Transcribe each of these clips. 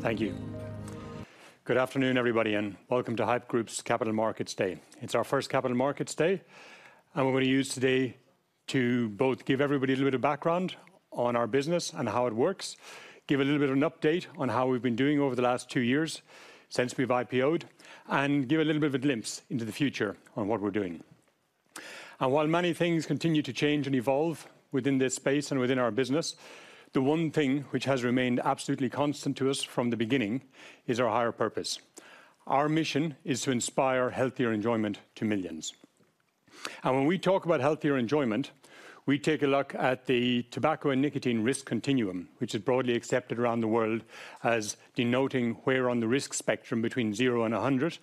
Thank you. Good afternoon, everybody, and welcome to Haypp Group's Capital Markets Day. It's our first Capital Markets Day, and we're gonna use today to both give everybody a little bit of background on our business and how it works, give a little bit of an update on how we've been doing over the last two years since we've IPO'd, and give a little bit of a glimpse into the future on what we're doing. And while many things continue to change and evolve within this space and within our business, the one thing which has remained absolutely constant to us from the beginning is our higher purpose. Our mission is to inspire healthier enjoyment to millions. And when we talk about healthier enjoyment, we take a look at the tobacco and nicotine risk continuum, which is broadly accepted around the world as denoting where on the risk spectrum, between zero and 100,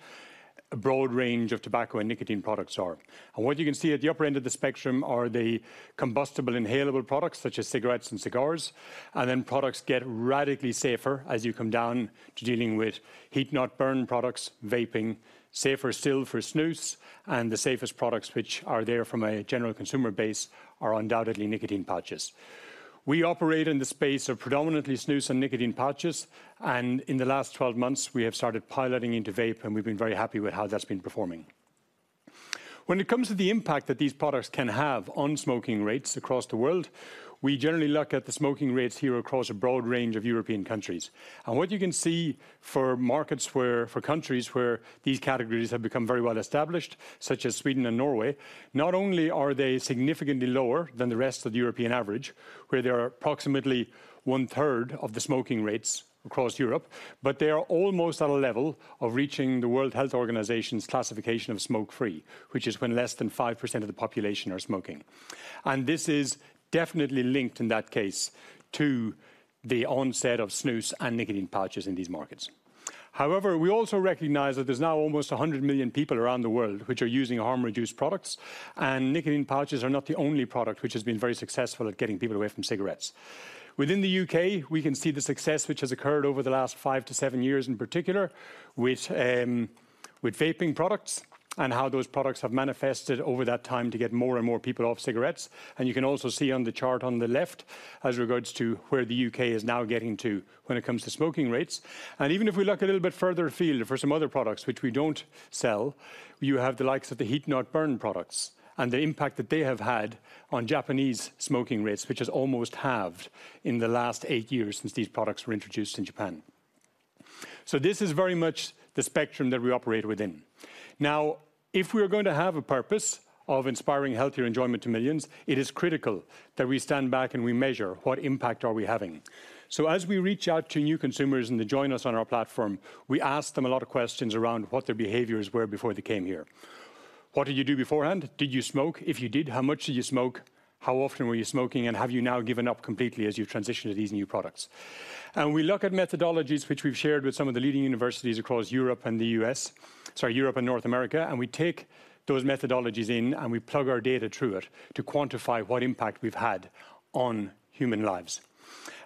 a broad range of tobacco and nicotine products are. And what you can see at the upper end of the spectrum are the combustible inhalable products, such as cigarettes and cigars, and then products get radically safer as you come down to dealing with heat-not-burn products, vaping. Safer still for snus, and the safest products which are there from a general consumer base are undoubtedly nicotine pouches. We operate in the space of predominantly snus and nicotine pouches, and in the last 12 months, we have started piloting into vape, and we've been very happy with how that's been performing. When it comes to the impact that these products can have on smoking rates across the world, we generally look at the smoking rates here across a broad range of European countries. What you can see for countries where these categories have become very well established, such as Sweden and Norway, not only are they significantly lower than the rest of the European average, where they are approximately one-third of the smoking rates across Europe, but they are almost at a level of reaching the World Health Organization's classification of smoke-free, which is when less than 5% of the population are smoking. This is definitely linked, in that case, to the onset of snus and nicotine pouches in these markets. However, we also recognize that there's now almost 100 million people around the world which are using harm-reduced products, and nicotine pouches are not the only product which has been very successful at getting people away from cigarettes. Within the U.K., we can see the success which has occurred over the last 5-7 years, in particular, with vaping products and how those products have manifested over that time to get more and more people off cigarettes. And you can also see on the chart on the left as regards to where the U.K. is now getting to when it comes to smoking rates. And even if we look a little bit further afield for some other products, which we don't sell, you have the likes of the heat-not-burn products and the impact that they have had on Japanese smoking rates, which has almost halved in the last eight years since these products were introduced in Japan. So this is very much the spectrum that we operate within. Now, if we are going to have a purpose of inspiring healthier enjoyment to millions, it is critical that we stand back and we measure what impact are we having. So as we reach out to new consumers and they join us on our platform, we ask them a lot of questions around what their behaviors were before they came here. "What did you do beforehand? Did you smoke? If you did, how much did you smoke? How often were you smoking, and have you now given up completely as you've transitioned to these new products?" We look at methodologies which we've shared with some of the leading universities across Europe and the U.S., sorry, Europe and North America, and we take those methodologies in, and we plug our data through it to quantify what impact we've had on human lives.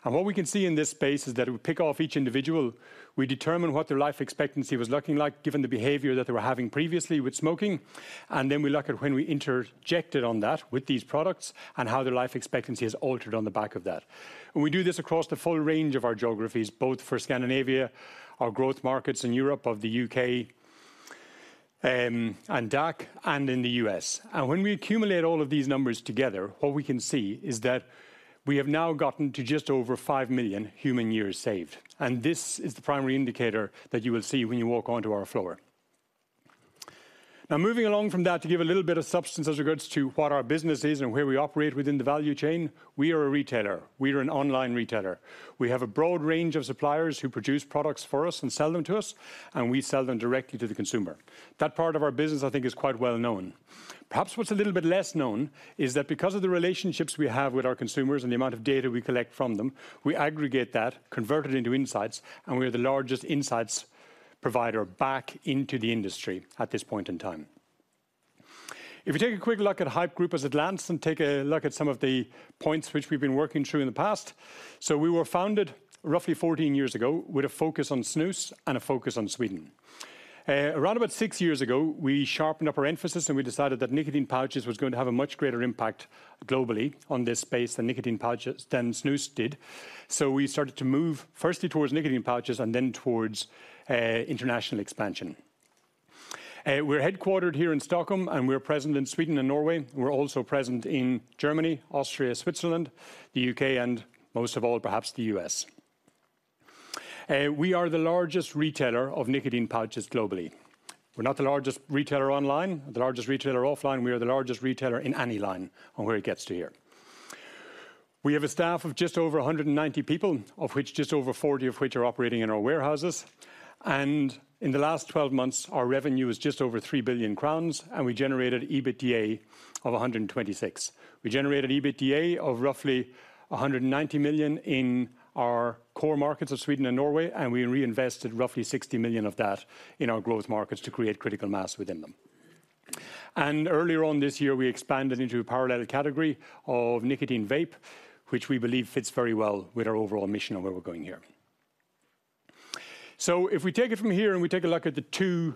What we can see in this space is that we pick off each individual, we determine what their life expectancy was looking like, given the behavior that they were having previously with smoking, and then we look at when we interjected on that with these products and how their life expectancy has altered on the back of that. We do this across the full range of our geographies, both for Scandinavia, our growth markets in Europe, of the U.K., and DACH, and in the US. When we accumulate all of these numbers together, what we can see is that we have now gotten to just over 5 million human years saved. This is the primary indicator that you will see when you walk onto our floor. Now, moving along from that, to give a little bit of substance as regards to what our business is and where we operate within the value chain, we are a retailer. We are an online retailer. We have a broad range of suppliers who produce products for us and sell them to us, and we sell them directly to the consumer. That part of our business, I think, is quite well known. Perhaps what's a little bit less known is that because of the relationships we have with our consumers and the amount of data we collect from them, we aggregate that, convert it into insights, and we are the largest insights provider back into the industry at this point in time. If you take a quick look at Haypp Group at a glance and take a look at some of the points which we've been working through in the past. So we were founded roughly 14 years ago with a focus on snus and a focus on Sweden. Around about 6 years ago, we sharpened up our emphasis, and we decided that nicotine pouches was going to have a much greater impact globally on this space than nicotine pouches, than snus did. So we started to move firstly towards nicotine pouches and then towards international expansion. We're headquartered here in Stockholm, and we're present in Sweden and Norway. We're also present in Germany, Austria, Switzerland, the U.K., and most of all, perhaps, the U.S. We are the largest retailer of nicotine pouches globally. We're the largest retailer online, the largest retailer offline. We are the largest retailer in any line on where it gets to here. We have a staff of just over 190 people, of which just over 40 are operating in our warehouses. And in the last 12 months, our revenue is just over 3 billion crowns, and we generated EBITDA of 126 million SEK. We generated EBITDA of roughly 190 million SEK in our core markets of Sweden and Norway, and we reinvested roughly 60 million SEK of that in our growth markets to create critical mass within them. And earlier on this year, we expanded into a parallel category of nicotine vape, which we believe fits very well with our overall mission and where we're going here. So if we take it from here, and we take a look at the two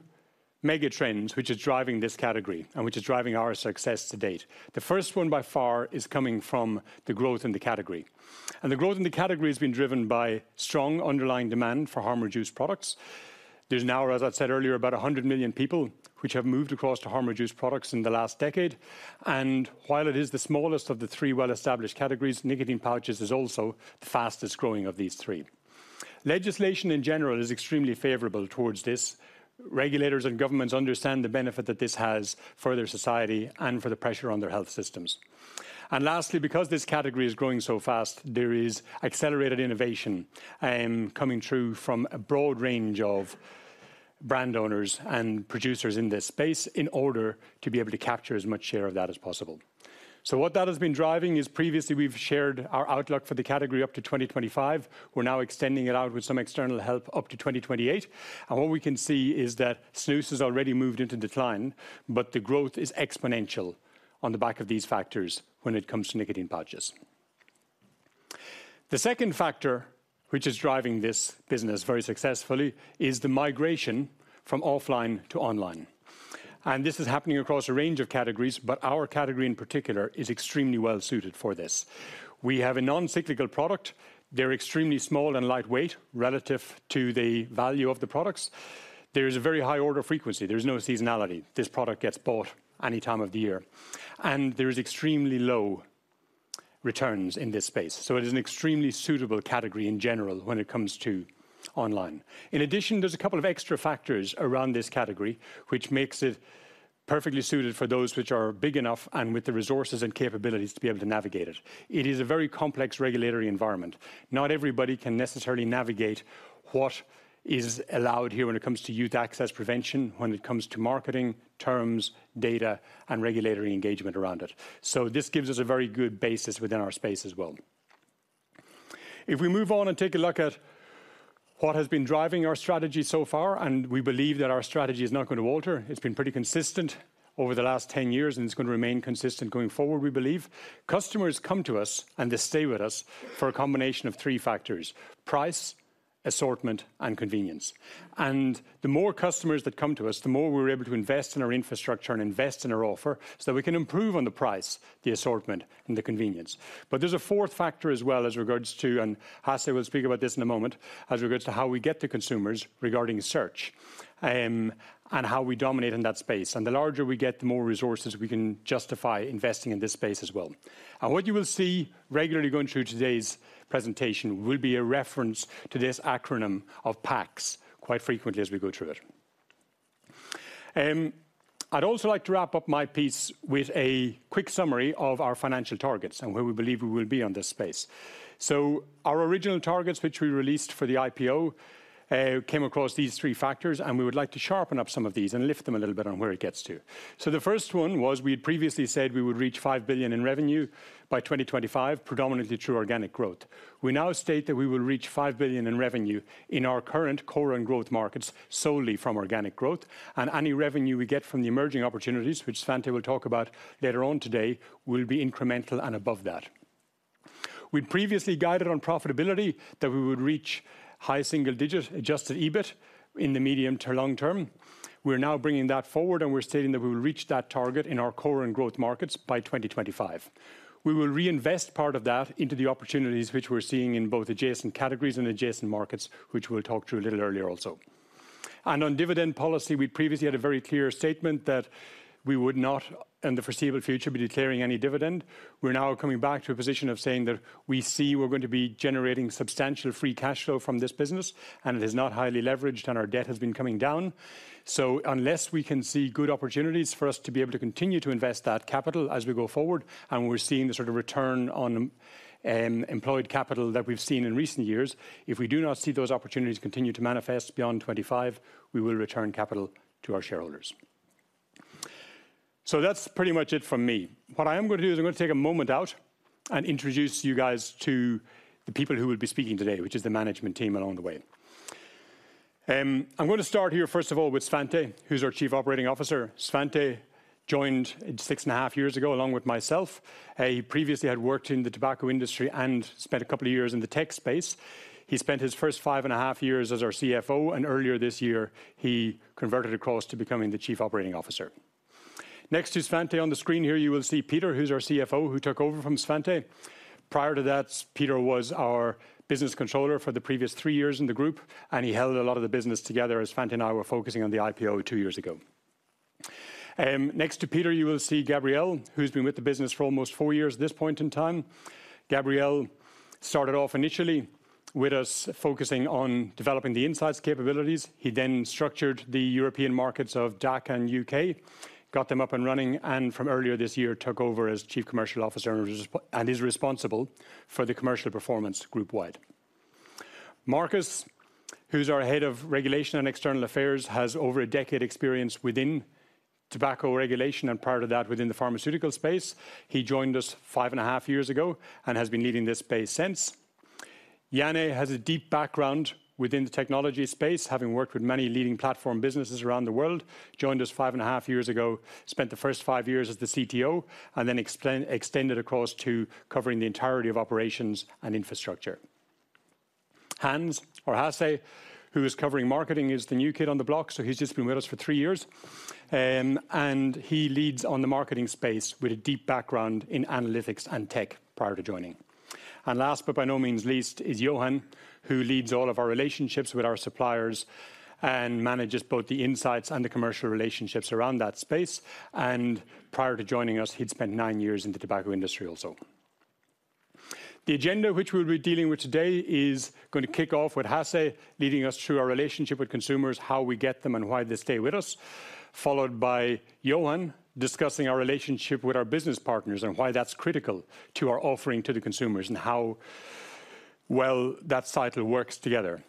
mega trends, which is driving this category, and which is driving our success to date. The first one, by far, is coming from the growth in the category. And the growth in the category has been driven by strong underlying demand for harm-reduced products. There's now, as I said earlier, about 100 million people which have moved across to harm-reduced products in the last decade. And while it is the smallest of the three well-established categories, nicotine pouches is also the fastest growing of these three. Legislation, in general, is extremely favorable towards this. Regulators and governments understand the benefit that this has for their society and for the pressure on their health systems. And lastly, because this category is growing so fast, there is accelerated innovation, coming through from a broad range of brand owners and producers in this space, in order to be able to capture as much share of that as possible. So what that has been driving is previously we've shared our outlook for the category up to 2025. We're now extending it out with some external help up to 2028. And what we can see is that snus has already moved into decline, but the growth is exponential on the back of these factors when it comes to nicotine pouches. The second factor, which is driving this business very successfully, is the migration from offline to online, and this is happening across a range of categories, but our category in particular, is extremely well suited for this. We have a non-cyclical product. They're extremely small and lightweight, relative to the value of the products. There is a very high order of frequency. There's no seasonality. This product gets bought any time of the year, and there is extremely low returns in this space. So it is an extremely suitable category in general when it comes to online. In addition, there's a couple of extra factors around this category, which makes it perfectly suited for those which are big enough and with the resources and capabilities to be able to navigate it. It is a very complex regulatory environment. Not everybody can necessarily navigate what is allowed here when it comes to youth access prevention, when it comes to marketing, terms, data, and regulatory engagement around it. So this gives us a very good basis within our space as well. If we move on and take a look at what has been driving our strategy so far, and we believe that our strategy is not gonna alter. It's been pretty consistent over the last 10 years, and it's gonna remain consistent going forward, we believe. Customers come to us, and they stay with us for a combination of 3 factors: price, assortment, and convenience. The more customers that come to us, the more we're able to invest in our infrastructure and invest in our offer, so we can improve on the price, the assortment, and the convenience. But there's a fourth factor as well as regards to, and Hasse will speak about this in a moment, as regards to how we get to consumers regarding search, and how we dominate in that space. The larger we get, the more resources we can justify investing in this space as well. What you will see regularly going through today's presentation will be a reference to this acronym of PACS, quite frequently as we go through it. I'd also like to wrap up my piece with a quick summary of our financial targets and where we believe we will be on this space. So our original targets, which we released for the IPO, came across these three factors, and we would like to sharpen up some of these and lift them a little bit on where it gets to. The first one was, we had previously said we would reach 5 billion in revenue by 2025, predominantly through organic growth. We now state that we will reach 5 billion in revenue in our current core and growth markets, solely from organic growth. Any revenue we get from the emerging opportunities, which Svante will talk about later on today, will be incremental and above that. We previously guided on profitability that we would reach high single digit Adjusted EBIT in the medium to long term. We're now bringing that forward, and we're stating that we will reach that target in our core and growth markets by 2025. We will reinvest part of that into the opportunities which we're seeing in both adjacent categories and adjacent markets, which we'll talk through a little earlier also. On dividend policy, we previously had a very clear statement that we would not, in the foreseeable future, be declaring any dividend. We're now coming back to a position of saying that we see we're going to be generating substantial free cash flow from this business, and it is not highly leveraged, and our debt has been coming down. Unless we can see good opportunities for us to be able to continue to invest that capital as we go forward, and we're seeing the sort of return on employed capital that we've seen in recent years, if we do not see those opportunities continue to manifest beyond 25, we will return capital to our shareholders. That's pretty much it from me. What I am gonna do is I'm gonna take a moment out and introduce you guys to the people who will be speaking today, which is the management team along the way. I'm gonna start here, first of all, with Svante, who's our Chief Operating Officer. Svante joined six and a half years ago, along with myself. He previously had worked in the tobacco industry and spent a couple of years in the tech space. He spent his first five and a half years as our CFO, and earlier this year, he converted across to becoming the Chief Operating Officer. Next to Svante on the screen here, you will see Peter, who's our CFO, who took over from Svante. Prior to that, Peter was our business controller for the previous three years in the group, and he held a lot of the business together as Svante and I were focusing on the IPO 2 years ago. Next to Peter, you will see Gabriel, who's been with the business for almost four years at this point in time. Gabriel started off initially with us, focusing on developing the insights capabilities. He then structured the European markets of DACH and U.K., got them up and running, and from earlier this year, took over as Chief Commercial Officer and is responsible for the commercial performance group wide. Markus, who's our Head of Regulation and External Affairs, has over a decade experience within tobacco regulation, and prior to that, within the pharmaceutical space. He joined us five and a half years ago and has been leading this space since. Janne has a deep background within the technology space, having worked with many leading platform businesses around the world. Joined us five and a half years ago, spent the first five years as the CTO, and then extended across to covering the entirety of operations and infrastructure. Hans or Hasse, who is covering marketing, is the new kid on the block, so he's just been with us for three years, and he leads on the marketing space with a deep background in analytics and tech prior to joining. And last, but by no means least, is Johan, who leads all of our relationships with our suppliers and manages both the insights and the commercial relationships around that space, and prior to joining us, he'd spent nine years in the tobacco industry also. The agenda which we'll be dealing with today is gonna kick off with Hasse leading us through our relationship with consumers, how we get them, and why they stay with us. Followed by Johan discussing our relationship with our business partners, and why that's critical to our offering to the consumers, and how well that cycle works together.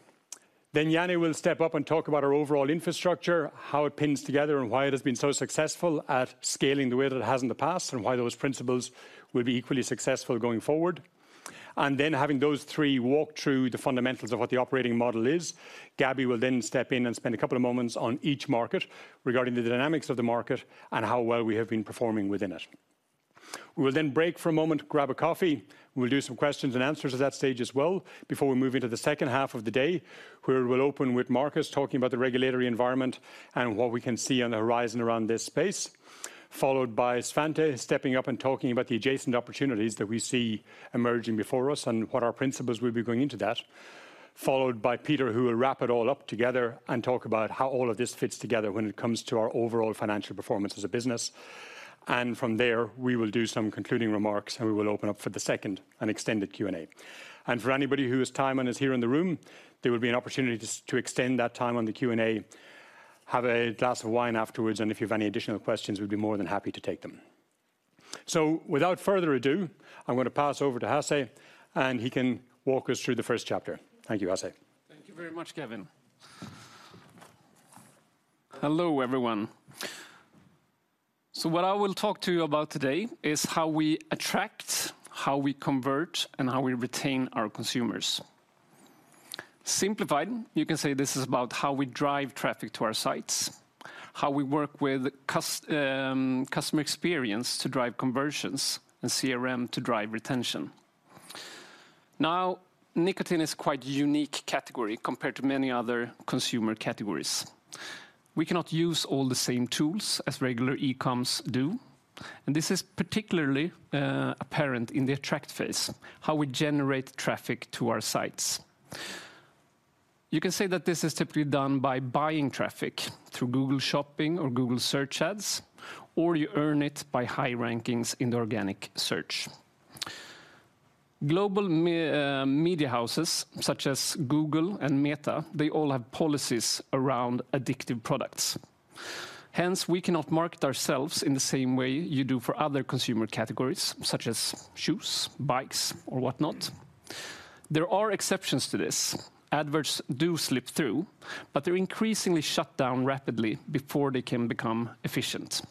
Then Janne will step up and talk about our overall infrastructure, how it pins together, and why it has been so successful at scaling the way that it has in the past, and why those principles will be equally successful going forward. And then, having those three walk through the fundamentals of what the operating model is, Gavin will then step in and spend a couple of moments on each market, regarding the dynamics of the market and how well we have been performing within it. We will then break for a moment, grab a coffee. We'll do some questions and answers at that stage as well, before we move into the second half of the day, where we'll open with Markus talking about the regulatory environment and what we can see on the horizon around this space. Followed by Svante stepping up and talking about the adjacent opportunities that we see emerging before us, and what our principles will be going into that. Followed by Peter, who will wrap it all up together and talk about how all of this fits together when it comes to our overall financial performance as a business. From there, we will do some concluding remarks, and we will open up for the second and extended Q&A. For anybody who has time and is here in the room, there will be an opportunity to extend that time on the Q&A. Have a glass of wine afterwards, and if you have any additional questions, we'd be more than happy to take them. So without further ado, I'm gonna pass over to Hasse, and he can walk us through the first chapter. Thank you, Hasse. Thank you very much, Gavin. Hello, everyone. So what I will talk to you about today is how we attract, how we convert, and how we retain our consumers. Simplified, you can say this is about how we drive traffic to our sites, how we work with customer experience to drive conversions, and CRM to drive retention. Now, nicotine is a quite unique category compared to many other consumer categories. We cannot use all the same tools as regular e-coms do, and this is particularly apparent in the attract phase, how we generate traffic to our sites. You can say that this is typically done by buying traffic through Google Shopping or Google search ads, or you earn it by high rankings in the organic search. Global media houses such as Google and Meta, they all have policies around addictive products. Hence, we cannot market ourselves in the same way you do for other consumer categories, such as shoes, bikes, or whatnot. There are exceptions to this. Adverts do slip through, but they're increasingly shut down rapidly before they can become efficient.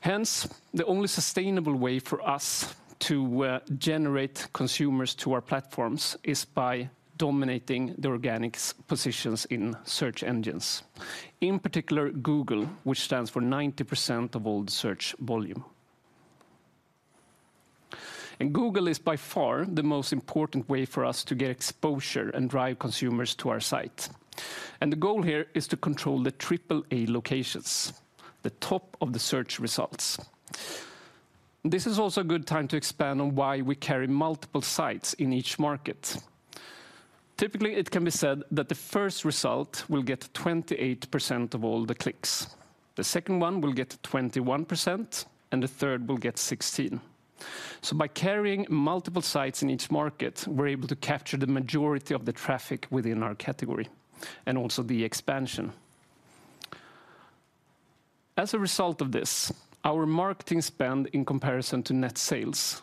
Hence, the only sustainable way for us to generate consumers to our platforms is by dominating the organics positions in search engines, in particular Google, which stands for 90% of all the search volume. And Google is by far the most important way for us to get exposure and drive consumers to our site, and the goal here is to control the triple A locations, the top of the search results. This is also a good time to expand on why we carry multiple sites in each market. Typically, it can be said that the first result will get 28% of all the clicks. The second one will get 21%, and the third will get 16%. So by carrying multiple sites in each market, we're able to capture the majority of the traffic within our category and also the expansion. As a result of this, our marketing spend in comparison to net sales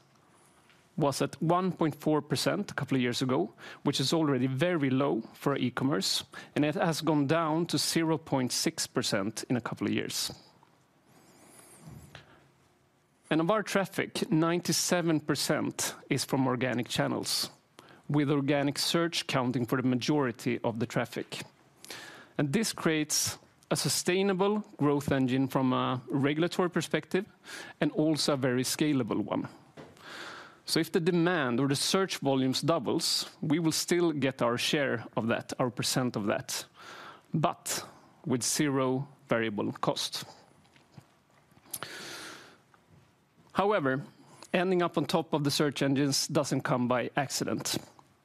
was at 1.4% a couple of years ago, which is already very low for e-commerce, and it has gone down to 0.6% in a couple of years. And of our traffic, 97% is from organic channels, with organic search accounting for the majority of the traffic. And this creates a sustainable growth engine from a regulatory perspective and also a very scalable one. So if the demand or the search volumes doubles, we will still get our share of that, our percent of that, but with zero variable cost. However, ending up on top of the search engines doesn't come by accident.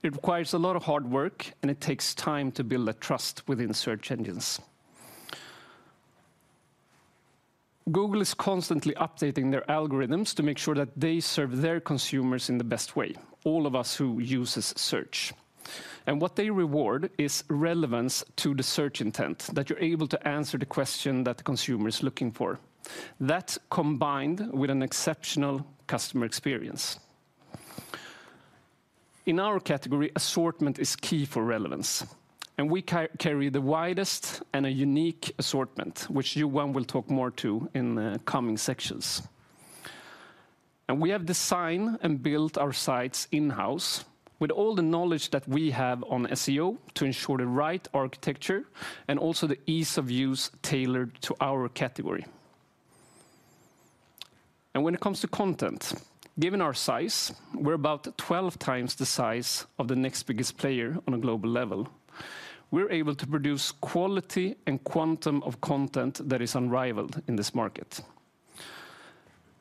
It requires a lot of hard work, and it takes time to build that trust within search engines. Google is constantly updating their algorithms to make sure that they serve their consumers in the best way, all of us who uses Search. And what they reward is relevance to the search intent, that you're able to answer the question that the consumer is looking for. That, combined with an exceptional customer experience. In our category, assortment is key for relevance, and we carry the widest and a unique assortment, which Johan will talk more to in the coming sections. And we have designed and built our sites in-house with all the knowledge that we have on SEO to ensure the right architecture and also the ease of use tailored to our category.... When it comes to content, given our size, we're about 12 times the size of the next biggest player on a global level. We're able to produce quality and quantum of content that is unrivaled in this market.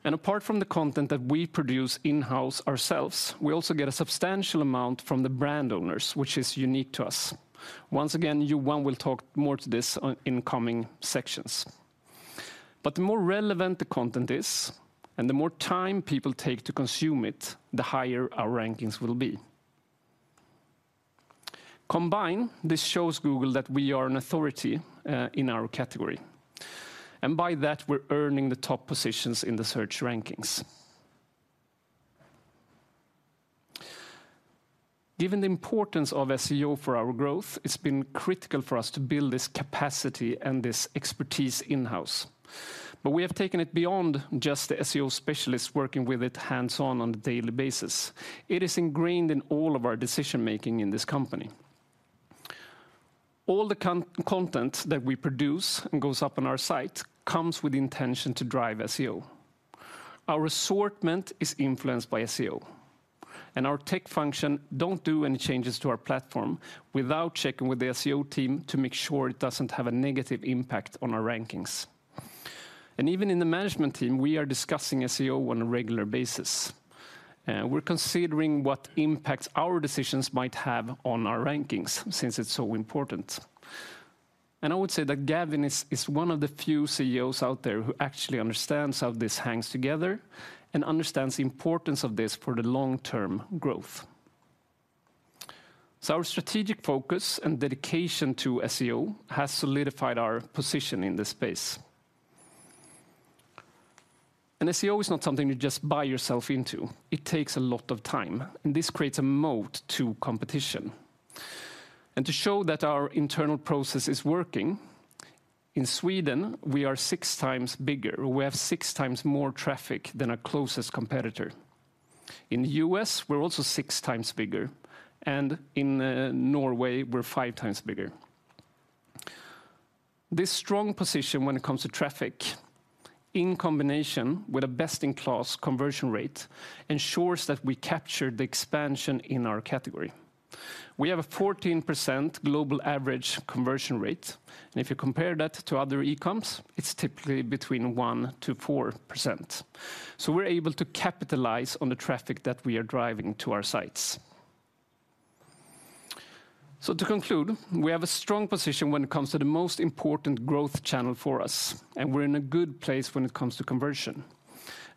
Apart from the content that we produce in-house ourselves, we also get a substantial amount from the brand owners, which is unique to us. Once again, Johan will talk more to this on, in coming sections. The more relevant the content is, and the more time people take to consume it, the higher our rankings will be. Combined, this shows Google that we are an authority in our category, and by that, we're earning the top positions in the search rankings. Given the importance of SEO for our growth, it's been critical for us to build this capacity and this expertise in-house. But we have taken it beyond just the SEO specialists working with it hands-on on a daily basis. It is ingrained in all of our decision-making in this company. All the content that we produce and goes up on our site comes with the intention to drive SEO. Our assortment is influenced by SEO, and our tech function don't do any changes to our platform without checking with the SEO team to make sure it doesn't have a negative impact on our rankings. And even in the management team, we are discussing SEO on a regular basis. We're considering what impact our decisions might have on our rankings since it's so important. And I would say that Gavin is one of the few CEOs out there who actually understands how this hangs together and understands the importance of this for the long-term growth. Our strategic focus and dedication to SEO has solidified our position in this space. SEO is not something you just buy yourself into. It takes a lot of time, and this creates a moat to competition. To show that our internal process is working, in Sweden, we are six times bigger. We have six times more traffic than our closest competitor. In the U.S., we're also six times bigger, and in Norway, we're five times bigger. This strong position when it comes to traffic, in combination with a best-in-class conversion rate, ensures that we capture the expansion in our category. We have a 14% global average conversion rate, and if you compare that to other e-coms, it's typically between 1%-4%. We're able to capitalize on the traffic that we are driving to our sites. To conclude, we have a strong position when it comes to the most important growth channel for us, and we're in a good place when it comes to conversion.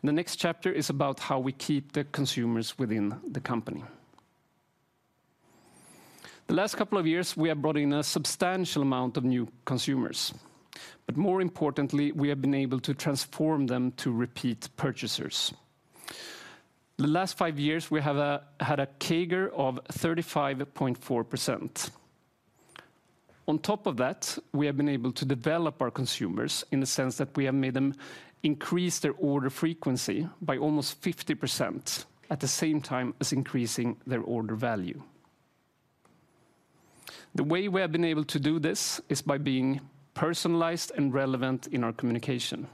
The next chapter is about how we keep the consumers within the company. The last couple of years, we have brought in a substantial amount of new consumers, but more importantly, we have been able to transform them to repeat purchasers. The last five years, we have had a CAGR of 35.4%. On top of that, we have been able to develop our consumers in the sense that we have made them increase their order frequency by almost 50%, at the same time as increasing their order value. The way we have been able to do this is by being personalized and relevant in our communication.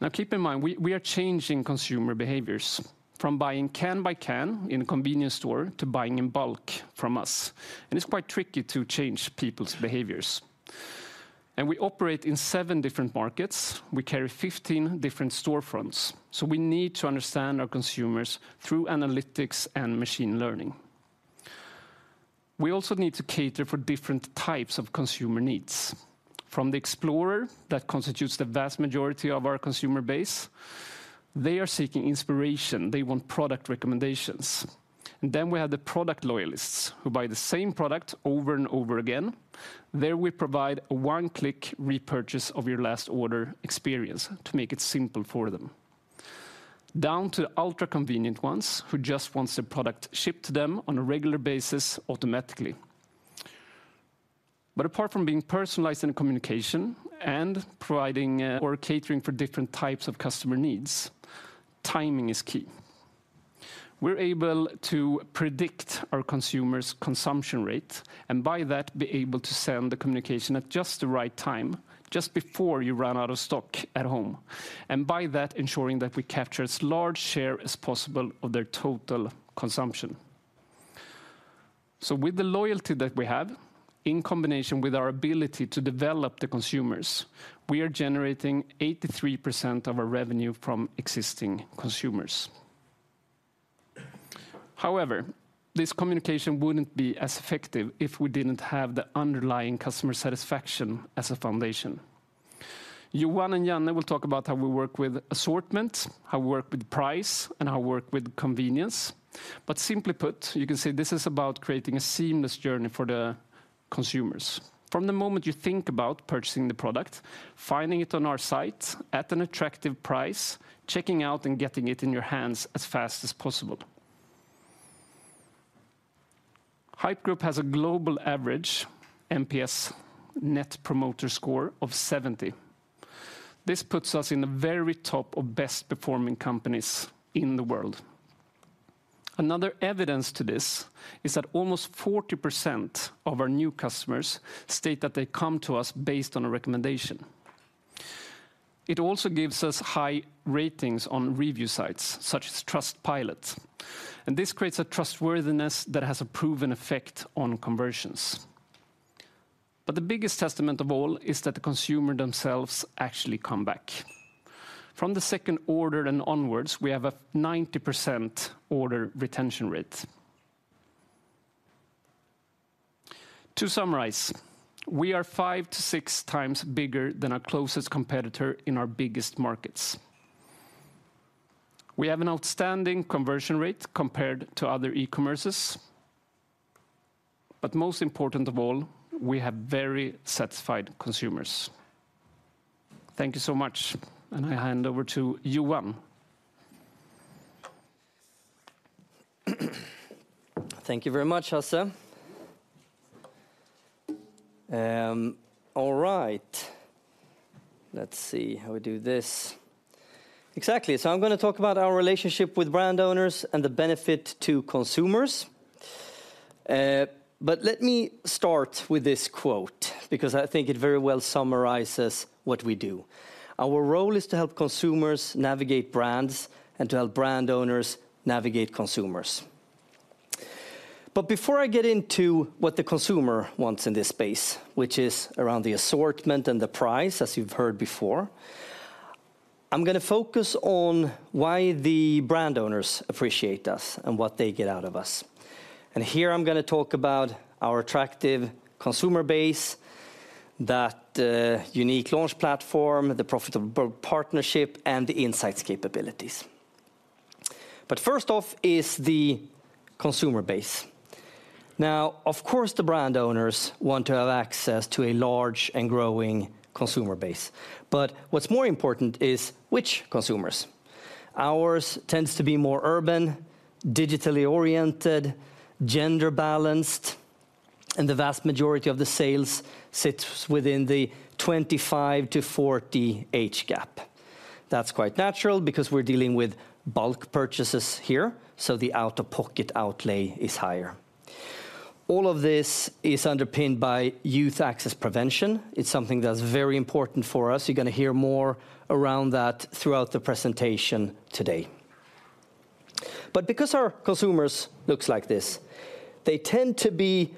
Now, keep in mind, we are changing consumer behaviors from buying can by can in a convenience store to buying in bulk from us, and it's quite tricky to change people's behaviors. We operate in 7 different markets. We carry 15 different storefronts, so we need to understand our consumers through analytics and machine learning. We also need to cater for different types of consumer needs, from the explorer, that constitutes the vast majority of our consumer base. They are seeking inspiration. They want product recommendations. Then we have the product loyalists, who buy the same product over and over again. There, we provide a one-click repurchase of your last order experience to make it simple for them. Down to the ultra-convenient ones, who just wants their product shipped to them on a regular basis, automatically. But apart from being personalized in communication and providing, or catering for different types of customer needs, timing is key. We're able to predict our consumers' consumption rate, and by that, be able to send the communication at just the right time, just before you run out of stock at home, and by that, ensuring that we capture as large share as possible of their total consumption. So with the loyalty that we have, in combination with our ability to develop the consumers, we are generating 83% of our revenue from existing consumers. However, this communication wouldn't be as effective if we didn't have the underlying customer satisfaction as a foundation. Johan and Janne will talk about how we work with assortment, how we work with price, and how we work with convenience. Simply put, you can say this is about creating a seamless journey for the consumers. From the moment you think about purchasing the product, finding it on our site at an attractive price, checking out, and getting it in your hands as fast as possible. Haypp Group has a global average NPS, Net Promoter Score, of 70. This puts us in the very top of best-performing companies in the world. Another evidence to this is that almost 40% of our new customers state that they come to us based on a recommendation. It also gives us high ratings on review sites, such as Trustpilot, and this creates a trustworthiness that has a proven effect on conversions. But the biggest testament of all is that the consumer themselves actually come back. From the second order and onwards, we have a 90% order retention rate. To summarize, we are 5-6 times bigger than our closest competitor in our biggest markets. We have an outstanding conversion rate compared to other e-commerces, but most important of all, we have very satisfied consumers. Thank you so much, and I hand over to Johan. Thank you very much, Hasse. All right, let's see how we do this. Exactly, so I'm gonna talk about our relationship with brand owners and the benefit to consumers. But let me start with this quote, because I think it very well summarizes what we do. "Our role i s to help consumers navigate brands and to help brand owners navigate consumers." But before I get into what the consumer wants in this space, which is around the assortment and the price, as you've heard before, I'm gonna focus on why the brand owners appreciate us and what they get out of us. And here I'm gonna talk about our attractive consumer base, that unique launch platform, the profitable partnership, and the insights capabilities. But first off is the consumer base. Now, of course, the brand owners want to have access to a large and growing consumer base, but what's more important is which consumers. Ours tends to be more urban, digitally oriented, gender balanced, and the vast majority of the sales sits within the 25-40 age gap. That's quite natural because we're dealing with bulk purchases here, so the out-of-pocket outlay is higher. All of this is underpinned by youth access prevention. It's something that's very important for us. You're gonna hear more around that throughout the presentation today. But because our consumers looks like this, they tend to be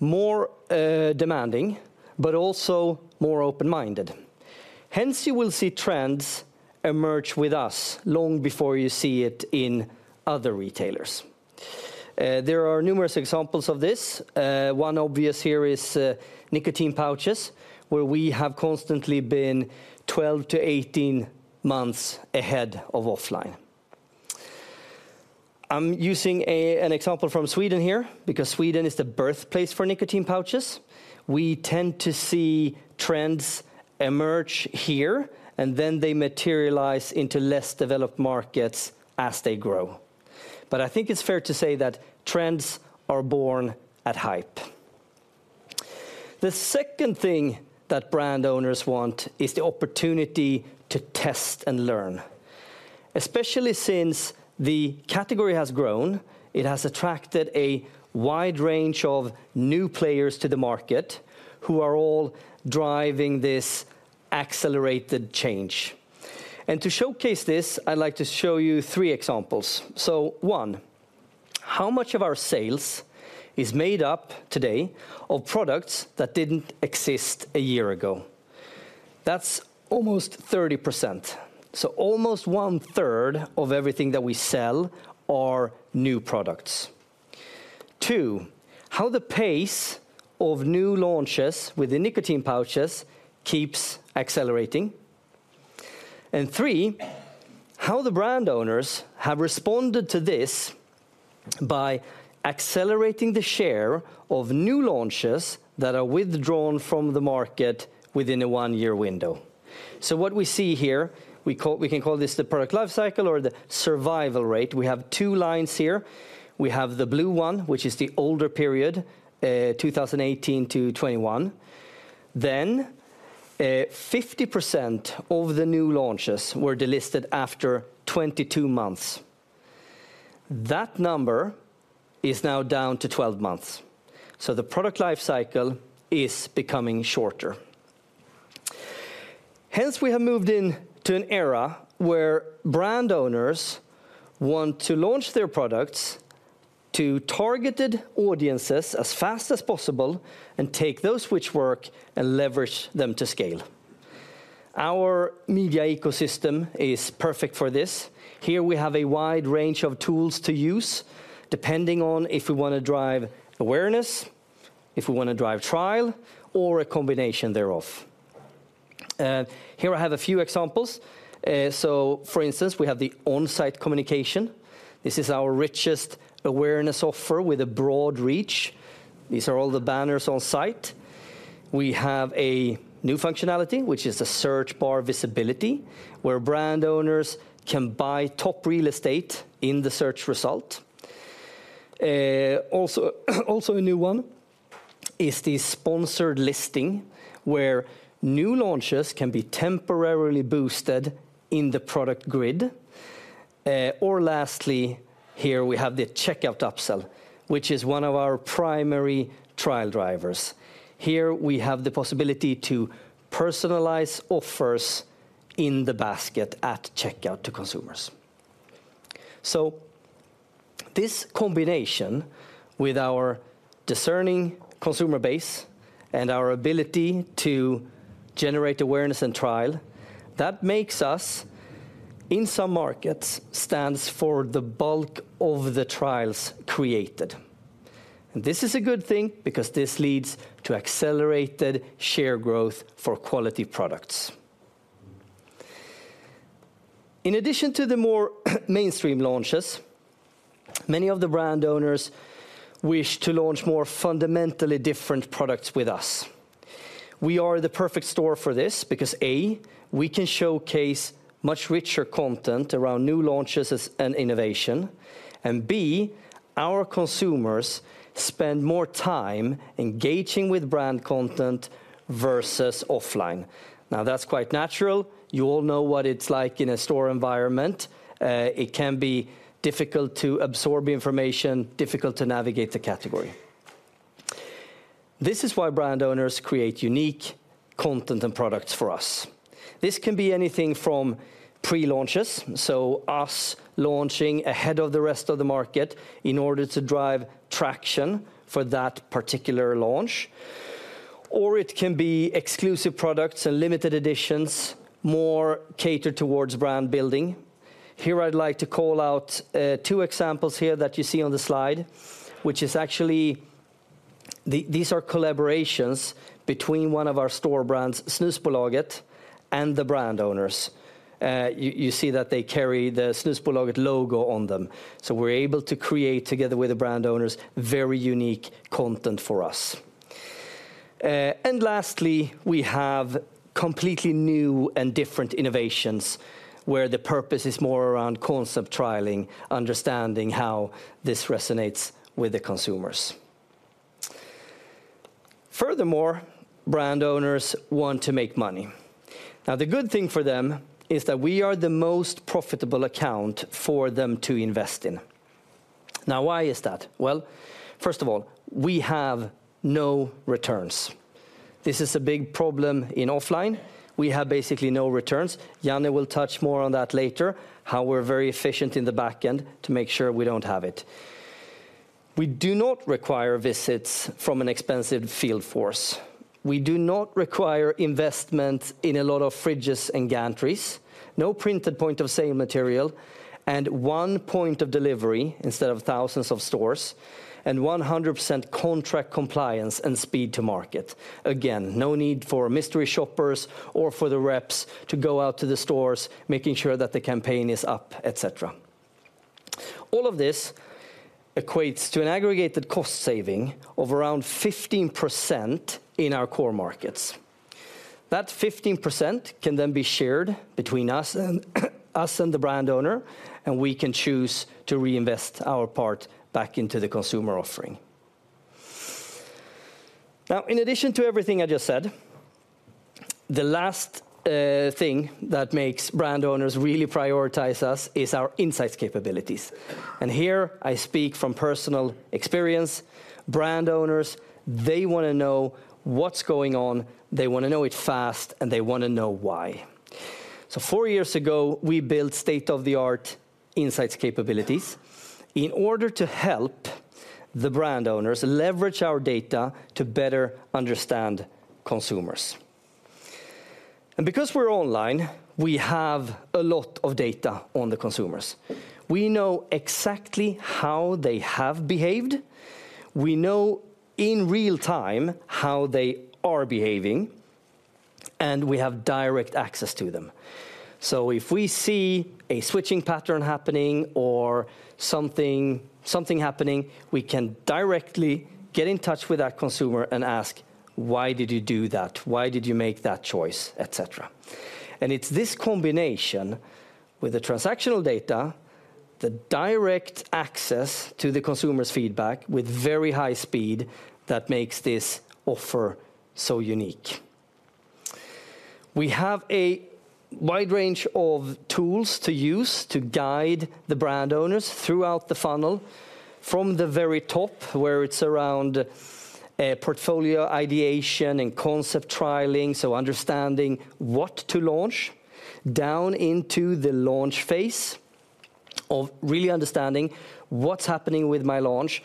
more, demanding, but also more open-minded. Hence, you will see trends emerge with us long before you see it in other retailers. There are numerous examples of this. One obvious here is nicotine pouches, where we have constantly been 12-18 months ahead of offline. I'm using an example from Sweden here, because Sweden is the birthplace for nicotine pouches. We tend to see trends emerge here, and then they materialize into less developed markets as they grow. But I think it's fair to say that trends are born at Haypp. The second thing that brand owners want is the opportunity to test and learn, especially since the category has grown, it has attracted a wide range of new players to the market, who are all driving this accelerated change. And to showcase this, I'd like to show you three examples. So one, how much of our sales is made up today of products that didn't exist a year ago? That's almost 30%. So almost 1/3 of everything that we sell are new products. Two, how the pace of new launches with the nicotine pouches keeps accelerating. And three, how the brand owners have responded to this by accelerating the share of new launches that are withdrawn from the market within a one-year window. So what we see here, we can call this the product life cycle or the survival rate. We have two lines here. We have the blue one, which is the older period, 2018 to 2021. Then, 50% of the new launches were delisted after 22 months. That number is now down to 12 months, so the product life cycle is becoming shorter. Hence, we have moved into an era where brand owners want to launch their products to targeted audiences as fast as possible and take those which work and leverage them to scale. Our media ecosystem is perfect for this. Here we have a wide range of tools to use, depending on if we wanna drive awareness, if we wanna drive trial, or a combination thereof. Here I have a few examples. So for instance, we have the on-site communication. This is our richest awareness offer with a broad reach. These are all the banners on site. We have a new functionality, which is a search bar visibility, where brand owners can buy top real estate in the search result. Also, a new one is the sponsored listing, where new launches can be temporarily boosted in the product grid. Or lastly, here, we have the checkout upsell, which is one of our primary trial drivers. Here, we have the possibility to personalize offers in the basket at checkout to consumers. So this combination with our discerning consumer base and our ability to generate awareness and trial, that makes us, in some markets, stands for the bulk of the trials created. And this is a good thing because this leads to accelerated share growth for quality products. In addition to the more mainstream launches, many of the brand owners wish to launch more fundamentally different products with us. We are the perfect store for this because, A, we can showcase much richer content around new launches as an innovation, and B, our consumers spend more time engaging with brand content versus offline. Now, that's quite natural. You all know what it's like in a store environment. It can be difficult to absorb information, difficult to navigate the category. This is why brand owners create unique content and products for us. This can be anything from pre-launches, so us launching ahead of the rest of the market in order to drive traction for that particular launch, or it can be exclusive products and limited editions, more catered towards brand building. Here, I'd like to call out two examples here that you see on the slide, which are collaborations between one of our store brands, Snusbolaget, and the brand owners. You see that they carry the Snusbolaget logo on them, so we're able to create, together with the brand owners, very unique content for us. And lastly, we have completely new and different innovations, where the purpose is more around concept trialing, understanding how this resonates with the consumers. Furthermore, brand owners want to make money. Now, the good thing for them is that we are the most profitable account for them to invest in. Now, why is that? Well, first of all, we have no returns. This is a big problem in offline. We have basically no returns. Janne will touch more on that later, how we're very efficient in the back end to make sure we don't have it. We do not require visits from an expensive field force. We do not require investment in a lot of fridges and gantries, no printed point of sale material, and one point of delivery instead of thousands of stores, and 100% contract compliance and speed to market. Again, no need for mystery shoppers or for the reps to go out to the stores, making sure that the campaign is up, et cetera. All of this equates to an aggregated cost saving of around 15% in our core markets. That 15% can then be shared between us and, us and the brand owner, and we can choose to reinvest our part back into the consumer offering. Now, in addition to everything I just said, the last thing that makes brand owners really prioritize us is our insights capabilities. And here, I speak from personal experience. Brand owners, they wanna know what's going on, they wanna know it fast, and they wanna know why. So four years ago, we built state-of-the-art insights capabilities in order to help the brand owners leverage our data to better understand consumers. And because we're online, we have a lot of data on the consumers. We know exactly how they have behaved, we know in real time how they are behaving, and we have direct access to them. So if we see a switching pattern happening or something, something happening, we can directly get in touch with that consumer and ask, "Why did you do that? Why did you make that choice?" et cetera. And it's this combination with the transactional data, the direct access to the consumer's feedback with very high speed, that makes this offer so unique. We have a wide range of tools to use to guide the brand owners throughout the funnel, from the very top, where it's around, portfolio ideation and concept trialing, so understanding what to launch, down into the launch phase of really understanding: What's happening with my launch?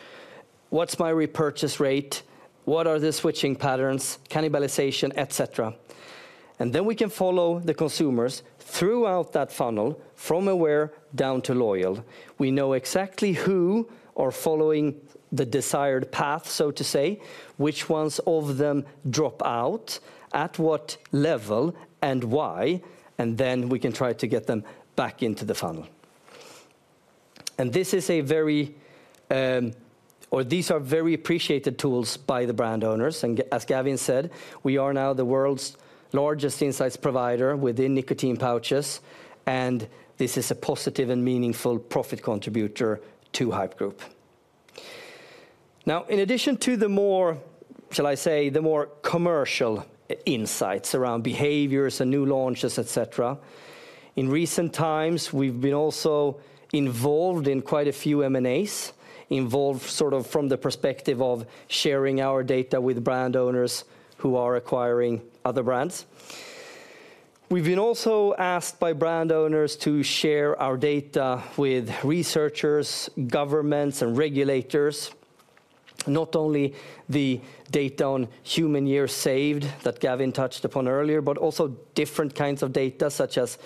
What's my repurchase rate? What are the switching patterns, cannibalization, et cetera? Then we can follow the consumers throughout that funnel, from aware down to loyal. We know exactly who are following the desired path, so to say, which ones of them drop out, at what level, and why, and then we can try to get them back into the funnel. And this is a very, or these are very appreciated tools by the brand owners, and as Gavin said, we are now the world's largest insights provider within nicotine pouches, and this is a positive and meaningful profit contributor to Haypp Group.... Now, in addition to the more, shall I say, the more commercial insights around behaviors and new launches, et cetera, in recent times, we've been also involved in quite a few M&As, involved sort of from the perspective of sharing our data with brand owners who are acquiring other brands. We've been also asked by brand owners to share our data with researchers, governments, and regulators, not only the data on human years saved that Gavin touched upon earlier, but also different kinds of data, such as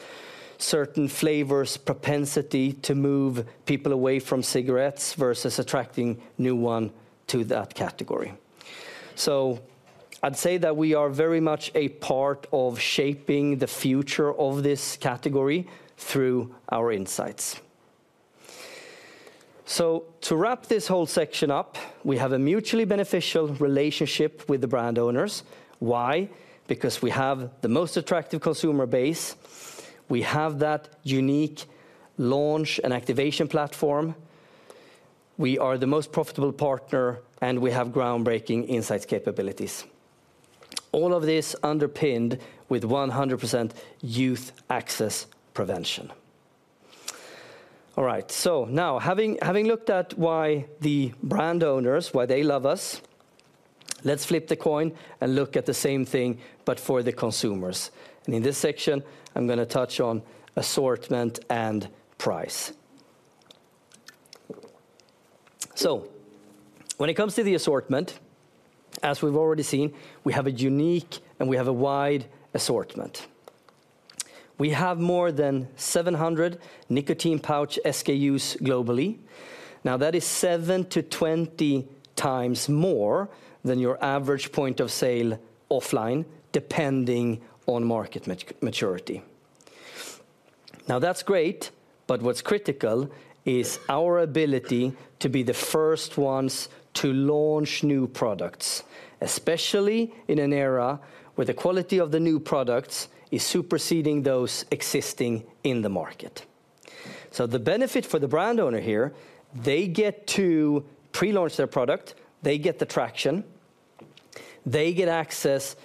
certain flavors, propensity to move people away from cigarettes versus attracting new one to that category. So I'd say that we are very much a part of shaping the future of this category through our insights. So to wrap this whole section up, we have a mutually beneficial relationship with the brand owners. Why? Because we have the most attractive consumer base, we have that unique launch and activation platform, we are the most profitable partner, and we have groundbreaking insights capabilities. All of this underpinned with 100% youth access prevention. All right, so now, having looked at why the brand owners, why they love us, let's flip the coin and look at the same thing, but for the consumers. In this section, I'm gonna touch on assortment and price. So when it comes to the assortment, as we've already seen, we have a unique and we have a wide assortment. We have more than 700 nicotine pouch SKUs globally. Now, that is 7-20 times more than your average point of sale offline, depending on market maturity. Now, that's great, but what's critical is our ability to be the first ones to launch new products, especially in an era where the quality of the new products is superseding those existing in the market. So the benefit for the brand owner here, they get to pre-launch their product, they get the traction, they get access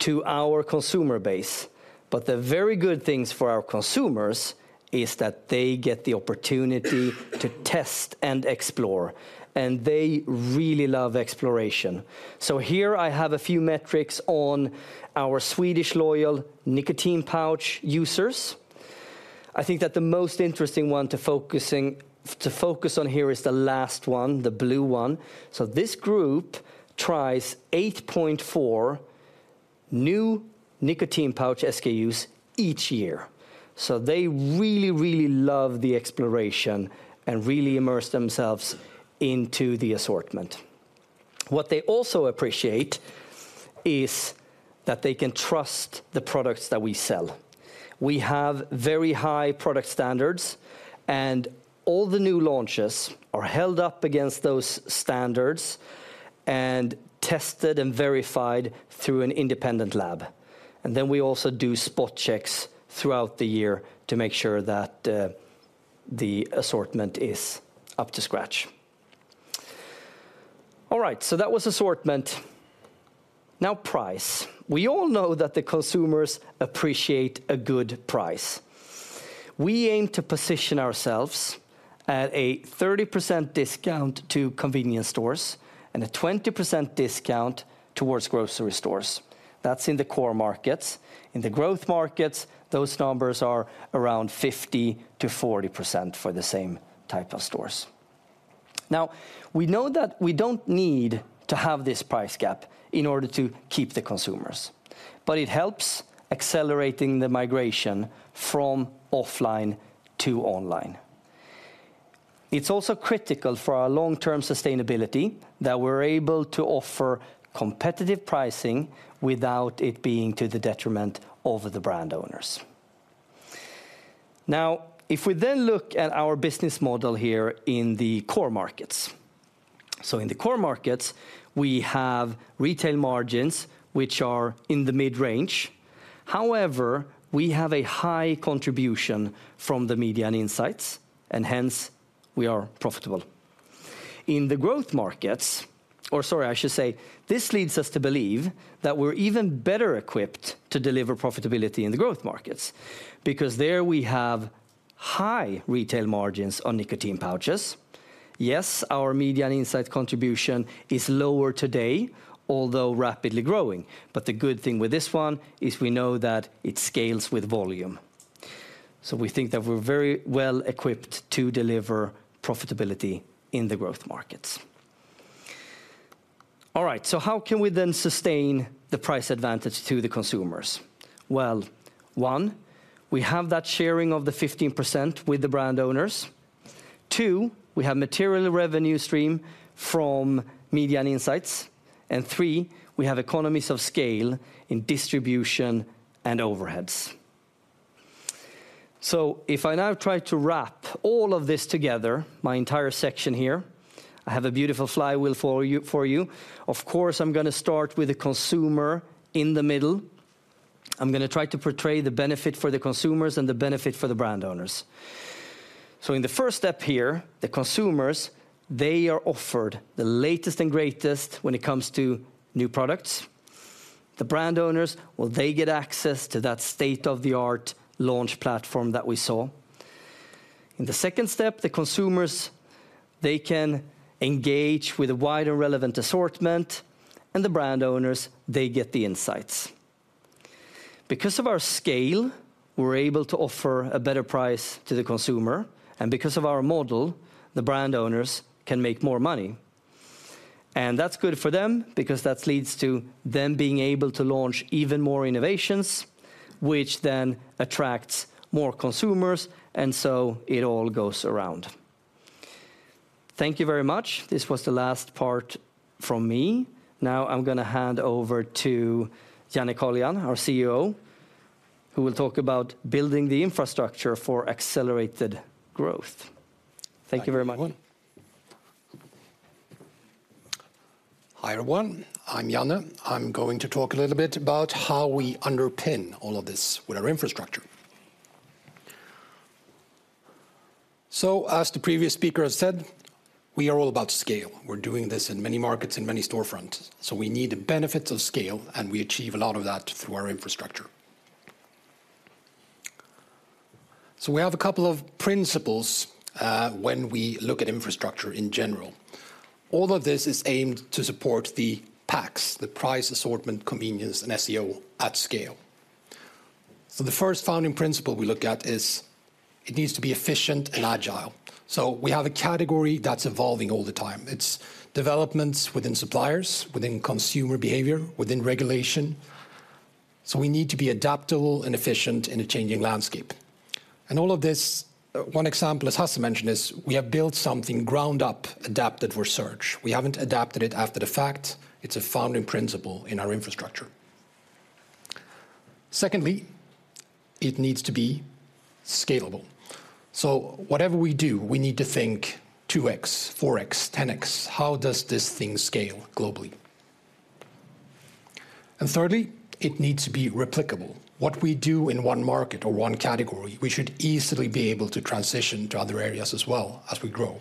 to our consumer base. But the very good things for our consumers is that they get the opportunity to test and explore, and they really love exploration. So here I have a few metrics on our Swedish loyal nicotine pouch users. I think that the most interesting one to focus on here is the last one, the blue one. So this group tries 8.4 new nicotine pouch SKUs each year. So they really, really love the exploration and really immerse themselves into the assortment. What they also appreciate is that they can trust the products that we sell. We have very high product standards, and all the new launches are held up against those standards and tested and verified through an independent lab. And then we also do spot checks throughout the year to make sure that the assortment is up to scratch. All right, so that was assortment. Now, price. We all know that the consumers appreciate a good price. We aim to position ourselves at a 30% discount to convenience stores and a 20% discount towards grocery stores. That's in the core markets. In the growth markets, those numbers are around 50%-40% for the same type of stores. Now, we know that we don't need to have this price gap in order to keep the consumers, but it helps accelerating the migration from offline to online. It's also critical for our long-term sustainability that we're able to offer competitive pricing without it being to the detriment of the brand owners. Now, if we then look at our business model here in the core markets. So in the core markets, we have retail margins, which are in the mid-range. However, we have a high contribution from the Media and Insights, and hence, we are profitable. In the growth markets—or sorry, I should say, this leads us to believe that we're even better equipped to deliver profitability in the growth markets, because there we have high retail margins on nicotine pouches. Yes, our Media and Insights contribution is lower today, although rapidly growing. But the good thing with this one is we know that it scales with volume. So we think that we're very well equipped to deliver profitability in the growth markets. All right, so how can we then sustain the price advantage to the consumers? Well, one, we have that sharing of the 15% with the brand owners. Two, we have material revenue stream from Media and Insights. And three, we have economies of scale in distribution and overheads. So if I now try to wrap all of this together, my entire section here, I have a beautiful flywheel for you, for you. Of course, I'm gonna start with the consumer in the middle... I'm gonna try to portray the benefit for the consumers and the benefit for the brand owners. So in the first step here, the consumers, they are offered the latest and greatest when it comes to new products. The brand owners, well, they get access to that state-of-the-art launch platform that we saw. In the second step, the consumers, they can engage with a wider relevant assortment, and the brand owners, they get the insights. Because of our scale, we're able to offer a better price to the consumer, and because of our model, the brand owners can make more money. That's good for them because that leads to them being able to launch even more innovations, which then attracts more consumers, and so it all goes around. Thank you very much. This was the last part from me. Now I'm gonna hand over to Janne Kalian, our COO, who will talk about building the infrastructure for accelerated growth. Thank you very much. Hi, everyone. I'm Janne. I'm going to talk a little bit about how we underpin all of this with our infrastructure. So as the previous speaker has said, we are all about scale. We're doing this in many markets and many storefronts, so we need the benefits of scale, and we achieve a lot of that through our infrastructure. So we have a couple of principles, when we look at infrastructure in general. All of this is aimed to support the PACS, the price, assortment, convenience, and SEO at scale. So the first founding principle we look at is, it needs to be efficient and agile. So we have a category that's evolving all the time. It's developments within suppliers, within consumer behavior, within regulation, so we need to be adaptable and efficient in a changing landscape. And all of this, one example, as Hasse mentioned, is we have built something ground up, adapted for search. We haven't adapted it after the fact. It's a founding principle in our infrastructure. Secondly, it needs to be scalable. So whatever we do, we need to think 2x, 4x, 10x. How does this thing scale globally? And thirdly, it needs to be replicable. What we do in one market or one category, we should easily be able to transition to other areas as well as we grow.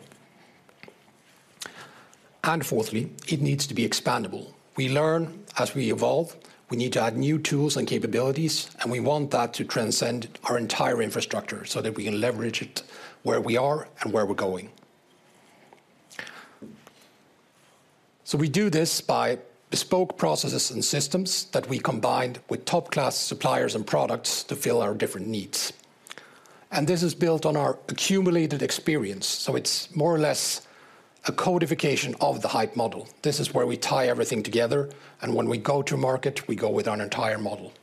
And fourthly, it needs to be expandable. We learn as we evolve. We need to add new tools and capabilities, and we want that to transcend our entire infrastructure so that we can leverage it where we are and where we're going. So we do this by bespoke processes and systems that we combined with top-class suppliers and products to fill our different needs. And this is built on our accumulated experience, so it's more or less a codification of the Haypp model. This is where we tie everything together, and when we go to market, we go with our entire model.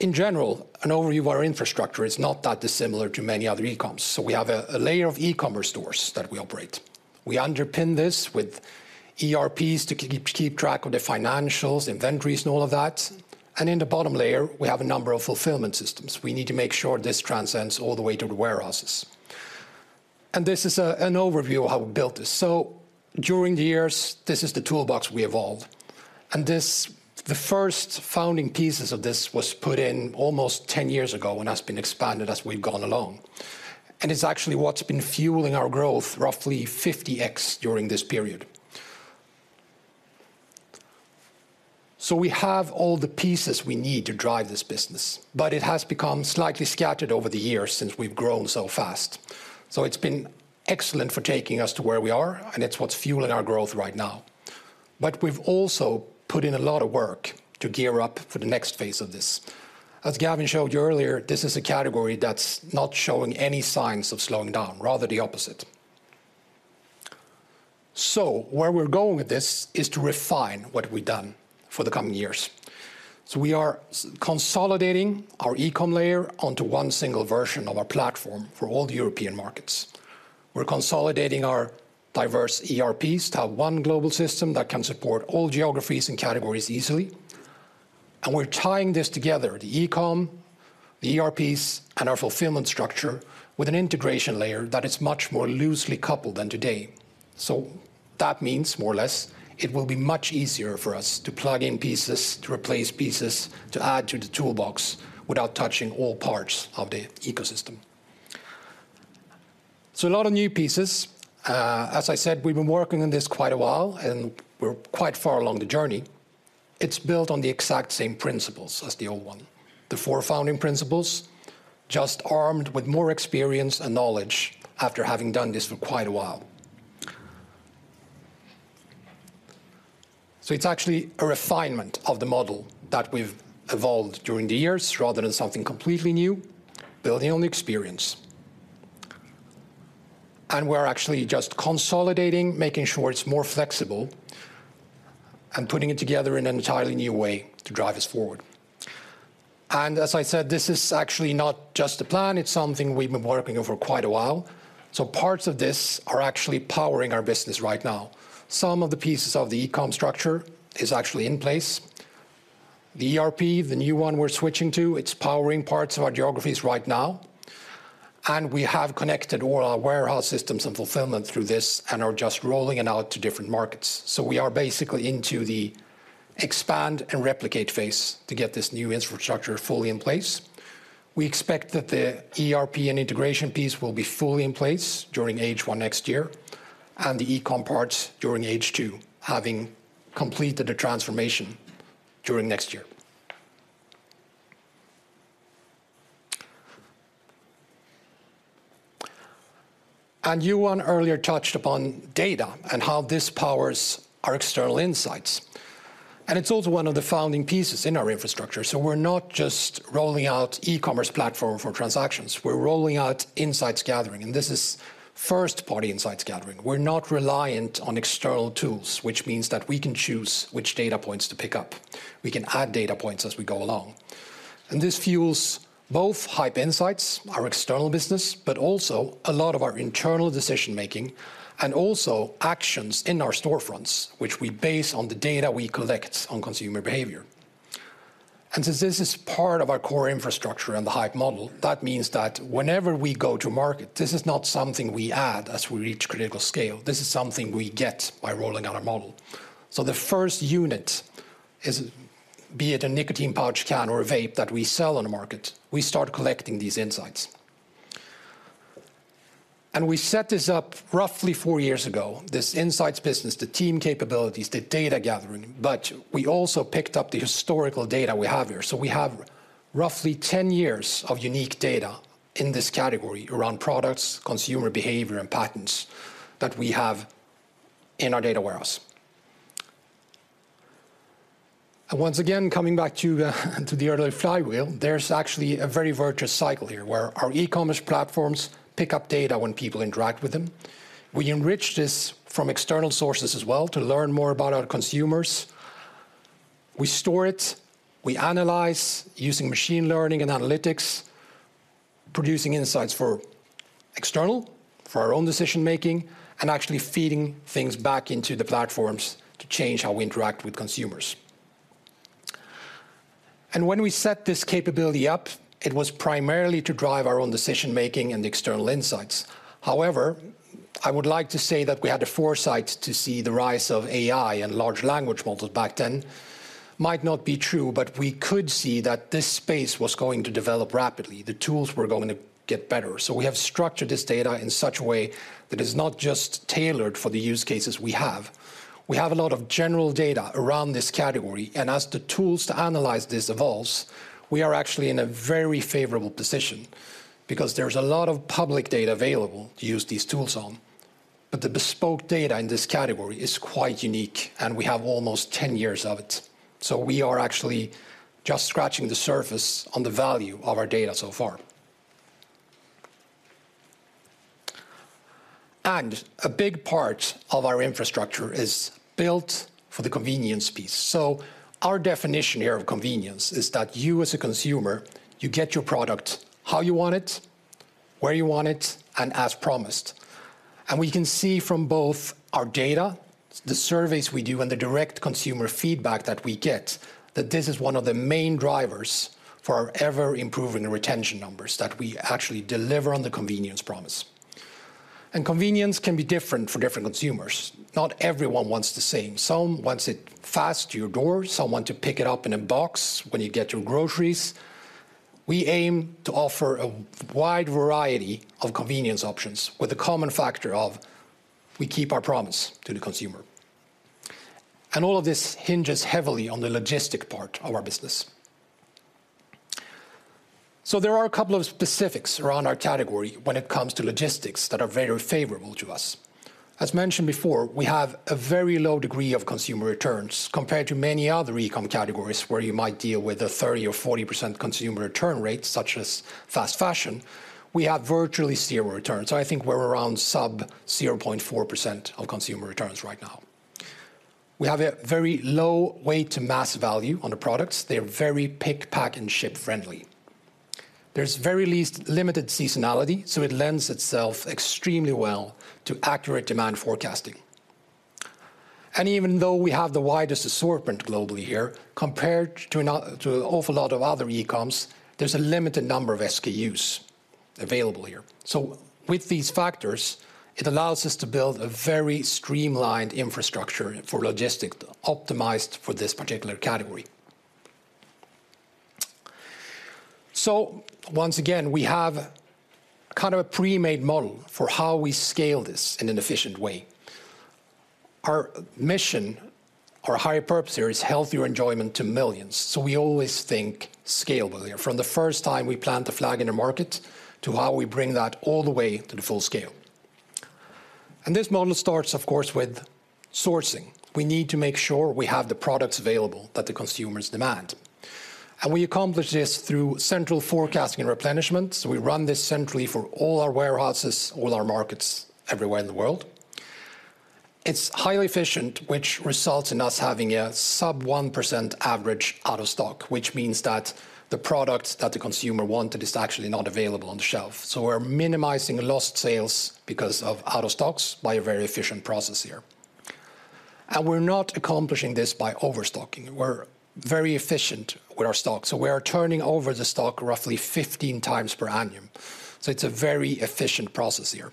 In general, an overview of our infrastructure is not that dissimilar to many other e-coms. We have a layer of e-commerce stores that we operate. We underpin this with ERPs to keep track of the financials, inventories, and all of that. And in the bottom layer, we have a number of fulfillment systems. We need to make sure this transcends all the way to the warehouses. And this is an overview of how we built this. So during the years, this is the toolbox we evolved, and this, the first founding pieces of this was put in almost ten years ago and has been expanded as we've gone along. And it's actually what's been fueling our growth, roughly 50x during this period. So we have all the pieces we need to drive this business, but it has become slightly scattered over the years since we've grown so fast. So it's been excellent for taking us to where we are, and it's what's fueling our growth right now. But we've also put in a lot of work to gear up for the next phase of this. As Gavin showed you earlier, this is a category that's not showing any signs of slowing down, rather the opposite. So where we're going with this is to refine what we've done for the coming years. So we are consolidating our e-com layer onto one single version of our platform for all the European markets. We're consolidating our diverse ERPs to have one global system that can support all geographies and categories easily. And we're tying this together, the e-com, the ERPs, and our fulfillment structure, with an integration layer that is much more loosely coupled than today. So that means, more or less, it will be much easier for us to plug in pieces, to replace pieces, to add to the toolbox without touching all parts of the ecosystem. So a lot of new pieces. As I said, we've been working on this quite a while, and we're quite far along the journey. It's built on the exact same principles as the old one, the four founding principles, just armed with more experience and knowledge after having done this for quite a while. So it's actually a refinement of the model that we've evolved during the years, rather than something completely new, building on experience. And we're actually just consolidating, making sure it's more flexible, and putting it together in an entirely new way to drive us forward. And as I said, this is actually not just a plan, it's something we've been working on for quite a while. So parts of this are actually powering our business right now. Some of the pieces of the e-com structure is actually in place. The ERP, the new one we're switching to, it's powering parts of our geographies right now, and we have connected all our warehouse systems and fulfillment through this, and are just rolling it out to different markets. So we are basically into the expand and replicate phase to get this new infrastructure fully in place. We expect that the ERP and integration piece will be fully in place during H1 next year, and the e-com parts during H2, having completed the transformation during next year. Johan earlier touched upon data and how this powers our external insights, and it's also one of the founding pieces in our infrastructure. So we're not just rolling out e-commerce platform for transactions, we're rolling out insights gathering, and this is first-party insights gathering. We're not reliant on external tools, which means that we can choose which data points to pick up. We can add data points as we go along, and this fuels both Haypp Insights, our external business, but also a lot of our internal decision-making, and also actions in our storefronts, which we base on the data we collect on consumer behavior. And since this is part of our core infrastructure and the Haypp model, that means that whenever we go to market, this is not something we add as we reach critical scale; this is something we get by rolling out our model. So the first unit is, be it a nicotine pouch can or a vape that we sell on the market, we start collecting these insights. And we set this up roughly four years ago, this insights business, the team capabilities, the data gathering, but we also picked up the historical data we have here. So we have roughly 10 years of unique data in this category around products, consumer behavior, and patents that we have in our data warehouse. Once again, coming back to the earlier flywheel, there's actually a very virtuous cycle here, where our e-commerce platforms pick up data when people interact with them. We enrich this from external sources as well to learn more about our consumers. We store it, we analyze using machine learning and analytics, producing insights for our own decision-making, and actually feeding things back into the platforms to change how we interact with consumers. When we set this capability up, it was primarily to drive our own decision-making and external insights. However, I would like to say that we had the foresight to see the rise of AI and large language models back then, might not be true, but we could see that this space was going to develop rapidly. The tools were going to get better. We have structured this data in such a way that is not just tailored for the use cases we have. We have a lot of general data around this category, and as the tools to analyze this evolves, we are actually in a very favorable position because there's a lot of public data available to use these tools on. But the bespoke data in this category is quite unique, and we have almost 10 years of it, so we are actually just scratching the surface on the value of our data so far. A big part of our infrastructure is built for the convenience piece. Our definition here of convenience is that you, as a consumer, you get your product how you want it, where you want it, and as promised. We can see from both our data, the surveys we do, and the direct consumer feedback that we get, that this is one of the main drivers for our ever-improving retention numbers, that we actually deliver on the convenience promise. Convenience can be different for different consumers. Not everyone wants the same. Some wants it fast to your door, some want to pick it up in a box when you get your groceries. We aim to offer a wide variety of convenience options, with a common factor of we keep our promise to the consumer. All of this hinges heavily on the logistics part of our business. There are a couple of specifics around our category when it comes to logistics that are very favorable to us. As mentioned before, we have a very low degree of consumer returns compared to many other e-com categories, where you might deal with a 30% or 40% consumer return rate, such as fast fashion. We have virtually zero returns, so I think we're around sub 0.4% of consumer returns right now. We have a very low weight to mass value on the products. They're very pick, pack, and ship friendly. There's very limited seasonality, so it lends itself extremely well to accurate demand forecasting. And even though we have the widest assortment globally here, compared to an awful lot of other e-coms, there's a limited number of SKUs available here. So with these factors, it allows us to build a very streamlined infrastructure for logistics, optimized for this particular category. So once again, we have kind of a pre-made model for how we scale this in an efficient way. Our mission, our higher purpose here, is healthier enjoyment to millions, so we always think scalable here, from the first time we plant the flag in the market to how we bring that all the way to the full scale. And this model starts, of course, with sourcing. We need to make sure we have the products available that the consumers demand, and we accomplish this through central forecasting and replenishment. So we run this centrally for all our warehouses, all our markets everywhere in the world. It's highly efficient, which results in us having a sub-1% average out of stock, which means that the product that the consumer wanted is actually not available on the shelf. So we're minimizing lost sales because of out of stocks by a very efficient process here. And we're not accomplishing this by overstocking. We're very efficient with our stock, so we are turning over the stock roughly 15 times per annum. So it's a very efficient process here.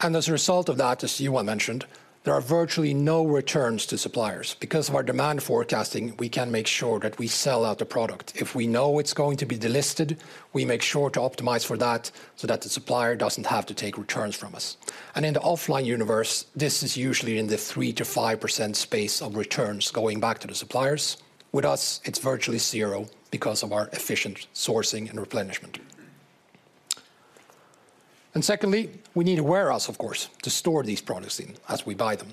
And as a result of that, as Johan mentioned, there are virtually no returns to suppliers. Because of our demand forecasting, we can make sure that we sell out the product. If we know it's going to be delisted, we make sure to optimize for that so that the supplier doesn't have to take returns from us. And in the offline universe, this is usually in the 3%-5% space of returns going back to the suppliers. With us, it's virtually zero because of our efficient sourcing and replenishment. Secondly, we need a warehouse, of course, to store these products in as we buy them.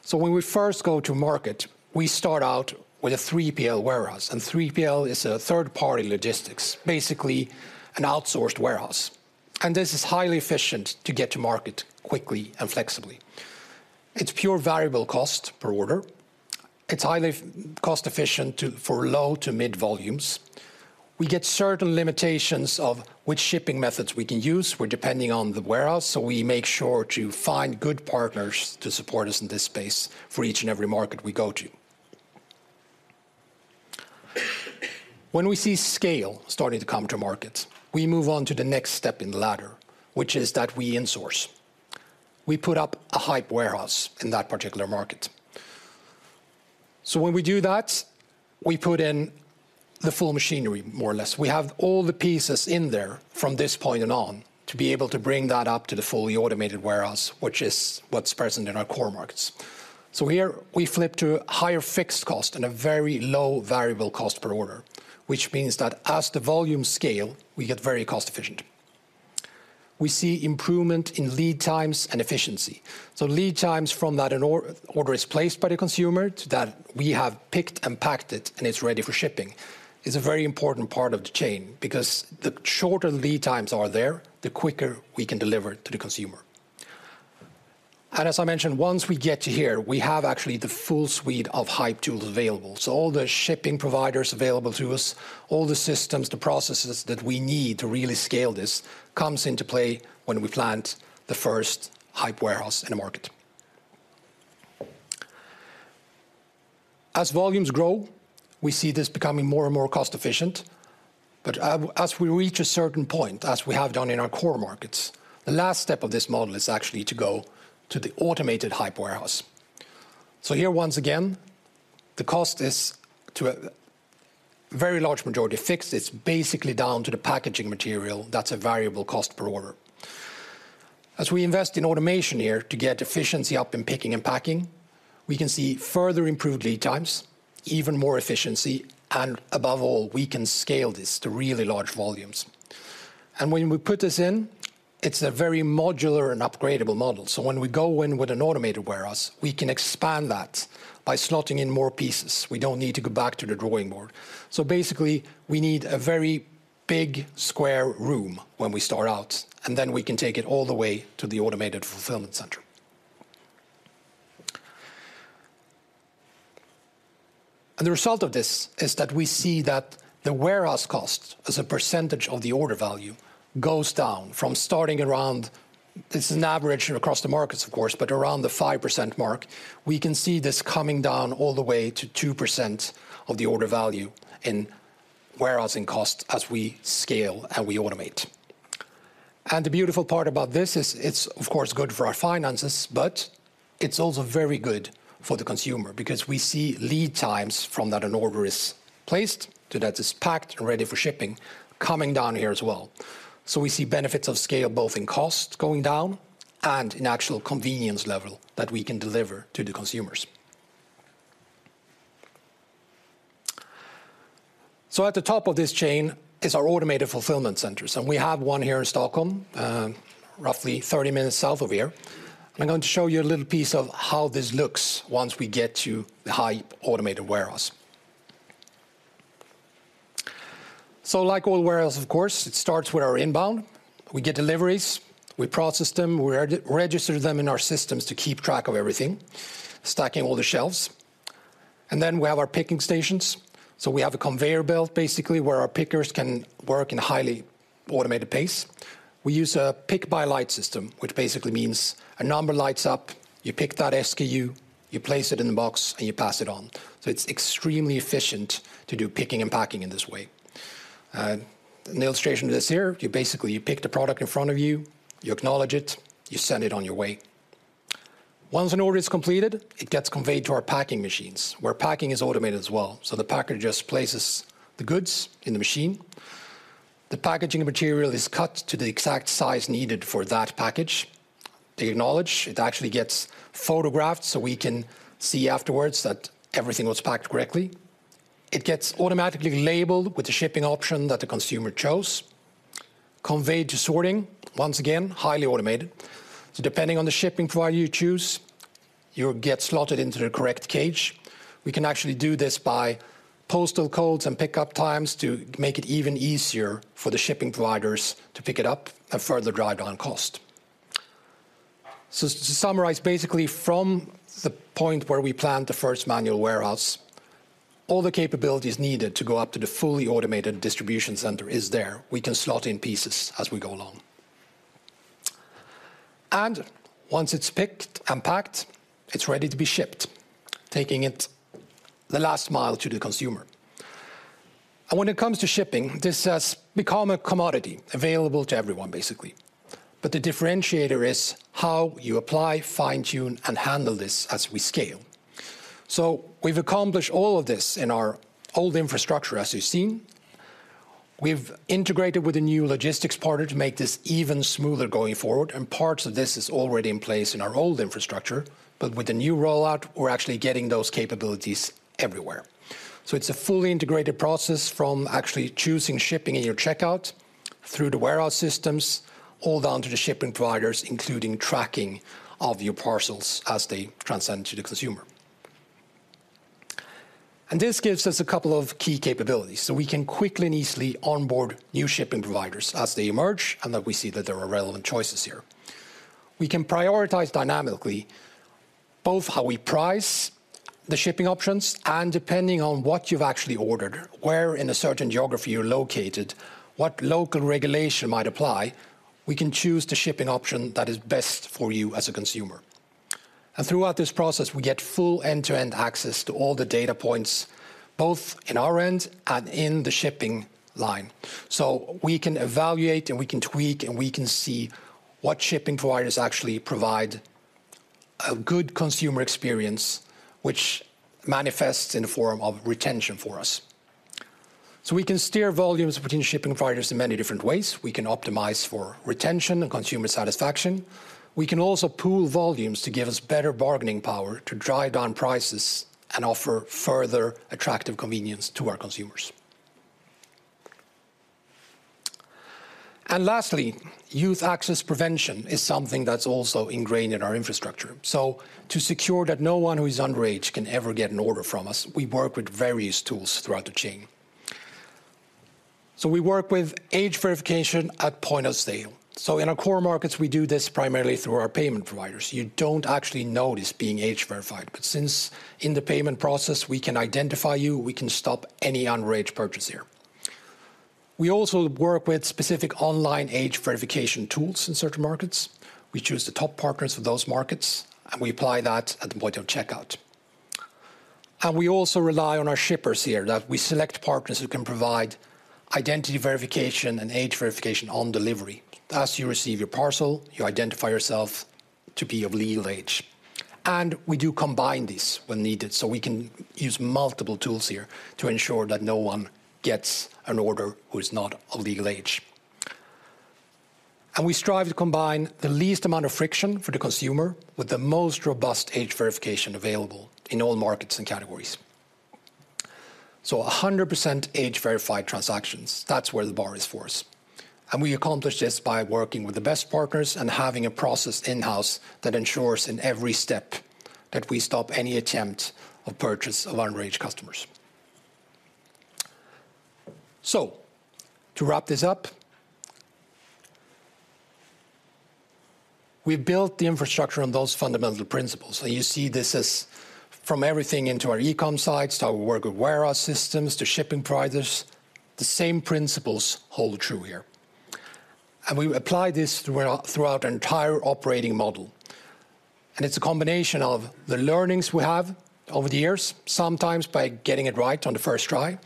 So when we first go to market, we start out with a 3PL warehouse, and 3PL is a third-party logistics, basically an outsourced warehouse. And this is highly efficient to get to market quickly and flexibly. It's pure variable cost per order. It's highly cost efficient for low- to mid-volumes. We get certain limitations of which shipping methods we can use. We're depending on the warehouse, so we make sure to find good partners to support us in this space for each and every market we go to. When we see scale starting to come to market, we move on to the next step in the ladder, which is that we insource. We put up a Haypp warehouse in that particular market. So when we do that, we put in the full machinery, more or less. We have all the pieces in there from this point and on to be able to bring that up to the fully automated warehouse, which is what's present in our core markets. So here we flip to a higher fixed cost and a very low variable cost per order, which means that as the volume scale, we get very cost efficient. We see improvement in lead times and efficiency. So lead times from that an order is placed by the consumer to that we have picked and packed it, and it's ready for shipping, is a very important part of the chain, because the shorter the lead times are there, the quicker we can deliver to the consumer. As I mentioned, once we get to here, we have actually the full suite of Haypp tools available. So all the shipping providers available to us, all the systems, the processes that we need to really scale this, comes into play when we plant the first Haypp warehouse in a market. As volumes grow, we see this becoming more and more cost efficient. But as we reach a certain point, as we have done in our core markets, the last step of this model is actually to go to the automated Haypp warehouse. So here, once again, the cost is to a very large majority fixed. It's basically down to the packaging material. That's a variable cost per order. As we invest in automation here to get efficiency up in picking and packing, we can see further improved lead times, even more efficiency, and above all, we can scale this to really large volumes. When we put this in, it's a very modular and upgradable model, so when we go in with an automated warehouse, we can expand that by slotting in more pieces. We don't need to go back to the drawing board. Basically, we need a very big square room when we start out, and then we can take it all the way to the automated fulfillment center. The result of this is that we see that the warehouse cost, as a percentage of the order value, goes down from starting around... This is an average across the markets, of course, but around the 5% mark, we can see this coming down all the way to 2% of the order value in warehousing costs as we scale and we automate. The beautiful part about this is it's, of course, good for our finances, but it's also very good for the consumer because we see lead times from that an order is placed to that it's packed and ready for shipping, coming down here as well. We see benefits of scale, both in cost going down and in actual convenience level that we can deliver to the consumers. At the top of this chain is our automated fulfillment centers, and we have one here in Stockholm, roughly 30 minutes south of here. I'm going to show you a little piece of how this looks once we get to the highly automated warehouse. So like all warehouses, of course, it starts with our inbound. We get deliveries, we process them, we re-register them in our systems to keep track of everything, stacking all the shelves. And then we have our picking stations. So we have a conveyor belt, basically, where our pickers can work in a highly automated pace. We use a pick-by-light system, which basically means a number lights up, you pick that SKU, you place it in the box, and you pass it on. So it's extremely efficient to do picking and packing in this way. An illustration of this here, you basically, you pick the product in front of you, you acknowledge it, you send it on your way. Once an order is completed, it gets conveyed to our packing machines, where packing is automated as well, so the packer just places the goods in the machine. The packaging material is cut to the exact size needed for that package. They acknowledge. It actually gets photographed, so we can see afterwards that everything was packed correctly. It gets automatically labeled with the shipping option that the consumer chose. Conveyed to sorting, once again, highly automated. So depending on the shipping provider you choose, you'll get slotted into the correct cage. We can actually do this by postal codes and pickup times to make it even easier for the shipping providers to pick it up and further drive down cost. So to summarize, basically, from the point where we planned the first manual warehouse, all the capabilities needed to go up to the fully automated distribution center is there. We can slot in pieces as we go along. Once it's picked and packed, it's ready to be shipped, taking it the last mile to the consumer. When it comes to shipping, this has become a commodity available to everyone, basically. But the differentiator is how you apply, fine-tune, and handle this as we scale. We've accomplished all of this in our old infrastructure, as you've seen. We've integrated with a new logistics partner to make this even smoother going forward, and parts of this is already in place in our old infrastructure, but with the new rollout, we're actually getting those capabilities everywhere. It's a fully integrated process from actually choosing shipping in your checkout, through the warehouse systems, all down to the shipping providers, including tracking of your parcels as they transit to the consumer. This gives us a couple of key capabilities, so we can quickly and easily onboard new shipping providers as they emerge, and that we see that there are relevant choices here. We can prioritize dynamically, both how we price the shipping options and depending on what you've actually ordered, where in a certain geography you're located, what local regulation might apply. We can choose the shipping option that is best for you as a consumer. Throughout this process, we get full end-to-end access to all the data points, both in our end and in the shipping line. We can evaluate, and we can tweak, and we can see what shipping providers actually provide a good consumer experience, which manifests in the form of retention for us. We can steer volumes between shipping providers in many different ways. We can optimize for retention and consumer satisfaction. We can also pool volumes to give us better bargaining power to drive down prices and offer further attractive convenience to our consumers. And lastly, Youth Access Prevention is something that's also ingrained in our infrastructure. So to secure that no one who is underage can ever get an order from us, we work with various tools throughout the chain. So we work with age verification at point of sale. So in our core markets, we do this primarily through our payment providers. You don't actually notice being age verified, but since in the payment process, we can identify you, we can stop any underage purchase here. We also work with specific online age verification tools in certain markets. We choose the top partners for those markets, and we apply that at the point of checkout. We also rely on our shippers here, that we select partners who can provide identity verification and age verification on delivery. As you receive your parcel, you identify yourself to be of legal age. We do combine this when needed, so we can use multiple tools here to ensure that no one gets an order who is not of legal age. We strive to combine the least amount of friction for the consumer with the most robust age verification available in all markets and categories. 100% age-verified transactions, that's where the bar is for us. We accomplish this by working with the best partners and having a process in-house that ensures in every step that we stop any attempt of purchase of underage customers. To wrap this up, we've built the infrastructure on those fundamental principles. So you see this as from everything into our e-com sites, to how we work with warehouse systems, to shipping providers, the same principles hold true here. And we apply this throughout our entire operating model, and it's a combination of the learnings we have over the years, sometimes by getting it right on the first try,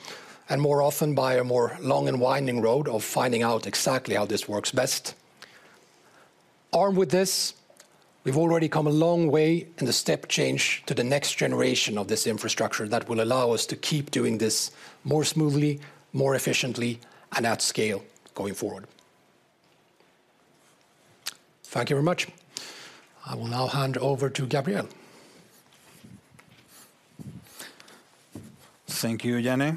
and more often by a more long and winding road of finding out exactly how this works best. Armed with this, we've already come a long way in the step change to the next generation of this infrastructure that will allow us to keep doing this more smoothly, more efficiently, and at scale going forward. Thank you very much. I will now hand over to Gabriel. Thank you, Janne.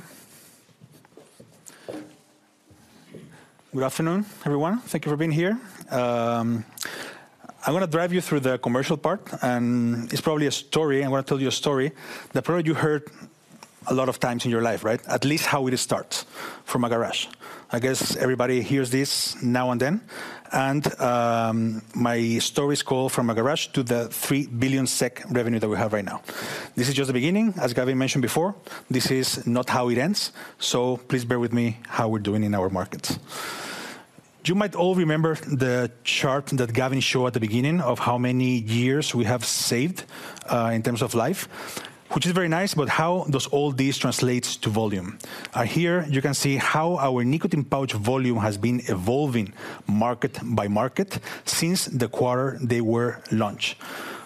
Good afternoon, everyone. Thank you for being here. I wanna drive you through the commercial part, and it's probably a story. I wanna tell you a story that probably you heard a lot of times in your life, right? At least how it starts, from a garage. I guess everybody hears this now and then, and, my story is called From a Garage to the 3 billion SEK revenue that we have right now. This is just the beginning. As Gavin mentioned before, this is not how it ends, so please bear with me how we're doing in our markets. You might all remember the chart that Gavin showed at the beginning of how many years we have saved, in terms of life, which is very nice, but how does all this translates to volume? Here you can see how our nicotine pouch volume has been evolving market by market since the quarter they were launched.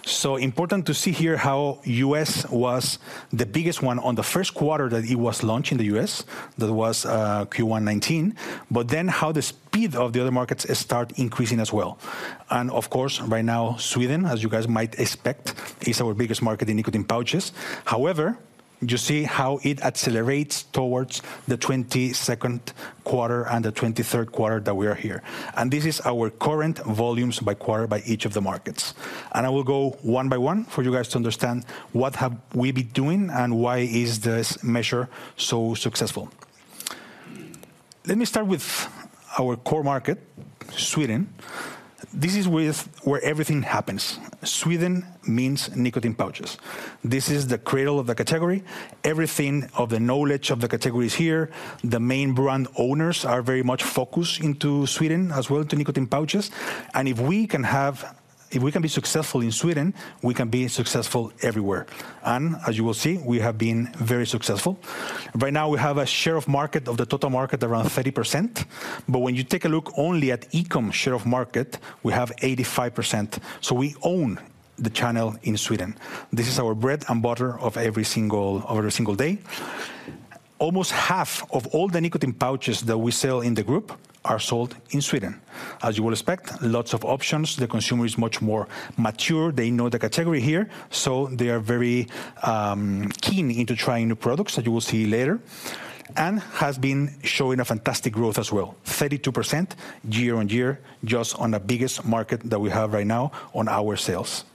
So important to see here how U.S. was the biggest one on the first quarter that it was launched in the U.S. That was Q1 2019, but then how the speed of the other markets start increasing as well. And of course, right now, Sweden, as you guys might expect, is our biggest market in nicotine pouches. However, you see how it accelerates towards the Q2 2022 and the Q3 2023 that we are here. And this is our current volumes by quarter by each of the markets. And I will go one by one for you guys to understand what have we been doing and why is this measure so successful. Let me start with our core market, Sweden. This is where everything happens. Sweden means nicotine pouches. This is the cradle of the category. Everything of the knowledge of the category is here. The main brand owners are very much focused into Sweden, as well to nicotine pouches. And if we can be successful in Sweden, we can be successful everywhere. And as you will see, we have been very successful. Right now, we have a share of market, of the total market, around 30%, but when you take a look only at e-com share of market, we have 85%, so we own the channel in Sweden. This is our bread and butter of every single, of every single day. Almost half of all the nicotine pouches that we sell in the group are sold in Sweden. As you would expect, lots of options. The consumer is much more mature. They know the category here, so they are very keen into trying new products, as you will see later, and has been showing a fantastic growth as well, 32% year-on-year, just on the biggest market that we have right now on our sales.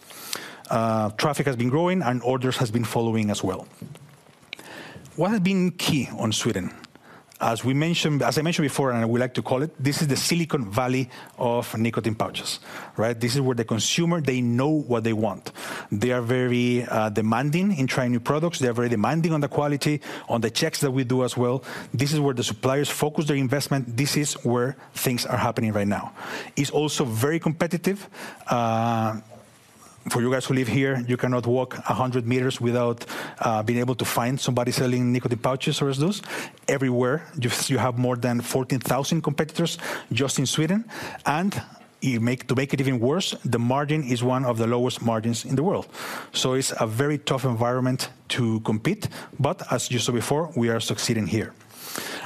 Traffic has been growing, and orders has been following as well. What has been key on Sweden? As I mentioned before, and I would like to call it, this is the Silicon Valley of nicotine pouches, right? This is where the consumer, they know what they want. They are very demanding in trying new products. They are very demanding on the quality, on the checks that we do as well. This is where the suppliers focus their investment. This is where things are happening right now. It's also very competitive. For you guys who live here, you cannot walk 100 meters without being able to find somebody selling nicotine pouches or those. Everywhere, you have more than 14,000 competitors just in Sweden, and to make it even worse, the margin is one of the lowest margins in the world. So it's a very tough environment to compete, but as you saw before, we are succeeding here.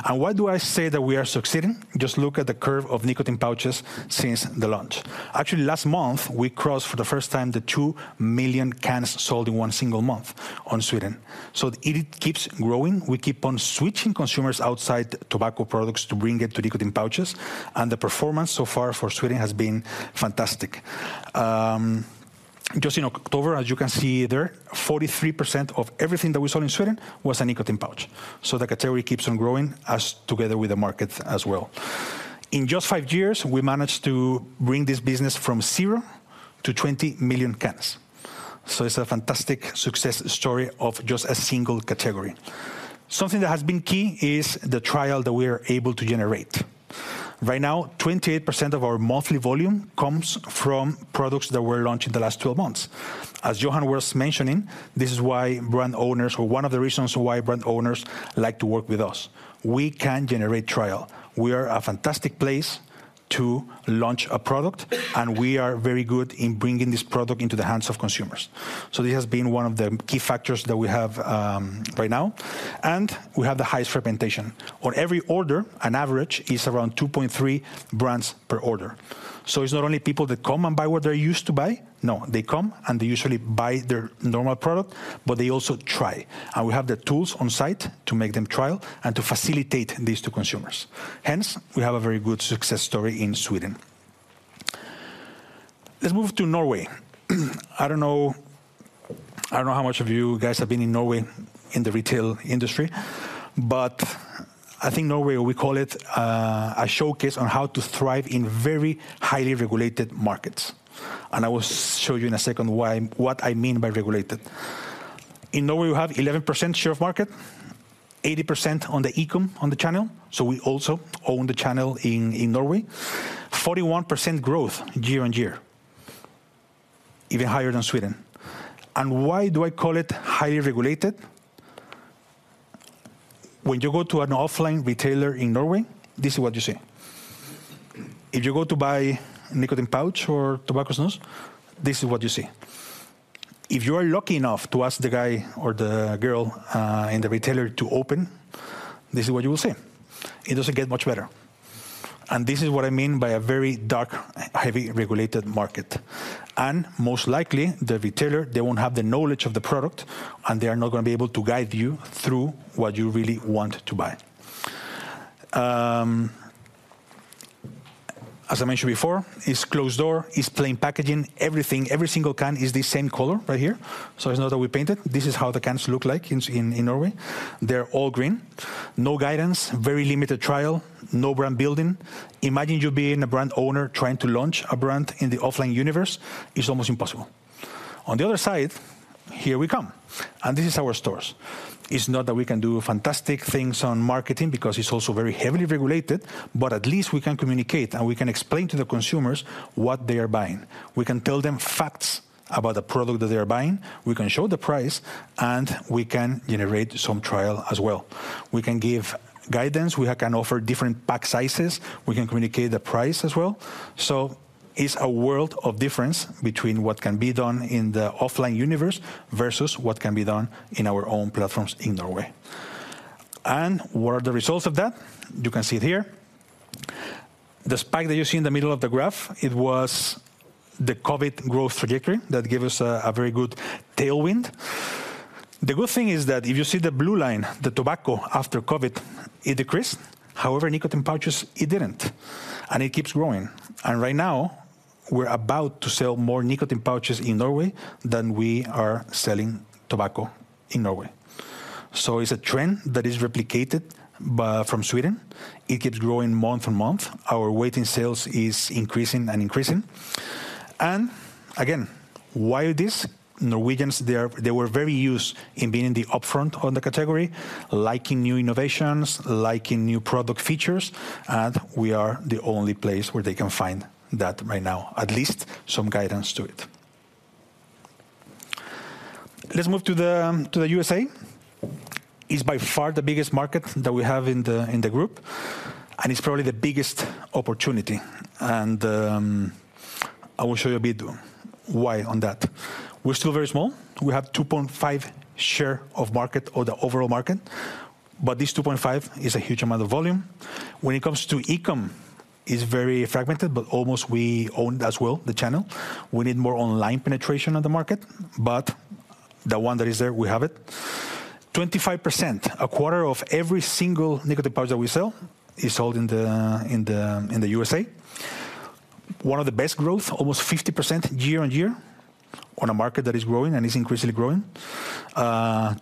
And why do I say that we are succeeding? Just look at the curve of nicotine pouches since the launch. Actually, last month, we crossed for the first time the 2 million cans sold in one single month in Sweden. So it keeps growing. We keep on switching consumers outside tobacco products to bring it to nicotine pouches, and the performance so far for Sweden has been fantastic. Just in October, as you can see there, 43% of everything that we sold in Sweden was a nicotine pouch, so the category keeps on growing as together with the market as well. In just five years, we managed to bring this business from zero to 20 million cans, so it's a fantastic success story of just a single category. Something that has been key is the trial that we are able to generate. Right now, 28% of our monthly volume comes from products that were launched in the last 12 months. As Johan was mentioning, this is why brand owners, or one of the reasons why brand owners like to work with us. We can generate trial. We are a fantastic place to launch a product, and we are very good in bringing this product into the hands of consumers. So this has been one of the key factors that we have right now, and we have the highest fragmentation. On every order, on average, is around 2.3 brands per order. So it's not only people that come and buy what they used to buy. No, they come, and they usually buy their normal product, but they also try, and we have the tools on site to make them trial and to facilitate these to consumers. Hence, we have a very good success story in Sweden. Let's move to Norway. I don't know how much of you guys have been in Norway in the retail industry, but I think Norway, we call it a showcase on how to thrive in very highly regulated markets. And I will show you in a second why, what I mean by regulated. In Norway, we have 11% share of market, 80% on the e-com, on the channel, so we also own the channel in, in Norway. 41% growth year-on-year, even higher than Sweden. And why do I call it highly regulated? When you go to an offline retailer in Norway, this is what you see. If you go to buy nicotine pouch or tobacco snus, this is what you see. If you are lucky enough to ask the guy or the girl in the retailer to open, this is what you will see. It doesn't get much better. And this is what I mean by a very dark, heavy regulated market, and most likely, the retailer, they won't have the knowledge of the product, and they are not gonna be able to guide you through what you really want to buy. As I mentioned before, it's closed door, it's plain packaging, everything. Every single can is the same color right here, so it's not that we paint it. This is how the cans look like in Norway. They're all green, no guidance, very limited trial, no brand building. Imagine you being a brand owner trying to launch a brand in the offline universe. It's almost impossible. On the other side, here we come, and this is our stores. It's not that we can do fantastic things on marketing because it's also very heavily regulated, but at least we can communicate, and we can explain to the consumers what they are buying. We can tell them facts about the product that they are buying, we can show the price, and we can generate some trial as well. We can give guidance. We can offer different pack sizes. We can communicate the price as well. So it's a world of difference between what can be done in the offline universe versus what can be done in our own platforms in Norway. And what are the results of that? You can see it here. The spike that you see in the middle of the graph, it was the COVID growth trajectory that gave us a very good tailwind. The good thing is that if you see the blue line, the tobacco after COVID, it decreased. However, nicotine pouches, it didn't, and it keeps growing. And right now, we're about to sell more nicotine pouches in Norway than we are selling tobacco in Norway. So it's a trend that is replicated from Sweden. It keeps growing month on month. Our waiting sales is increasing and increasing. And again, why this? Norwegians, they are, they were very used to being up front on the category, liking new innovations, liking new product features, and we are the only place where they can find that right now, at least some guidance to it. Let's move to the USA. It's by far the biggest market that we have in the group, and it's probably the biggest opportunity. I will show you a bit why on that. We're still very small. We have 2.5 share of market or the overall market, but this 2.5 is a huge amount of volume. When it comes to e-com, it's very fragmented, but almost we own as well, the channel. We need more online penetration on the market, but the one that is there, we have it. 25%, a quarter of every single nicotine pouch that we sell is sold in the, in the, in the USA. One of the best growth, almost 50% year-on-year, on a market that is growing and is increasingly growing.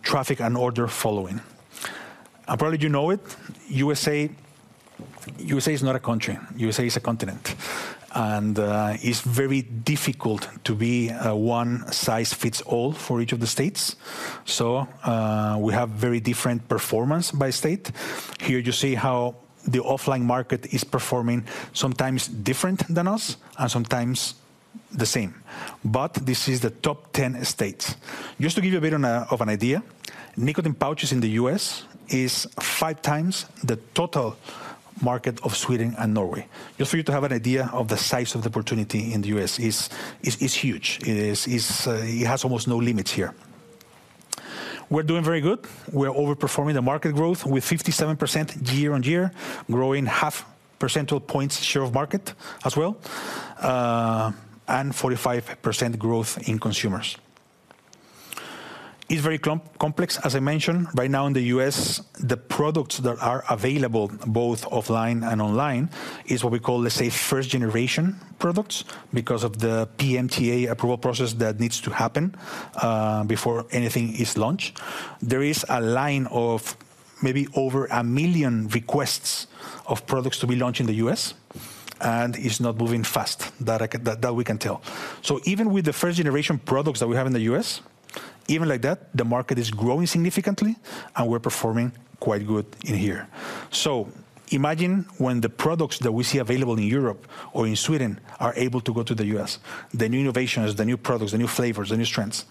Traffic and order following. And probably you know it, USA, USA is not a country. USA is a continent. And, it's very difficult to be a one-size-fits-all for each of the states. So, we have very different performance by state. Here you see how the offline market is performing, sometimes different than us and sometimes the same. But this is the top 10 states. Just to give you a bit of an idea, nicotine pouches in the U.S. is five times the total market of Sweden and Norway. Just for you to have an idea of the size of the opportunity in the U.S. is huge. It is, it has almost no limits here. We're doing very good. We're overperforming the market growth with 57% year-on-year, growing half percentage points share of market as well, and 45% growth in consumers. It's very complex, as I mentioned. Right now in the U.S., the products that are available, both offline and online, is what we call, let's say, first-generation products, because of the PMTA approval process that needs to happen before anything is launched. There is a line of maybe over a million requests of products to be launched in the U.S., and it's not moving fast, that we can tell. Even with the first-generation products that we have in the U.S., even like that, the market is growing significantly, and we're performing quite good in here. Imagine when the products that we see available in Europe or in Sweden are able to go to the U.S., the new innovations, the new products, the new flavors, the new strengths.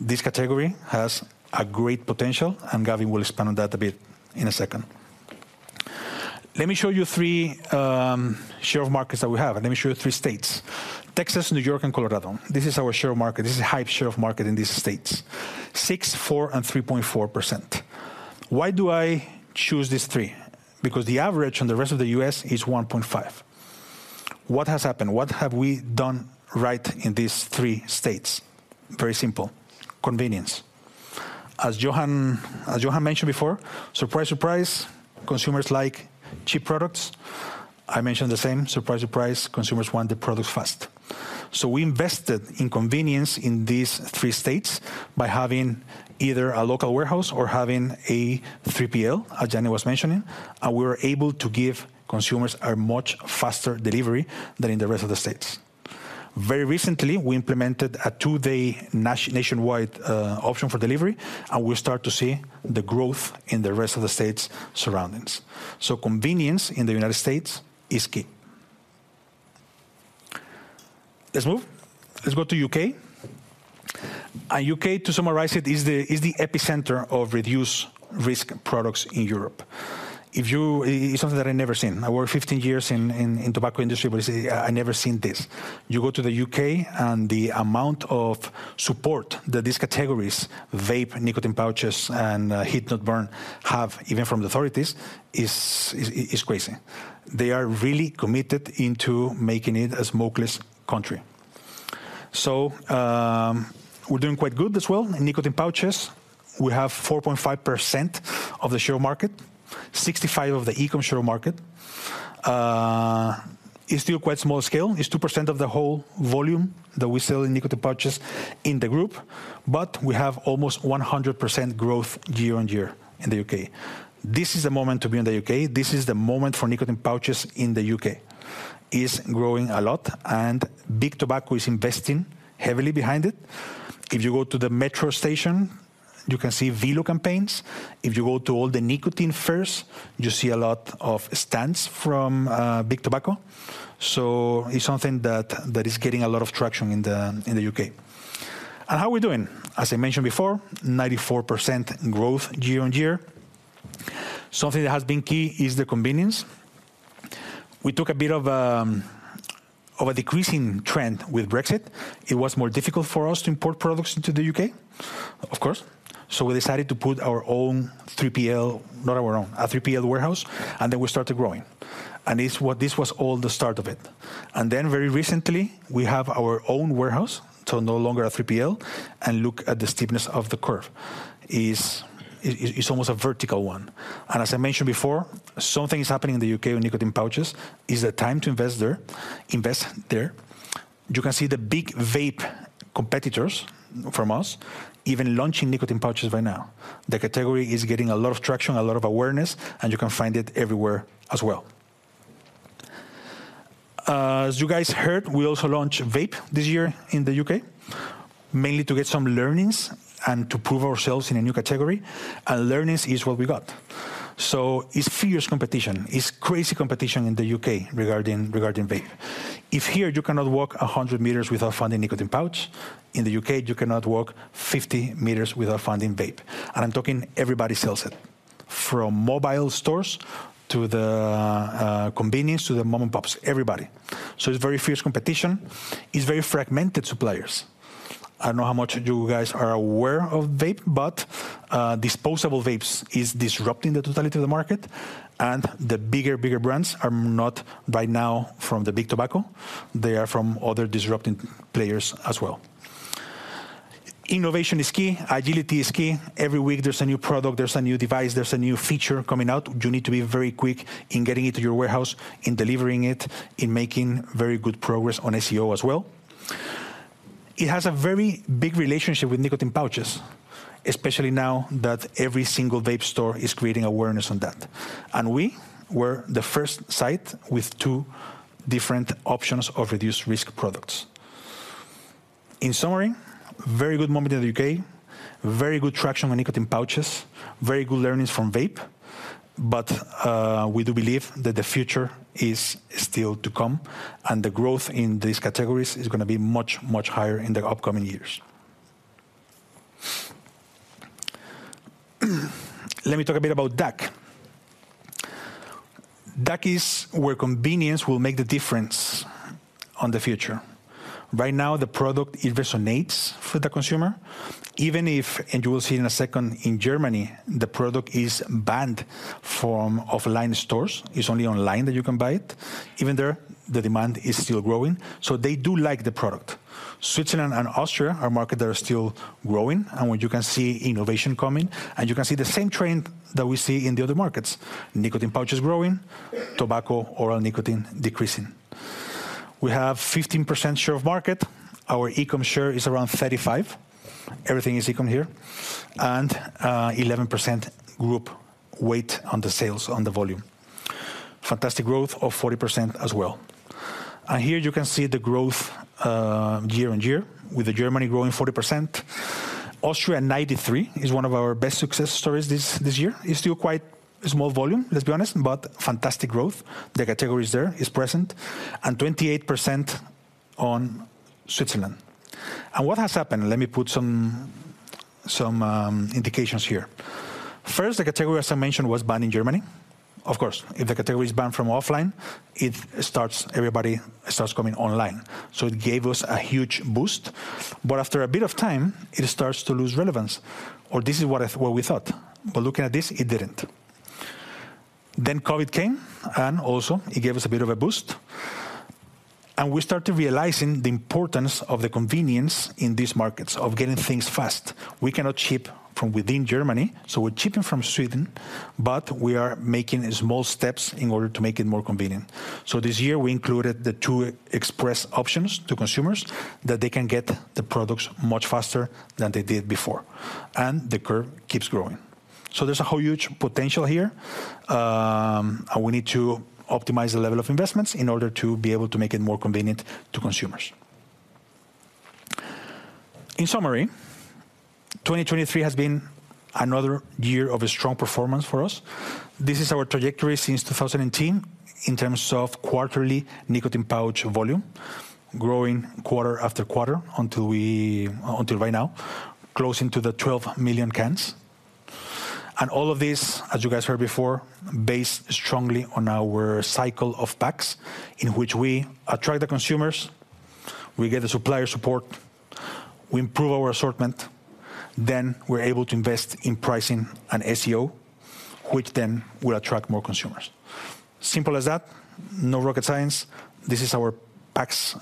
This category has a great potential, and Gavin will expand on that a bit in a second. Let me show you three share of markets that we have, and let me show you three states: Texas, New York, and Colorado. This is our share of market. This is high share of market in these states, 6%, 4%, and 3.4%. Why do I choose these three? Because the average on the rest of the U.S. is 1.5%. What has happened? What have we done right in these three states? Very simple. Convenience. As Johan, as Johan mentioned before, surprise, surprise, consumers like cheap products. I mentioned the same, surprise, surprise, consumers want the products fast. So we invested in convenience in these three states by having either a local warehouse or having a 3PL, as Jenny was mentioning, and we were able to give consumers a much faster delivery than in the rest of the states. Very recently, we implemented a two-day nationwide option for delivery, and we start to see the growth in the rest of the states' surroundings. So convenience in the United States is key. Let's move. Let's go to U.K. And U.K., to summarize it, is the, is the epicenter of reduced risk products in Europe. If you... It's something that I've never seen. I worked 15 years in tobacco industry, but I say I never seen this. You go to the U.K., and the amount of support that these categories, vape, nicotine pouches, and heat-not-burn, have, even from the authorities, is crazy. They are really committed into making it a smokeless country. So, we're doing quite good as well. In nicotine pouches, we have 4.5% of the share market, 65% of the e-com share market. It's still quite small scale. It's 2% of the whole volume that we sell in nicotine pouches in the group, but we have almost 100% growth year-on-year in the U.K. This is the moment to be in the U.K. This is the moment for nicotine pouches in the U.K. It's growing a lot, and Big Tobacco is investing heavily behind it. If you go to the metro station, you can see Velo campaigns. If you go to all the nicotine fairs, you see a lot of stands from Big Tobacco. So it's something that is getting a lot of traction in the U.K. How are we doing? As I mentioned before, 94% growth year-on-year. Something that has been key is the convenience. We took a bit of a decreasing trend with Brexit. It was more difficult for us to import products into the U.K., of course. We decided to put our own 3PL, not our own, a 3PL warehouse, and then we started growing. This was all the start of it. And then very recently, we have our own warehouse, so no longer a 3PL, and look at the steepness of the curve. It's... It's almost a vertical one. And as I mentioned before, something is happening in the U.K. on nicotine pouches. Is it time to invest there? Invest there. You can see the big vape competitors from us even launching nicotine pouches right now. The category is getting a lot of traction, a lot of awareness, and you can find it everywhere as well. As you guys heard, we also launched vape this year in the U.K., mainly to get some learnings and to prove ourselves in a new category, and learnings is what we got. So it's fierce competition. It's crazy competition in the U.K. regarding, regarding vape. If here you cannot walk 100 meters without finding nicotine pouch, in the U.K., you cannot walk 50 meters without finding vape. And I'm talking everybody sells it, from mobile stores, to the convenience, to the mom-and-pops, everybody. So it's very fierce competition. It's very fragmented suppliers. I don't know how much you guys are aware of vape, but, disposable vapes is disrupting the totality of the market, and the bigger, bigger brands are not, right now, from the Big Tobacco. They are from other disrupting players as well. Innovation is key. Agility is key. Every week, there's a new product, there's a new device, there's a new feature coming out. You need to be very quick in getting it to your warehouse, in delivering it, in making very good progress on SEO as well. It has a very big relationship with nicotine pouches, especially now that every single vape store is creating awareness on that, and we were the first site with two different options of reduced risk products. In summary, very good moment in the U.K., very good traction on nicotine pouches, very good learnings from vape, but, we do believe that the future is still to come, and the growth in these categories is gonna be much, much higher in the upcoming years. Let me talk a bit about DACH. DACH is where convenience will make the difference on the future. Right now, the product, it resonates for the consumer, even if, and you will see in a second, in Germany, the product is banned from offline stores. It's only online that you can buy it. Even there, the demand is still growing, so they do like the product. Switzerland and Austria are markets that are still growing, and where you can see innovation coming, and you can see the same trend that we see in the other markets. Nicotine pouch is growing, tobacco, oral nicotine, decreasing. We have 15% share of market. Our e-com share is around 35%. Everything is e-com here. And 11% group weight on the sales, on the volume. Fantastic growth of 40% as well. And here you can see the growth, year-on-year, with Germany growing 40%. Austria, 93%, is one of our best success stories this year. It's still quite a small volume, let's be honest, but fantastic growth. The category is there, is present. And 28% on Switzerland. And what has happened? Let me put some indications here. First, the category, as I mentioned, was banned in Germany. Of course, if the category is banned from offline, it starts, everybody starts coming online, so it gave us a huge boost. But after a bit of time, it starts to lose relevance, or this is what I, what we thought. But looking at this, it didn't. Then COVID came, and also it gave us a bit of a boost, and we started realizing the importance of the convenience in these markets, of getting things fast. We cannot ship from within Germany, so we're shipping from Sweden, but we are making small steps in order to make it more convenient. So this year we included the two express options to consumers, that they can get the products much faster than they did before, and the curve keeps growing. So there's a whole huge potential here, and we need to optimize the level of investments in order to be able to make it more convenient to consumers. In summary, 2023 has been another year of a strong performance for us. This is our trajectory since 2018 in terms of quarterly nicotine pouch volume, growing quarter after quarter until we... until right now, close into the 12 million cans. And all of this, as you guys heard before, based strongly on our cycle of packs, in which we attract the consumers, we get the supplier support, we improve our assortment, then we're able to invest in pricing and SEO, which then will attract more consumers. Simple as that. No rocket science. This is our packs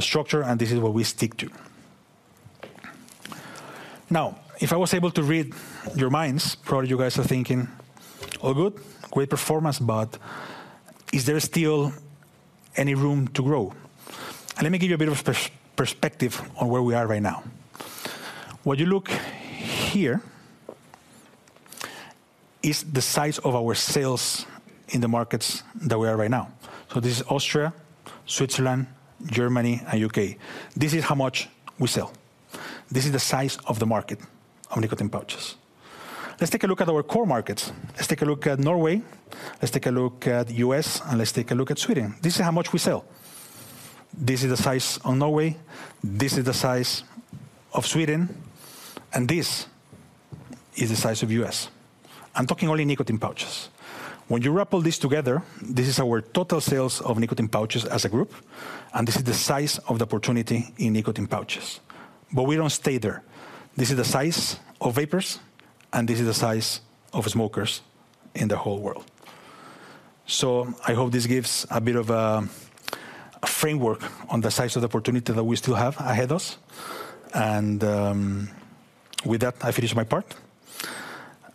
structure, and this is what we stick to. Now, if I was able to read your minds, probably you guys are thinking, "All good, great performance, but is there still any room to grow?" Let me give you a bit of perspective on where we are right now. When you look here, this is the size of our sales in the markets that we are right now. So this is Austria, Switzerland, Germany, and U.K. This is how much we sell. This is the size of the market of nicotine pouches. Let's take a look at our core markets. Let's take a look at Norway, let's take a look at US, and let's take a look at Sweden. This is how much we sell. This is the size of Norway, this is the size of Sweden, and this is the size of US. I'm talking only nicotine pouches. When you wrap all this together, this is our total sales of nicotine pouches as a group, and this is the size of the opportunity in nicotine pouches. But we don't stay there. This is the size of vapers, and this is the size of smokers in the whole world.... So I hope this gives a bit of a framework on the size of the opportunity that we still have ahead of us. And with that, I finish my part.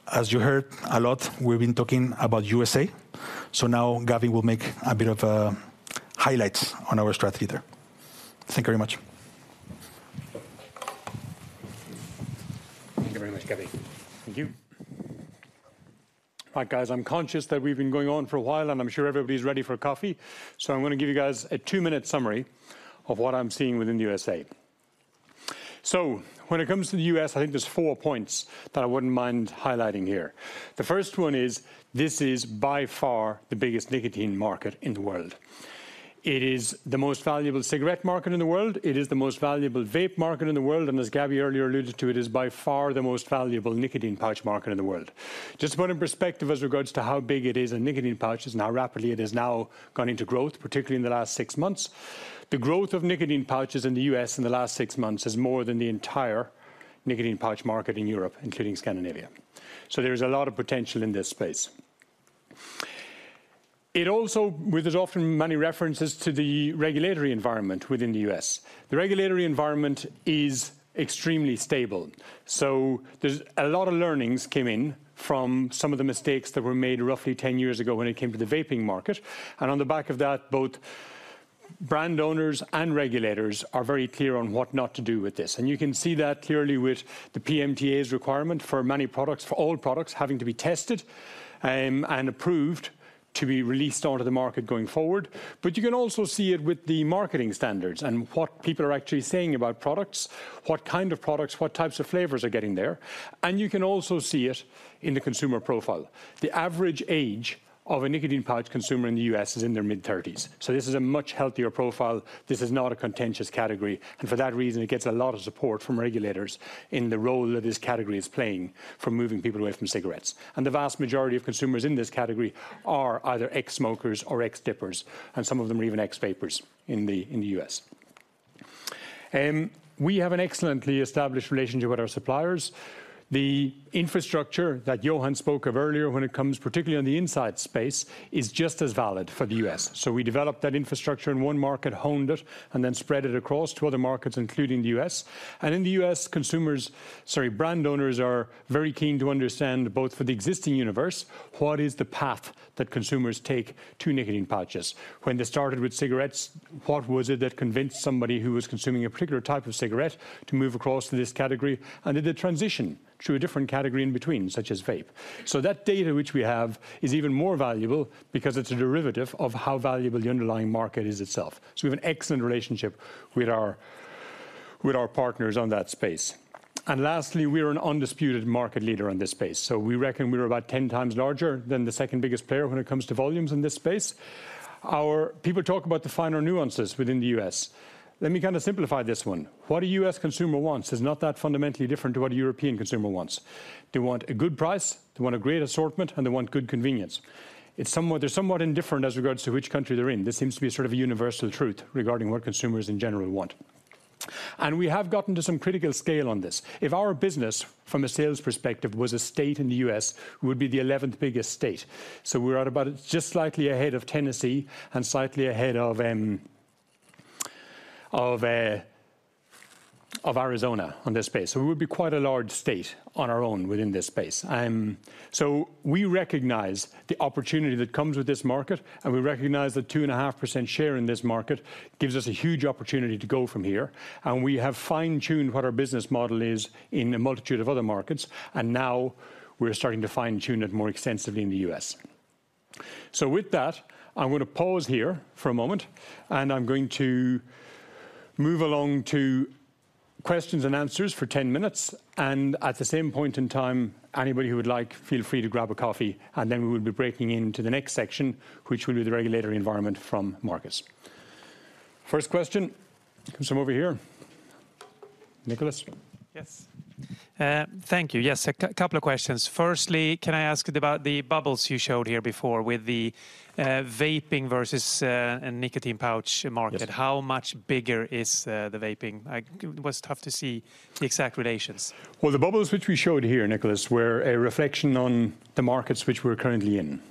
As you heard a lot, we've been talking about USA, so now Gabby will make a bit of highlights on our strategy there. Thank you very much. Thank you very much, Gabby. Thank you. All right, guys, I'm conscious that we've been going on for a while, and I'm sure everybody's ready for coffee, so I'm gonna give you guys a two-minute summary of what I'm seeing within the U.S. When it comes to the U.S., I think there's four points that I wouldn't mind highlighting here. The first one is, this is by far the biggest nicotine market in the world. It is the most valuable cigarette market in the world. It is the most valuable vape market in the world, and as Gabby earlier alluded to, it is by far the most valuable nicotine pouch market in the world. Just to put in perspective as regards to how big it is in nicotine pouches and how rapidly it has now gone into growth, particularly in the last six months, the growth of nicotine pouches in the U.S. in the last six months is more than the entire nicotine pouch market in Europe, including Scandinavia. So there is a lot of potential in this space. It also, where there's often many references to the regulatory environment within the U.S., the regulatory environment is extremely stable. So there's a lot of learnings came in from some of the mistakes that were made roughly 10 years ago when it came to the vaping market, and on the back of that, both brand owners and regulators are very clear on what not to do with this. You can see that clearly with the PMTA's requirement for many products, for all products, having to be tested and approved to be released onto the market going forward. But you can also see it with the marketing standards and what people are actually saying about products, what kind of products, what types of flavors are getting there, and you can also see it in the consumer profile. The average age of a nicotine pouch consumer in the U.S. is in their mid-thirties, so this is a much healthier profile. This is not a contentious category, and for that reason, it gets a lot of support from regulators in the role that this category is playing from moving people away from cigarettes. And the vast majority of consumers in this category are either ex-smokers or ex-dippers, and some of them are even ex-vapers in the U.S. We have an excellently established relationship with our suppliers. The infrastructure that Johan spoke of earlier, when it comes particularly on the inside space, is just as valid for the US. So we developed that infrastructure in one market, honed it, and then spread it across to other markets, including the US. And in the US, consumers, sorry, brand owners are very keen to understand, both for the existing universe, what is the path that consumers take to nicotine pouches? When they started with cigarettes, what was it that convinced somebody who was consuming a particular type of cigarette to move across to this category, and did they transition through a different category in between, such as vape? So that data which we have is even more valuable because it's a derivative of how valuable the underlying market is itself. So we have an excellent relationship with our, with our partners on that space. And lastly, we are an undisputed market leader in this space. So we reckon we're about 10 times larger than the second biggest player when it comes to volumes in this space. Our... People talk about the finer nuances within the U.S. Let me kind of simplify this one. What a U.S. consumer wants is not that fundamentally different to what a European consumer wants. They want a good price, they want a great assortment, and they want good convenience. It's somewhat-- They're somewhat indifferent as regards to which country they're in. This seems to be sort of a universal truth regarding what consumers in general want. And we have gotten to some critical scale on this. If our business, from a sales perspective, was a state in the U.S., we would be the eleventh biggest state. So we're at about just slightly ahead of Tennessee and slightly ahead of Arizona on this space. So we would be quite a large state on our own within this space. So we recognize the opportunity that comes with this market, and we recognize that 2.5% share in this market gives us a huge opportunity to go from here. And we have fine-tuned what our business model is in a multitude of other markets, and now we're starting to fine-tune it more extensively in the U.S. So with that, I'm gonna pause here for a moment, and I'm going to move along to questions and answers for 10 minutes. At the same point in time, anybody who would like, feel free to grab a coffee, and then we will be breaking into the next section, which will be the regulatory environment from Markus. First question comes from over here. Niklas? Yes. Thank you. Yes, a couple of questions. Firstly, can I ask about the bubbles you showed here before with the vaping versus nicotine pouch market? Yes. How much bigger is the vaping? Like, it was tough to see the exact relations. Well, the bubbles which we showed here, Niklas, were a reflection on the markets which we're currently in.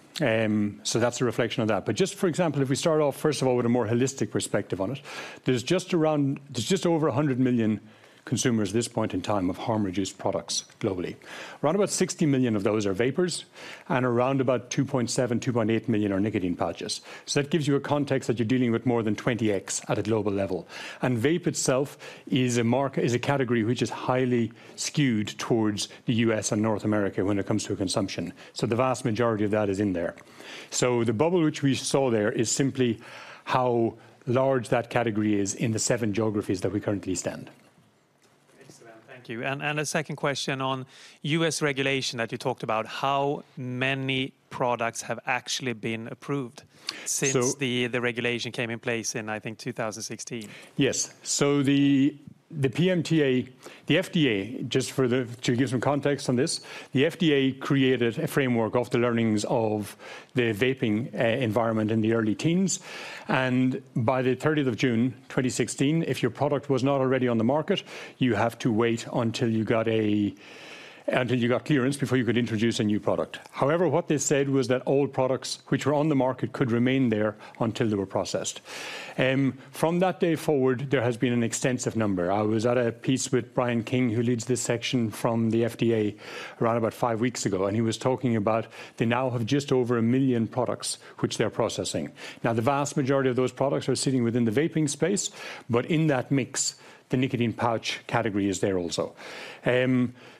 So that's a reflection of that. But just for example, if we start off, first of all, with a more holistic perspective on it, there's just over 100 million consumers at this point in time of harm-reduced products globally. Around about 60 million of those are vapers, and around about 2.7-2.8 million are nicotine pouches. So that gives you a context that you're dealing with more than 20x at a global level. And vape itself is a category which is highly skewed towards the U.S. and North America when it comes to consumption, so the vast majority of that is in there. The bubble which we saw there is simply how large that category is in the seven geographies that we currently stand. ... Thank you. And a second question on U.S. regulation that you talked about, how many products have actually been approved- So- Since the regulation came in place in, I think, 2016? Yes. So the PMTA, the FDA, just to give some context on this, the FDA created a framework of the learnings of the vaping environment in the early teens. And by the 30th of June, 2016, if your product was not already on the market, you have to wait until you got a, until you got clearance before you could introduce a new product. However, what they said was that old products which were on the market could remain there until they were processed. From that day forward, there has been an extensive number. I was at a conference with Brian King, who leads this section from the FDA, around about five weeks ago, and he was talking about they now have just over 1 million products which they're processing. Now, the vast majority of those products are sitting within the vaping space, but in that mix, the nicotine pouch category is there also.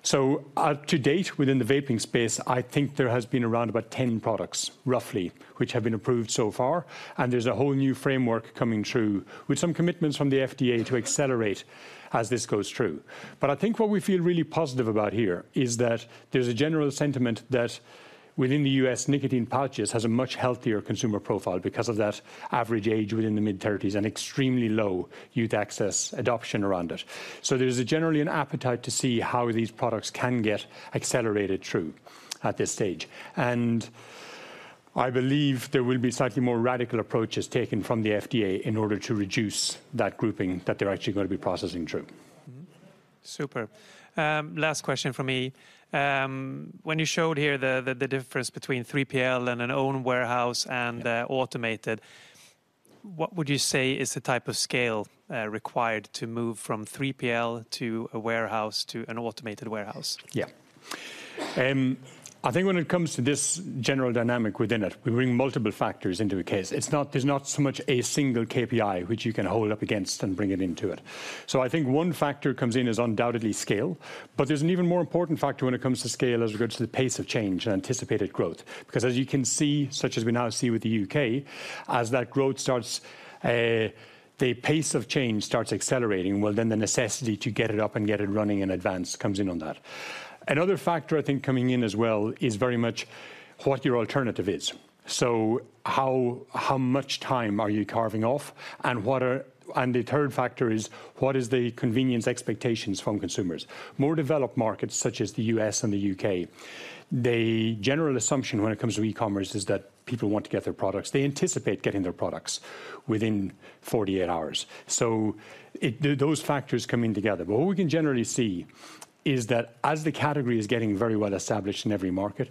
So, to date, within the vaping space, I think there has been around about 10 products, roughly, which have been approved so far, and there's a whole new framework coming through, with some commitments from the FDA. to accelerate as this goes through. But I think what we feel really positive about here is that there's a general sentiment that within the U.S., nicotine pouches has a much healthier consumer profile because of that average age within the mid-thirties and extremely low youth access adoption around it. So there's generally an appetite to see how these products can get accelerated through at this stage. I believe there will be slightly more radical approaches taken from the FDA in order to reduce that grouping that they're actually gonna be processing through. Mm-hmm. Superb. Last question from me. When you showed here the difference between 3PL and an own warehouse and, Yeah... automated, what would you say is the type of scale required to move from 3PL to a warehouse to an automated warehouse? Yeah. I think when it comes to this general dynamic within it, we bring multiple factors into the case. It's not, there's not so much a single KPI, which you can hold up against and bring it into it. So I think one factor comes in is undoubtedly scale, but there's an even more important factor when it comes to scale, as regards to the pace of change and anticipated growth. Because as you can see, such as we now see with the U.K., as that growth starts, the pace of change starts accelerating, well, then the necessity to get it up and get it running in advance comes in on that. Another factor, I think, coming in as well, is very much what your alternative is. So how, how much time are you carving off, and what are... The third factor is, what is the convenience expectations from consumers? More developed markets, such as the U.S. and the U.K., the general assumption when it comes to e-commerce is that people want to get their products... They anticipate getting their products within 48 hours, so it, those factors come in together. But what we can generally see is that as the category is getting very well established in every market,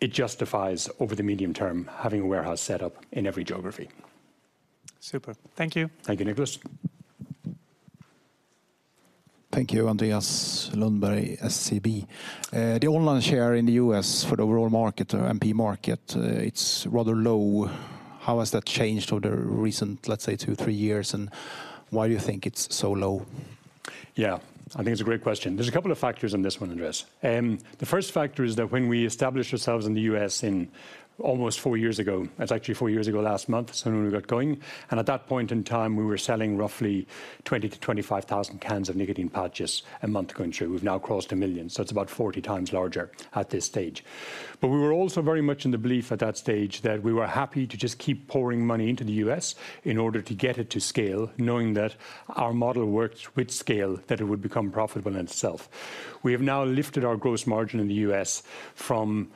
it justifies, over the medium term, having a warehouse set up in every geography. Superb. Thank you. Thank you, Niklas. Thank you, Andreas Lundberg, SEB. The online share in the U.S. for the overall market, NP market, it's rather low. How has that changed over the recent, let's say, two, three years, and why do you think it's so low? Yeah, I think it's a great question. There's a couple of factors on this one, Andreas. The first factor is that when we established ourselves in the U.S. in, almost four years ago, it's actually four years ago last month, so when we got going, and at that point in time, we were selling roughly 20-25,000 cans of nicotine pouches a month going through. We've now crossed 1 million, so it's about 40 times larger at this stage. But we were also very much in the belief at that stage that we were happy to just keep pouring money into the U.S. in order to get it to scale, knowing that our model worked with scale, that it would become profitable in itself. We have now lifted our gross margin in the U.S. from,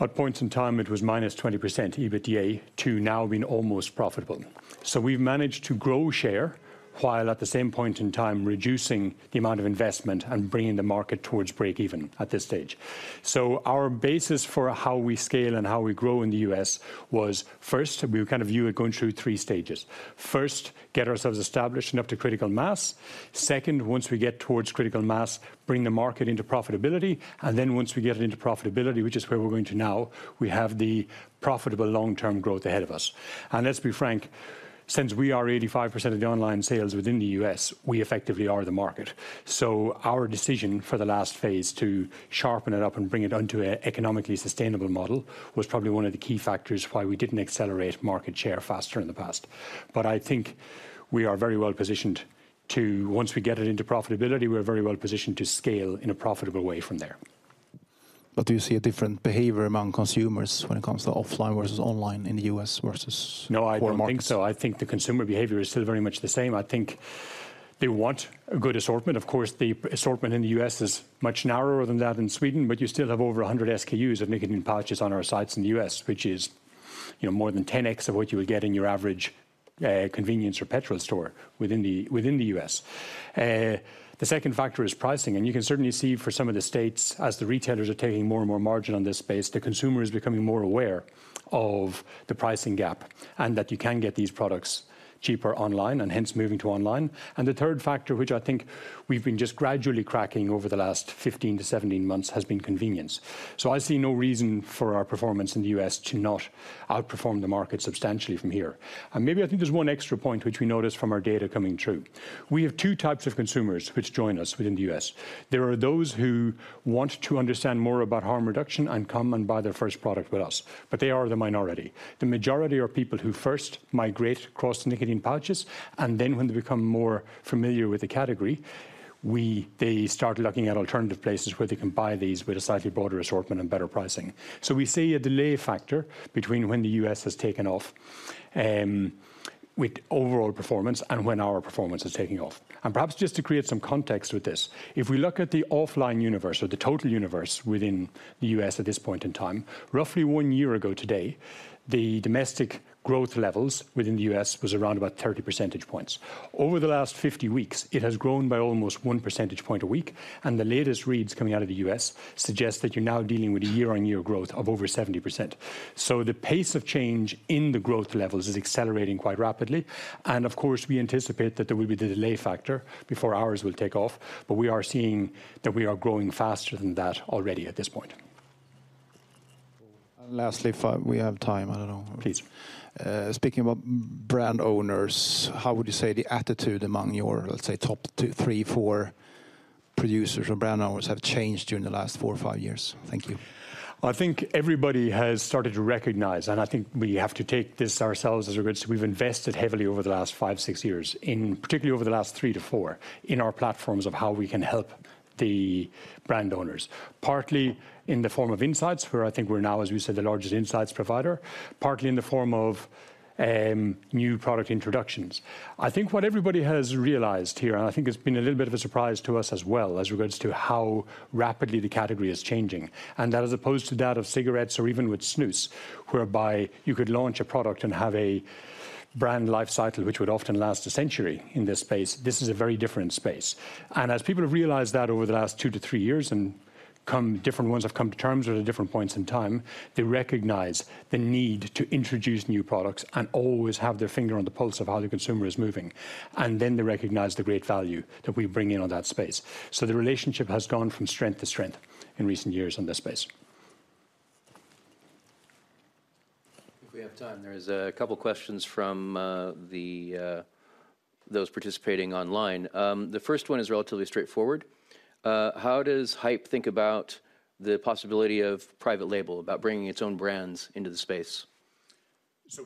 at points in time, it was -20% EBITDA, to now being almost profitable. So we've managed to grow share, while at the same point in time, reducing the amount of investment and bringing the market towards break even at this stage. So our basis for how we scale and how we grow in the U.S. was, first, we would kind of view it going through three stages. First, get ourselves established enough to critical mass. Second, once we get towards critical mass, bring the market into profitability, and then once we get it into profitability, which is where we're going to now, we have the profitable long-term growth ahead of us. And let's be frank, since we are 85% of the online sales within the U.S., we effectively are the market. Our decision for the last phase, to sharpen it up and bring it onto an economically sustainable model, was probably one of the key factors why we didn't accelerate market share faster in the past. But I think we are very well positioned to... Once we get it into profitability, we're very well positioned to scale in a profitable way from there. But do you see a different behavior among consumers when it comes to offline versus online in the U.S. versus- No, I don't think so.... core markets? I think the consumer behavior is still very much the same. I think they want a good assortment. Of course, the assortment in the U.S. is much narrower than that in Sweden, but you still have over 100 SKUs of nicotine pouches on our sites in the U.S., which is, you know, more than 10x of what you would get in your average convenience or petrol store within the U.S. The second factor is pricing, and you can certainly see for some of the states, as the retailers are taking more and more margin on this space, the consumer is becoming more aware of the pricing gap, and that you can get these products cheaper online, and hence moving to online. And the third factor, which I think we've been just gradually cracking over the last 15-17 months, has been convenience. So I see no reason for our performance in the U.S. to not outperform the market substantially from here. Maybe I think there's one extra point which we noticed from our data coming through. We have two types of consumers which join us within the U.S. There are those who want to understand more about harm reduction and come and buy their first product with us, but they are the minority. The majority are people who first migrate across to nicotine pouches, and then when they become more familiar with the category, they start looking at alternative places where they can buy these with a slightly broader assortment and better pricing. So we see a delay factor between when the U.S. has taken off with overall performance and when our performance is taking off. Perhaps just to create some context with this, if we look at the offline universe or the total universe within the U.S. at this point in time, roughly 1 year ago today, the domestic growth levels within the U.S. was around about 30 percentage points. Over the last 50 weeks, it has grown by almost 1 percentage point a week, and the latest reads coming out of the U.S. suggest that you're now dealing with a year-on-year growth of over 70%. The pace of change in the growth levels is accelerating quite rapidly, and of course, we anticipate that there will be the delay factor before ours will take off, but we are seeing that we are growing faster than that already at this point. Lastly, if we have time, I don't know. Please. Speaking about brand owners, how would you say the attitude among your, let's say, top two, three, four producers or brand owners have changed during the last four or five years? Thank you. I think everybody has started to recognize, and I think we have to take this ourselves as regards, we've invested heavily over the last 5-6 years, in particularly over the last 3-4, in our platforms of how we can help the brand owners. Partly in the form of insights, where I think we're now, as we said, the largest insights provider, partly in the form of new product introductions. I think what everybody has realized here, and I think it's been a little bit of a surprise to us as well, as regards to how rapidly the category is changing. And that as opposed to that of cigarettes or even with snus, whereby you could launch a product and have a brand life cycle, which would often last a century in this space. This is a very different space. As people have realized that over the last 2-3 years and different ones have come to terms with it at different points in time, they recognize the need to introduce new products and always have their finger on the pulse of how the consumer is moving, and then they recognize the great value that we bring in on that space. So the relationship has gone from strength to strength in recent years on this space. If we have time, there's a couple of questions from those participating online. The first one is relatively straightforward. How does Haypp think about the possibility of private label, about bringing its own brands into the space?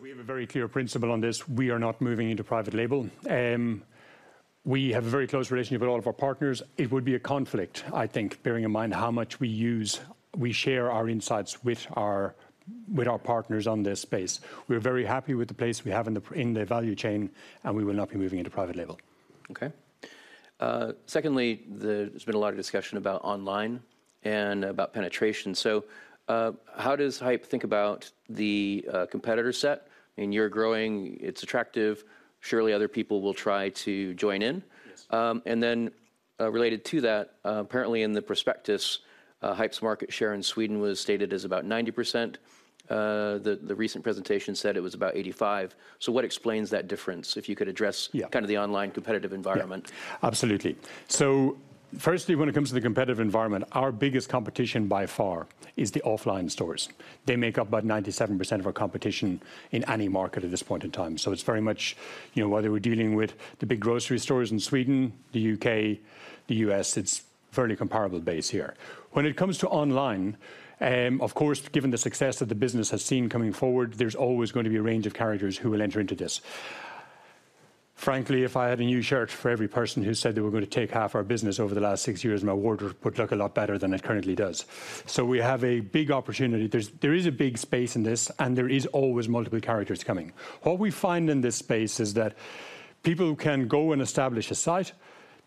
We have a very clear principle on this. We are not moving into private label. We have a very close relationship with all of our partners. It would be a conflict, I think, bearing in mind how much we use, we share our insights with our partners on this space. We're very happy with the place we have in the value chain, and we will not be moving into private label. Okay. Secondly, there's been a lot of discussion about online and about penetration. So, how does Haypp think about the competitor set? I mean, you're growing, it's attractive. Surely, other people will try to join in. Yes. And then, related to that, apparently in the prospectus, Haypp's market share in Sweden was stated as about 90%. The recent presentation said it was about 85%. So what explains that difference? If you could address- Yeah... kind of the online competitive environment. Yeah. Absolutely. So firstly, when it comes to the competitive environment, our biggest competition by far is the offline stores. They make up about 97% of our competition in any market at this point in time. So it's very much, you know, whether we're dealing with the big grocery stores in Sweden, the U.K., the U.S., it's fairly comparable base here. When it comes to online, of course, given the success that the business has seen coming forward, there's always going to be a range of characters who will enter into this. Frankly, if I had a new shirt for every person who said they were gonna take half our business over the last six years, my wardrobe would look a lot better than it currently does. So we have a big opportunity. There is a big space in this, and there is always multiple characters coming. What we find in this space is that people can go and establish a site,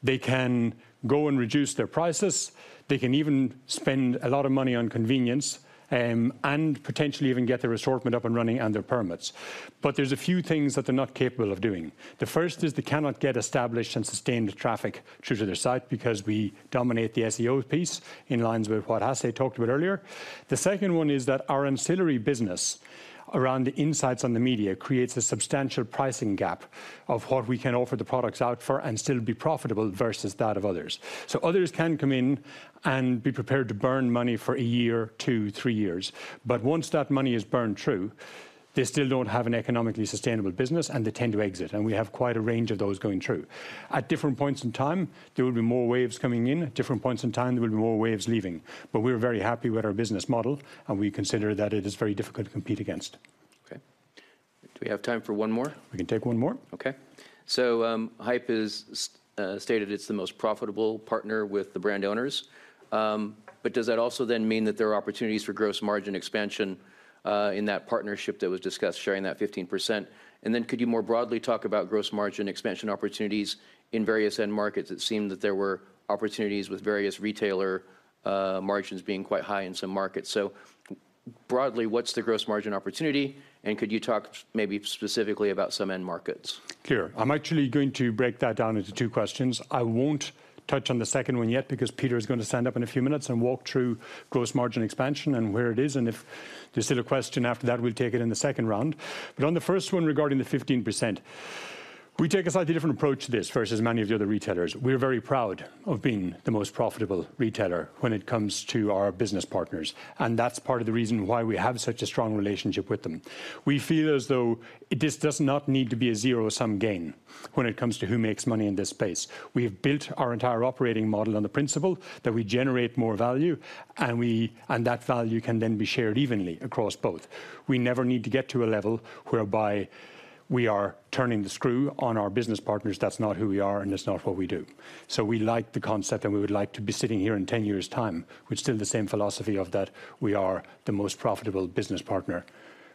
they can go and reduce their prices, they can even spend a lot of money on convenience, and potentially even get their assortment up and running and their permits. But there's a few things that they're not capable of doing. The first is they cannot get established and sustain the traffic through to their site because we dominate the SEO piece in lines with what Hasse talked about earlier. The second one is that our ancillary business around the insights on the media creates a substantial pricing gap of what we can offer the products out for and still be profitable versus that of others. So others can come in and be prepared to burn money for a year, two, three years. But once that money is burned through, they still don't have an economically sustainable business, and they tend to exit, and we have quite a range of those going through. At different points in time, there will be more waves coming in. At different points in time, there will be more waves leaving. But we're very happy with our business model, and we consider that it is very difficult to compete against. Okay. Do we have time for one more? We can take one more. Okay. So, Haypp is stated it's the most profitable partner with the brand owners. But does that also then mean that there are opportunities for gross margin expansion in that partnership that was discussed, sharing that 15%? And then could you more broadly talk about gross margin expansion opportunities in various end markets? It seemed that there were opportunities with various retailer margins being quite high in some markets. So broadly, what's the gross margin opportunity, and could you talk maybe specifically about some end markets? Clear. I'm actually going to break that down into two questions. I won't touch on the second one yet, because Peter is gonna stand up in a few minutes and walk through gross margin expansion and where it is, and if there's still a question after that, we'll take it in the second round. But on the first one, regarding the 15%, we take a slightly different approach to this versus many of the other retailers. We're very proud of being the most profitable retailer when it comes to our business partners, and that's part of the reason why we have such a strong relationship with them. We feel as though this does not need to be a zero-sum game... when it comes to who makes money in this space. We have built our entire operating model on the principle that we generate more value, and that value can then be shared evenly across both. We never need to get to a level whereby we are turning the screw on our business partners. That's not who we are, and it's not what we do. So we like the concept, and we would like to be sitting here in ten years' time with still the same philosophy of that we are the most profitable business partner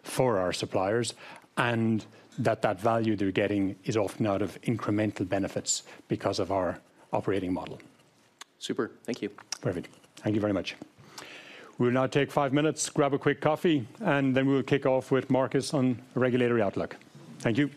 for our suppliers, and that that value they're getting is often out of incremental benefits because of our operating model. Super. Thank you. Perfect. Thank you very much. We'll now take five minutes, grab a quick coffee, and then we'll kick off with Markus on regulatory outlook. Thank you.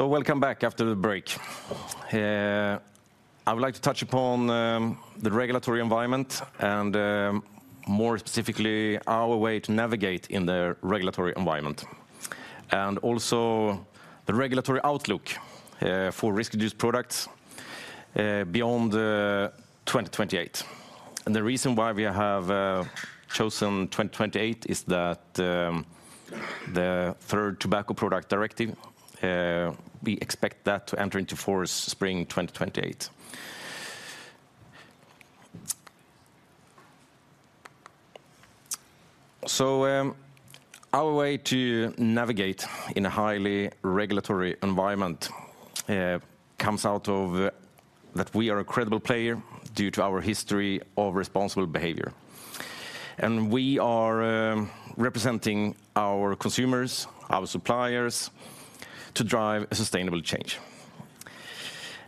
So welcome back after the break. I would like to touch upon the regulatory environment and, more specifically, our way to navigate in the regulatory environment, and also the regulatory outlook for risk-reduced products beyond 2028. The reason why we have chosen 2028 is that the Third Tobacco Products Directive, we expect that to enter into force spring 2028. So our way to navigate in a highly regulatory environment comes out of that we are a credible player due to our history of responsible behavior. And we are representing our consumers, our suppliers, to drive a sustainable change.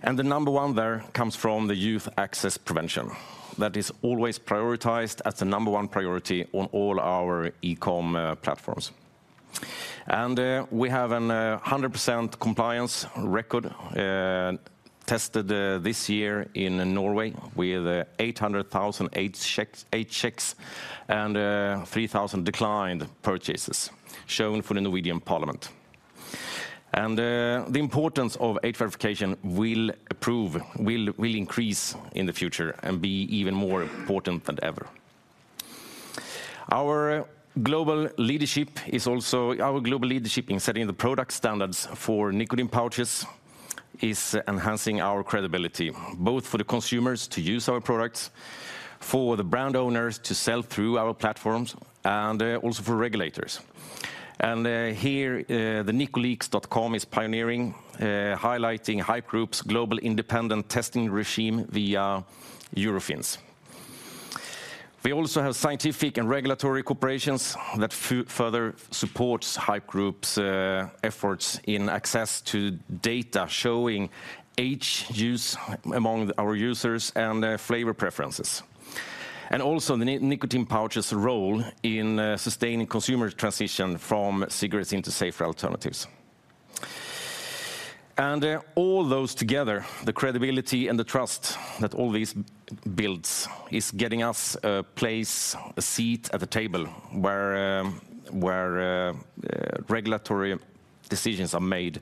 And the number one there comes from the Youth Access Prevention. That is always prioritized as the number one priority on all our e-com platforms. We have a 100% compliance record, tested this year in Norway, with 800,000 age checks, age checks, and 3,000 declined purchases shown for the Norwegian Parliament. The importance of age verification will increase in the future and be even more important than ever. Our global leadership in setting the product standards for nicotine pouches is enhancing our credibility, both for the consumers to use our products, for the brand owners to sell through our platforms, and also for regulators. Here, the NicoLeaks.com is pioneering, highlighting Haypp Group's global independent testing regime via Eurofins. We also have scientific and regulatory corporations that further supports Haypp Group's efforts in access to data, showing age, use among our users, and flavor preferences. And also the nicotine pouches role in sustaining consumer transition from cigarettes into safer alternatives. And all those together, the credibility and the trust that all these builds, is getting us a place, a seat at the table where regulatory decisions are made,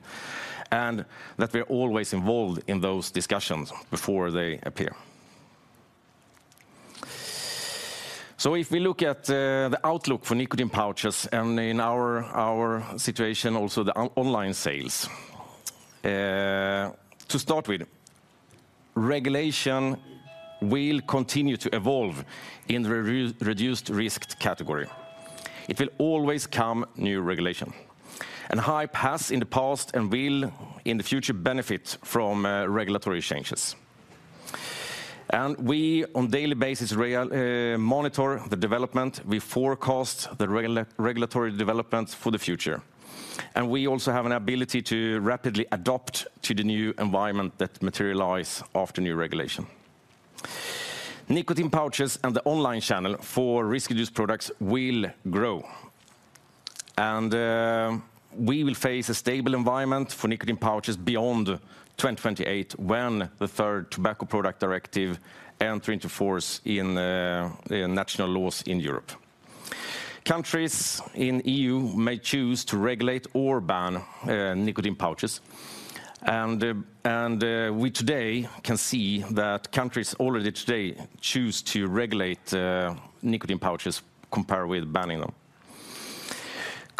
and that we're always involved in those discussions before they appear. So if we look at the outlook for nicotine pouches and in our situation, also the online sales. To start with, regulation will continue to evolve in the reduced risk category. It will always come new regulation, and Haypp has in the past and will, in the future, benefit from regulatory changes. And we, on daily basis, really monitor the development, we forecast the regulatory development for the future. We also have an ability to rapidly adopt to the new environment that materialize after new regulation. Nicotine pouches and the online channel for risk-reduced products will grow. We will face a stable environment for nicotine pouches beyond 2028, when the third tobacco product directive enter into force in national laws in Europe. Countries in EU may choose to regulate or ban nicotine pouches. We today can see that countries already today choose to regulate nicotine pouches compared with banning them.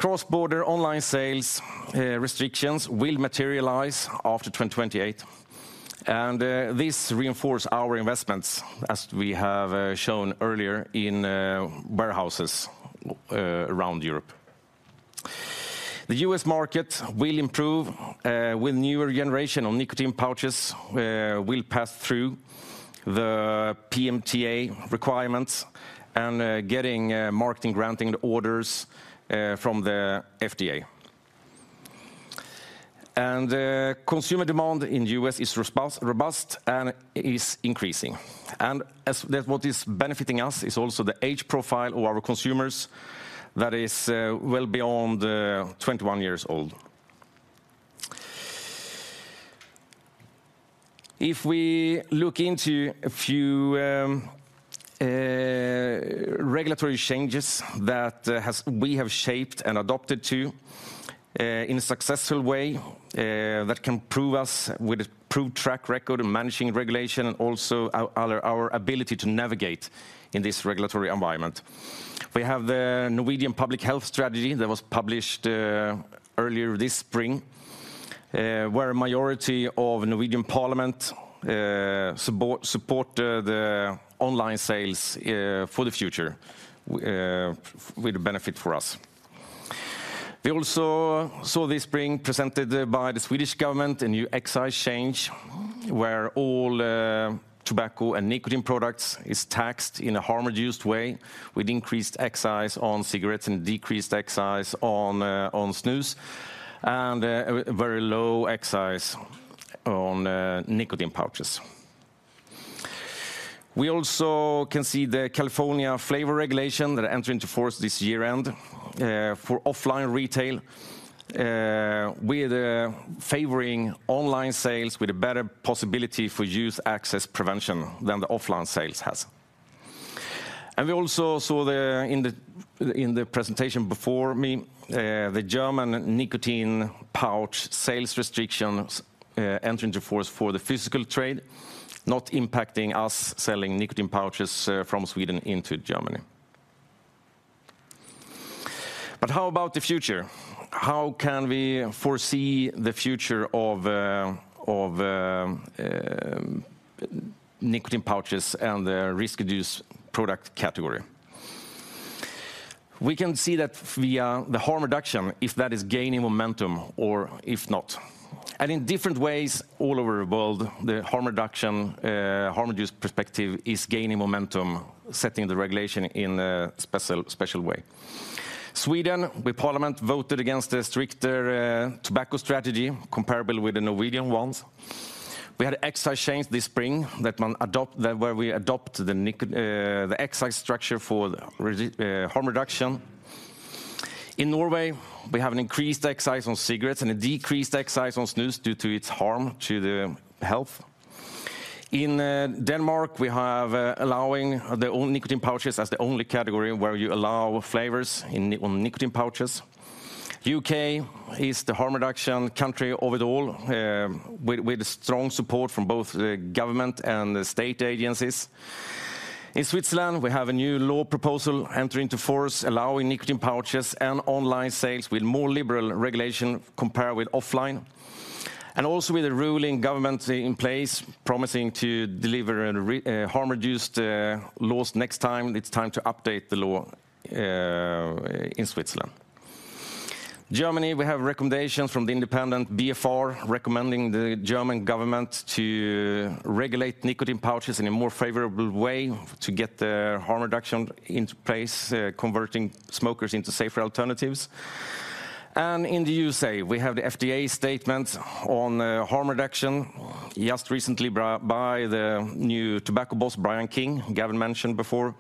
Cross-border online sales restrictions will materialize after 2028, and this reinforce our investments, as we have shown earlier in warehouses around Europe. The U.S. market will improve with newer generation of nicotine pouches that will pass through the PMTA requirements and getting marketing granting orders from the FDA. Consumer demand in U.S. is robust and is increasing. And that what is benefiting us is also the age profile of our consumers that is well beyond 21 years old. If we look into a few regulatory changes that we have shaped and adopted to in a successful way that can provide us with a proven track record in managing regulation and also our ability to navigate in this regulatory environment. We have the Norwegian Public Health Strategy that was published earlier this spring, where a majority of Norwegian parliament support the online sales for the future with a benefit for us. We also saw this being presented by the Swedish government, a new excise change, where all tobacco and nicotine products is taxed in a harm-reduced way, with increased excise on cigarettes and decreased excise on snus, and a very low excise on nicotine pouches. We also can see the California flavor regulation that enter into force this year end for offline retail with favoring online sales with a better possibility for youth access prevention than the offline sales has. And we also saw the presentation before me, the German nicotine pouch sales restrictions enter into force for the physical trade, not impacting us selling nicotine pouches from Sweden into Germany. But how about the future? How can we foresee the future of nicotine pouches and the risk-reduced product category? We can see that via the harm reduction, if that is gaining momentum or if not. And in different ways all over the world, the harm reduction, harm-reduced perspective is gaining momentum, setting the regulation in a special, special way. Sweden, with parliament, voted against a stricter tobacco strategy comparable with the Norwegian ones. We had an excise change this spring, that where we adopt the nic, the excise structure for the redu-, harm reduction. In Norway, we have an increased excise on cigarettes and a decreased excise on snus due to its harm to the health. In Denmark, we have allowing the all nicotine pouches as the only category where you allow flavors in nicotine pouches. U.K. is the harm reduction country of it all, with strong support from both the government and the state agencies. In Switzerland, we have a new law proposal entering to force, allowing nicotine pouches and online sales with more liberal regulation compared with offline, and also with a ruling government in place, promising to deliver a harm-reduced laws next time. It's time to update the law in Switzerland. Germany, we have recommendations from the independent BfR, recommending the German government to regulate nicotine pouches in a more favorable way to get the harm reduction into place, converting smokers into safer alternatives. And in the USA, we have the FDA statement on harm reduction just recently by the new tobacco boss, Brian King, Gavin mentioned before.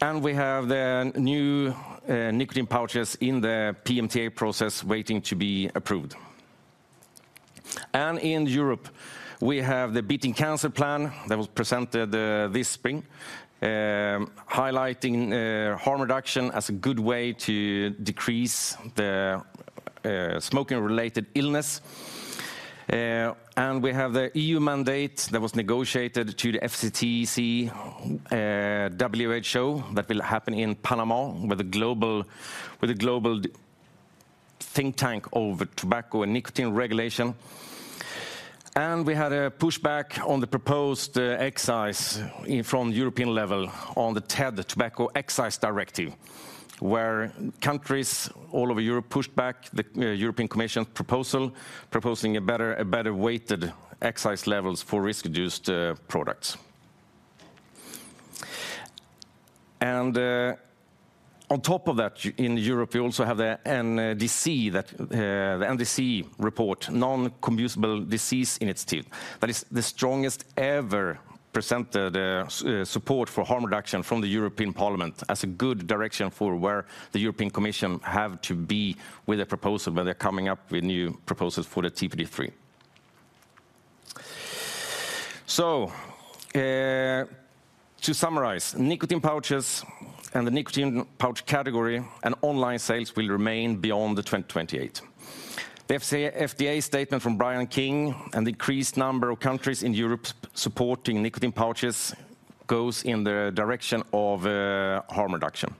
And we have the new nicotine pouches in the PMTA process waiting to be approved. And in Europe, we have the Beating Cancer Plan that was presented this spring, highlighting harm reduction as a good way to decrease the smoking-related illness. And we have the EU mandate that was negotiated to the FCTC, WHO, that will happen in Panama, with a global think tank over tobacco and nicotine regulation. We had a pushback on the proposed excise in from European level on the TED, Tobacco Excise Directive, where countries all over Europe pushed back the European Commission proposal, proposing a better weighted excise levels for risk-reduced products. And on top of that, in Europe, you also have the NCD, the NCD report, Non-Communicable Diseases initiative. That is the strongest ever presented support for harm reduction from the European Parliament as a good direction for where the European Commission have to be with a proposal, where they're coming up with new proposals for the TPD3. So, to summarize, nicotine pouches and the nicotine pouch category and online sales will remain beyond 2028. The FDA statement from Brian King, an increased number of countries in Europe supporting nicotine pouches, goes in the direction of harm reduction.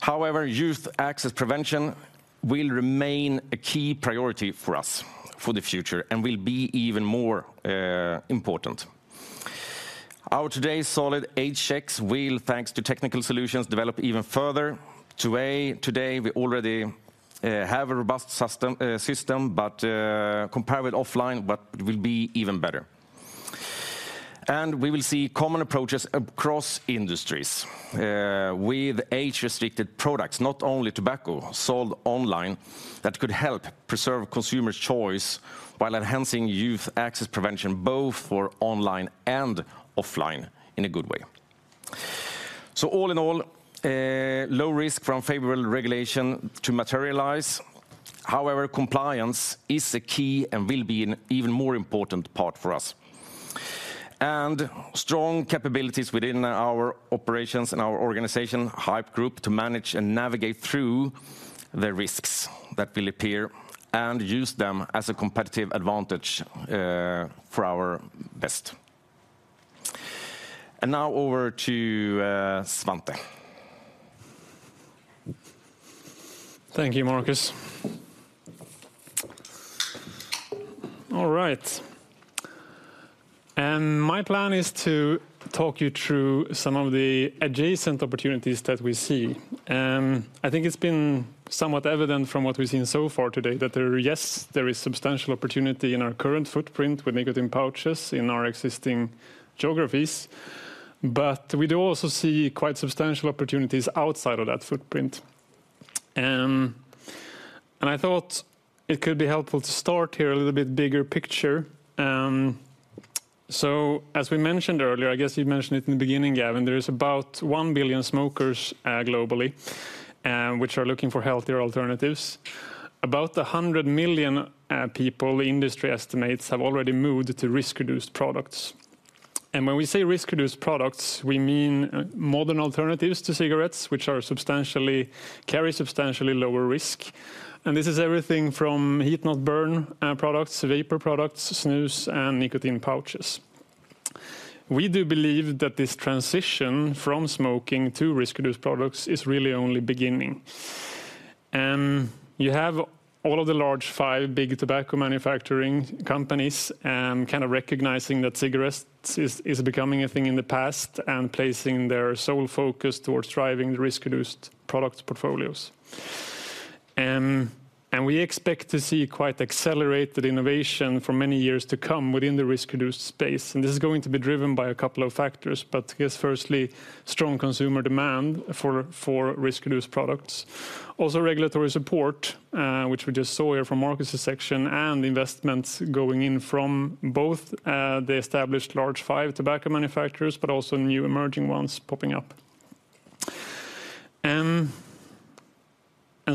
However, youth access prevention will remain a key priority for us for the future and will be even more important. Our today's solid age checks will, thanks to technical solutions, develop even further. Today we already have a robust system, but compare with offline, but it will be even better. We will see common approaches across industries with age-restricted products, not only tobacco, sold online, that could help preserve consumer choice while enhancing youth access prevention, both for online and offline in a good way. So all in all, low risk from favorable regulation to materialize. However, compliance is the key and will be an even more important part for us. And strong capabilities within our operations and our organization, Haypp Group, to manage and navigate through the risks that will appear and use them as a competitive advantage for our best. And now over to Svante. Thank you, Markus. All right. My plan is to talk you through some of the adjacent opportunities that we see. I think it's been somewhat evident from what we've seen so far today that there are, yes, there is substantial opportunity in our current footprint with nicotine pouches in our existing geographies, but we do also see quite substantial opportunities outside of that footprint. I thought it could be helpful to start here a little bit bigger picture. As we mentioned earlier, I guess you mentioned it in the beginning, Gavin, there is about 1 billion smokers, globally, which are looking for healthier alternatives. About 100 million, people, industry estimates, have already moved to risk-reduced products. When we say risk-reduced products, we mean modern alternatives to cigarettes, which carry substantially lower risk. This is everything from heat-not-burn products, vapor products, snus, and nicotine pouches. We do believe that this transition from smoking to risk-reduced products is really only beginning. You have all of the large five big tobacco manufacturing companies kind of recognizing that cigarettes is becoming a thing in the past and placing their sole focus towards driving the risk-reduced product portfolios. And we expect to see quite accelerated innovation for many years to come within the risk-reduced space, and this is going to be driven by a couple of factors, but I guess firstly, strong consumer demand for risk-reduced products. Also, regulatory support, which we just saw here from Markus' section, and investments going in from both the established large five tobacco manufacturers, but also new emerging ones popping up.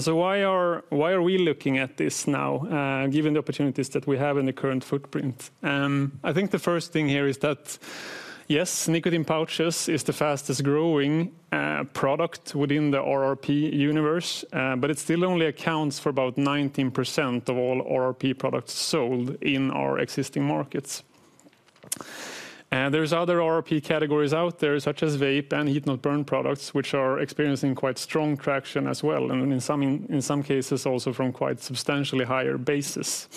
So why are we looking at this now, given the opportunities that we have in the current footprint? I think the first thing here is that, yes, nicotine pouches is the fastest growing product within the RRP universe, but it still only accounts for about 19% of all RRP products sold in our existing markets. And there's other RRP categories out there, such as vape and heat-not-burn products, which are experiencing quite strong traction as well, and in some cases, also from quite substantially higher basis.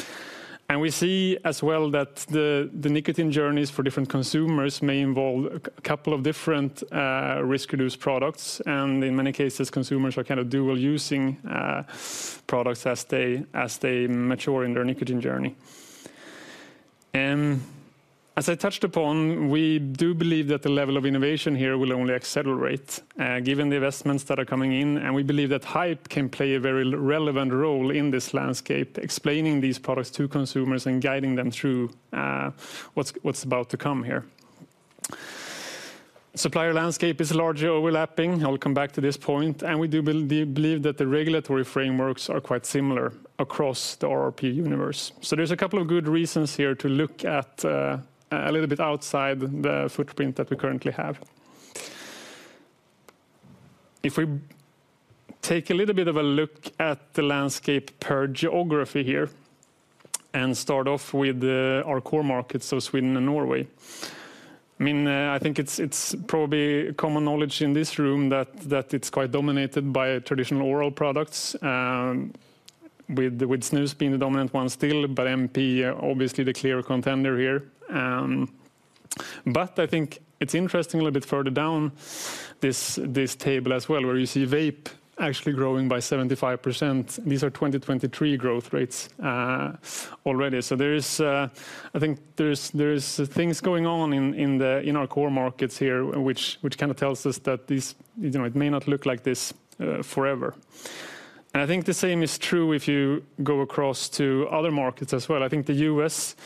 And we see as well that the nicotine journeys for different consumers may involve a couple of different risk-reduced products, and in many cases, consumers are kind of dual using products as they mature in their nicotine journey. As I touched upon, we do believe that the level of innovation here will only accelerate, given the investments that are coming in, and we believe that Haypp can play a very relevant role in this landscape, explaining these products to consumers and guiding them through what's about to come here. Supplier landscape is largely overlapping. I will come back to this point, and we do believe that the regulatory frameworks are quite similar across the RRP universe. So there's a couple of good reasons here to look at a little bit outside the footprint that we currently have. If we take a little bit of a look at the landscape per geography here, and start off with our core markets of Sweden and Norway. I mean, I think it's, it's probably common knowledge in this room that, that it's quite dominated by traditional oral products, with, with snus being the dominant one still, but NP, obviously, the clear contender here. But I think it's interesting a little bit further down this, this table as well, where you see vape actually growing by 75%. These are 2023 growth rates, already. So there is, I think there's, there's things going on in, in the, in our core markets here, which, which kind of tells us that these, you know, it may not look like this, forever. And I think the same is true if you go across to other markets as well. I think the U.S.,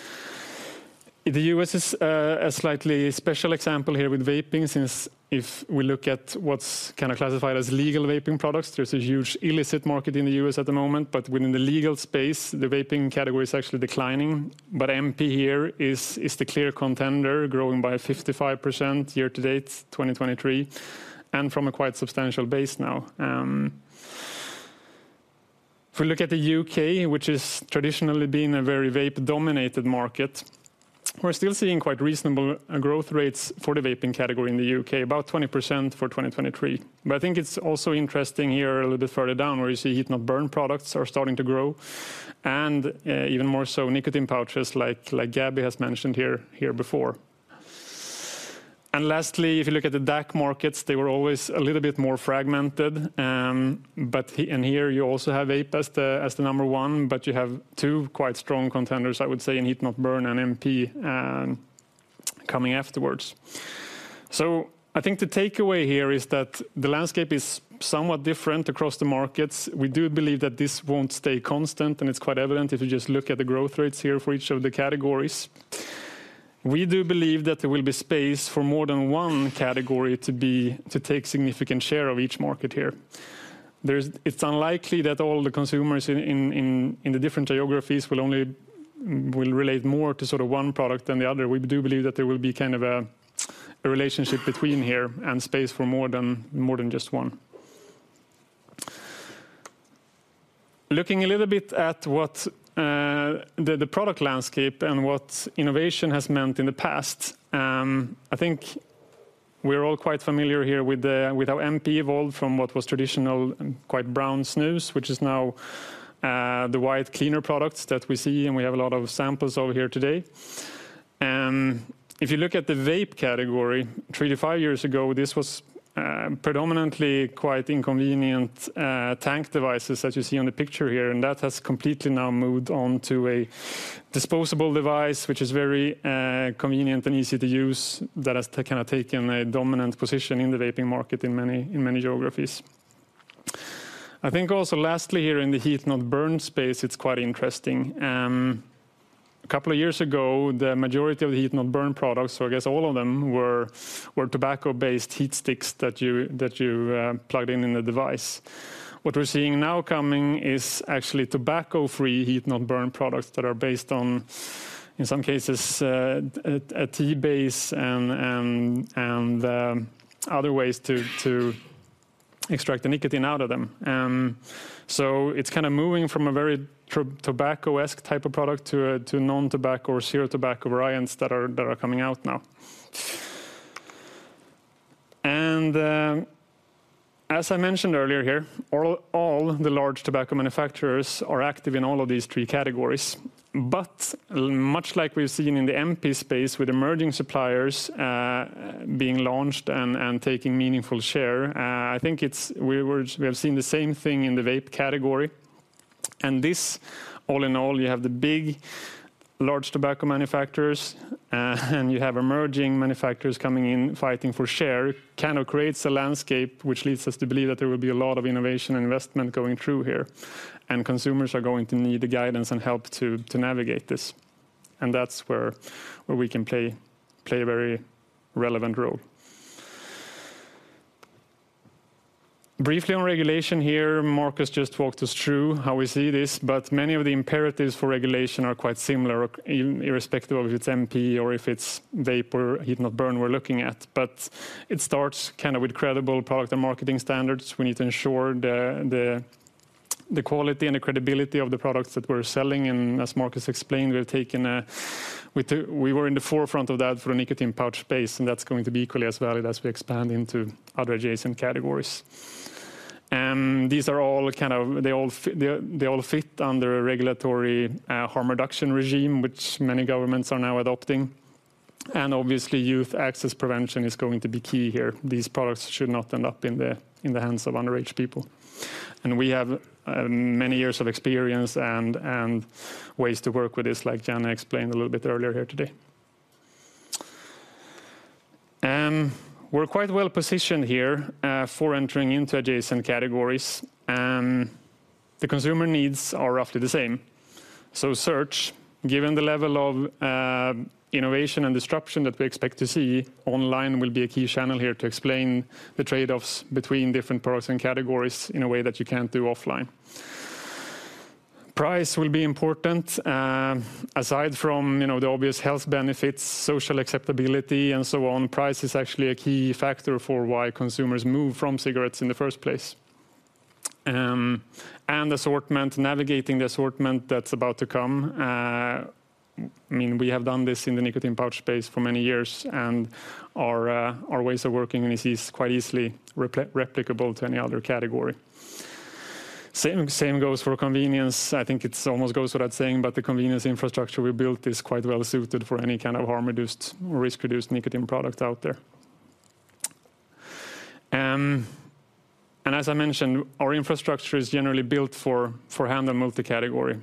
the U.S. is a slightly special example here with vaping, since if we look at what's kinda classified as legal vaping products, there's a huge illicit market in the U.S. at the moment. But within the legal space, the vaping category is actually declining. But NP here is the clear contender, growing by 55% year to date, 2023, and from a quite substantial base now. If we look at the U.K., which has traditionally been a very vape-dominated market, we're still seeing quite reasonable growth rates for the vaping category in the U.K., about 20% for 2023. But I think it's also interesting here, a little bit further down, where you see heat-not-burn products are starting to grow, and even more so, nicotine pouches, like Gabby has mentioned here before. Lastly, if you look at the DACH markets, they were always a little bit more fragmented, but and here you also have vape as the, as the number one, but you have two quite strong contenders, I would say, in heat-not-burn and NP, coming afterwards. So I think the takeaway here is that the landscape is somewhat different across the markets. We do believe that this won't stay constant, and it's quite evident if you just look at the growth rates here for each of the categories. We do believe that there will be space for more than one category to take significant share of each market here. It's unlikely that all the consumers in the different geographies will only will relate more to sort of one product than the other. We do believe that there will be kind of a relationship between here and space for more than, more than just one. Looking a little bit at what the product landscape and what innovation has meant in the past, I think we're all quite familiar here with how NP evolved from what was traditional and quite brown snus, which is now the white cleaner products that we see, and we have a lot of samples over here today. If you look at the vape category, 3-5 years ago, this was predominantly quite inconvenient tank devices, as you see on the picture here, and that has completely now moved on to a disposable device, which is very convenient and easy to use, that has kind of taken a dominant position in the vaping market in many geographies. I think also lastly, here in the heat-not-burn space, it's quite interesting. A couple of years ago, the majority of the heat-not-burn products, so I guess all of them, were tobacco-based heat sticks that you plugged in the device. What we're seeing now coming is actually tobacco-free heat-not-burn products that are based on, in some cases, a tea base and other ways to extract the nicotine out of them. So it's kinda moving from a very tobacco-esque type of product to non-tobacco or zero-tobacco variants that are coming out now. And as I mentioned earlier here, all the large tobacco manufacturers are active in all of these three categories. But much like we've seen in the NP space, with emerging suppliers being launched and taking meaningful share, I think we have seen the same thing in the vape category. And this, all in all, you have the big, large tobacco manufacturers and you have emerging manufacturers coming in, fighting for share. It kind of creates a landscape which leads us to believe that there will be a lot of innovation and investment going through here, and consumers are going to need the guidance and help to navigate this. That's where we can play a very relevant role. Briefly on regulation here, Markus just walked us through how we see this, but many of the imperatives for regulation are quite similar, irrespective of if it's NP or if it's vapor, heat-not-burn we're looking at. But it starts kind of with credible product and marketing standards. We need to ensure the quality and the credibility of the products that we're selling. And as Markus explained, we've taken a. We were in the forefront of that for the nicotine pouch space, and that's going to be equally as valid as we expand into other adjacent categories. These are all kind of. They all fit under a regulatory harm reduction regime, which many governments are now adopting. And obviously, youth access prevention is going to be key here. These products should not end up in the hands of underage people. We have many years of experience and ways to work with this, like Janne explained a little bit earlier here today. We're quite well positioned here for entering into adjacent categories, and the consumer needs are roughly the same. Search, given the level of innovation and disruption that we expect to see, online will be a key channel here to explain the trade-offs between different products and categories in a way that you can't do offline. Price will be important. Aside from, you know, the obvious health benefits, social acceptability, and so on, price is actually a key factor for why consumers move from cigarettes in the first place. And assortment, navigating the assortment that's about to come. I mean, we have done this in the nicotine pouch space for many years, and our, our ways of working is quite easily replicable to any other category. Same goes for convenience. I think it almost goes without saying, but the convenience infrastructure we built is quite well-suited for any kind of harm-reduced or risk-reduced nicotine product out there. And as I mentioned, our infrastructure is generally built for hand and multi-category.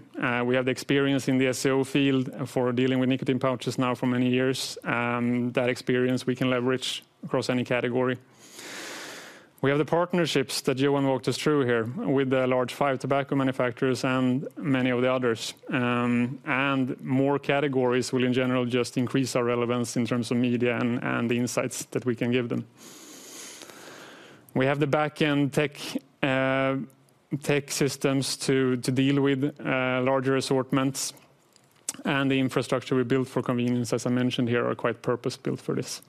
We have the experience in the SEO field for dealing with nicotine pouches now for many years, and that experience we can leverage across any category. We have the partnerships that Johan walked us through here with the large five tobacco manufacturers and many of the others. And more categories will, in general, just increase our relevance in terms of media and the insights that we can give them. We have the back-end tech systems to deal with larger assortments, and the infrastructure we built for convenience, as I mentioned here, are quite purpose-built for this.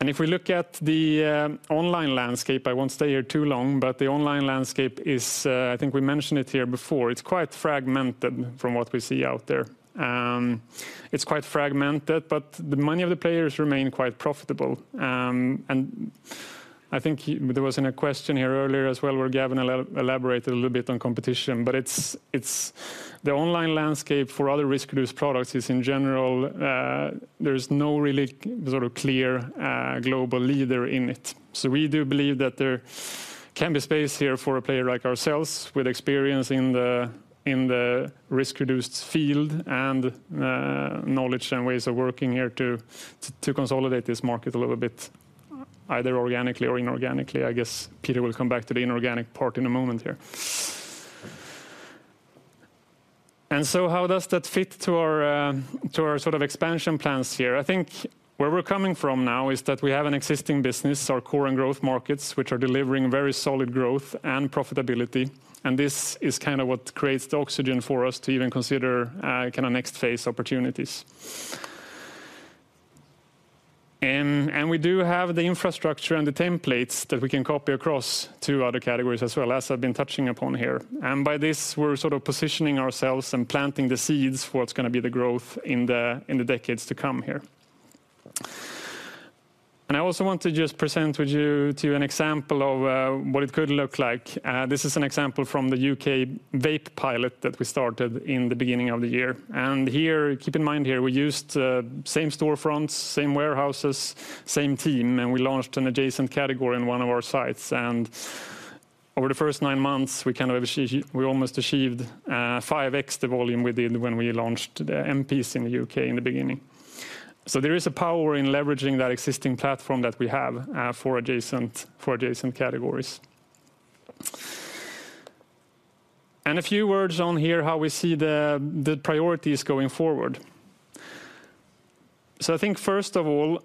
And if we look at the online landscape, I won't stay here too long, but the online landscape is. I think we mentioned it here before, it's quite fragmented from what we see out there. It's quite fragmented, but many of the players remain quite profitable. And I think there was a question here earlier as well, where Gavin elaborated a little bit on competition, but it's the online landscape for other risk-reduced products is, in general, there's no really sort of clear global leader in it. So we do believe that there can be space here for a player like ourselves, with experience in the risk-reduced field and knowledge and ways of working here to consolidate this market a little bit, either organically or inorganically. I guess Peter will come back to the inorganic part in a moment here. And so how does that fit to our sort of expansion plans here? I think where we're coming from now is that we have an existing business, our core and growth markets, which are delivering very solid growth and profitability, and this is kind of what creates the oxygen for us to even consider kind of next phase opportunities. And we do have the infrastructure and the templates that we can copy across to other categories as well, as I've been touching upon here. By this, we're sort of positioning ourselves and planting the seeds for what's gonna be the growth in the decades to come here. I also want to just present with you to an example of what it could look like. This is an example from the U.K. vape pilot that we started in the beginning of the year. Here, keep in mind, we used same storefronts, same warehouses, same team, and we launched an adjacent category in one of our sites. Over the first nine months, we kind of almost achieved 5x the volume we did when we launched the NPs in the U.K. in the beginning. So there is a power in leveraging that existing platform that we have for adjacent categories. A few words on here, how we see the priorities going forward. I think, first of all,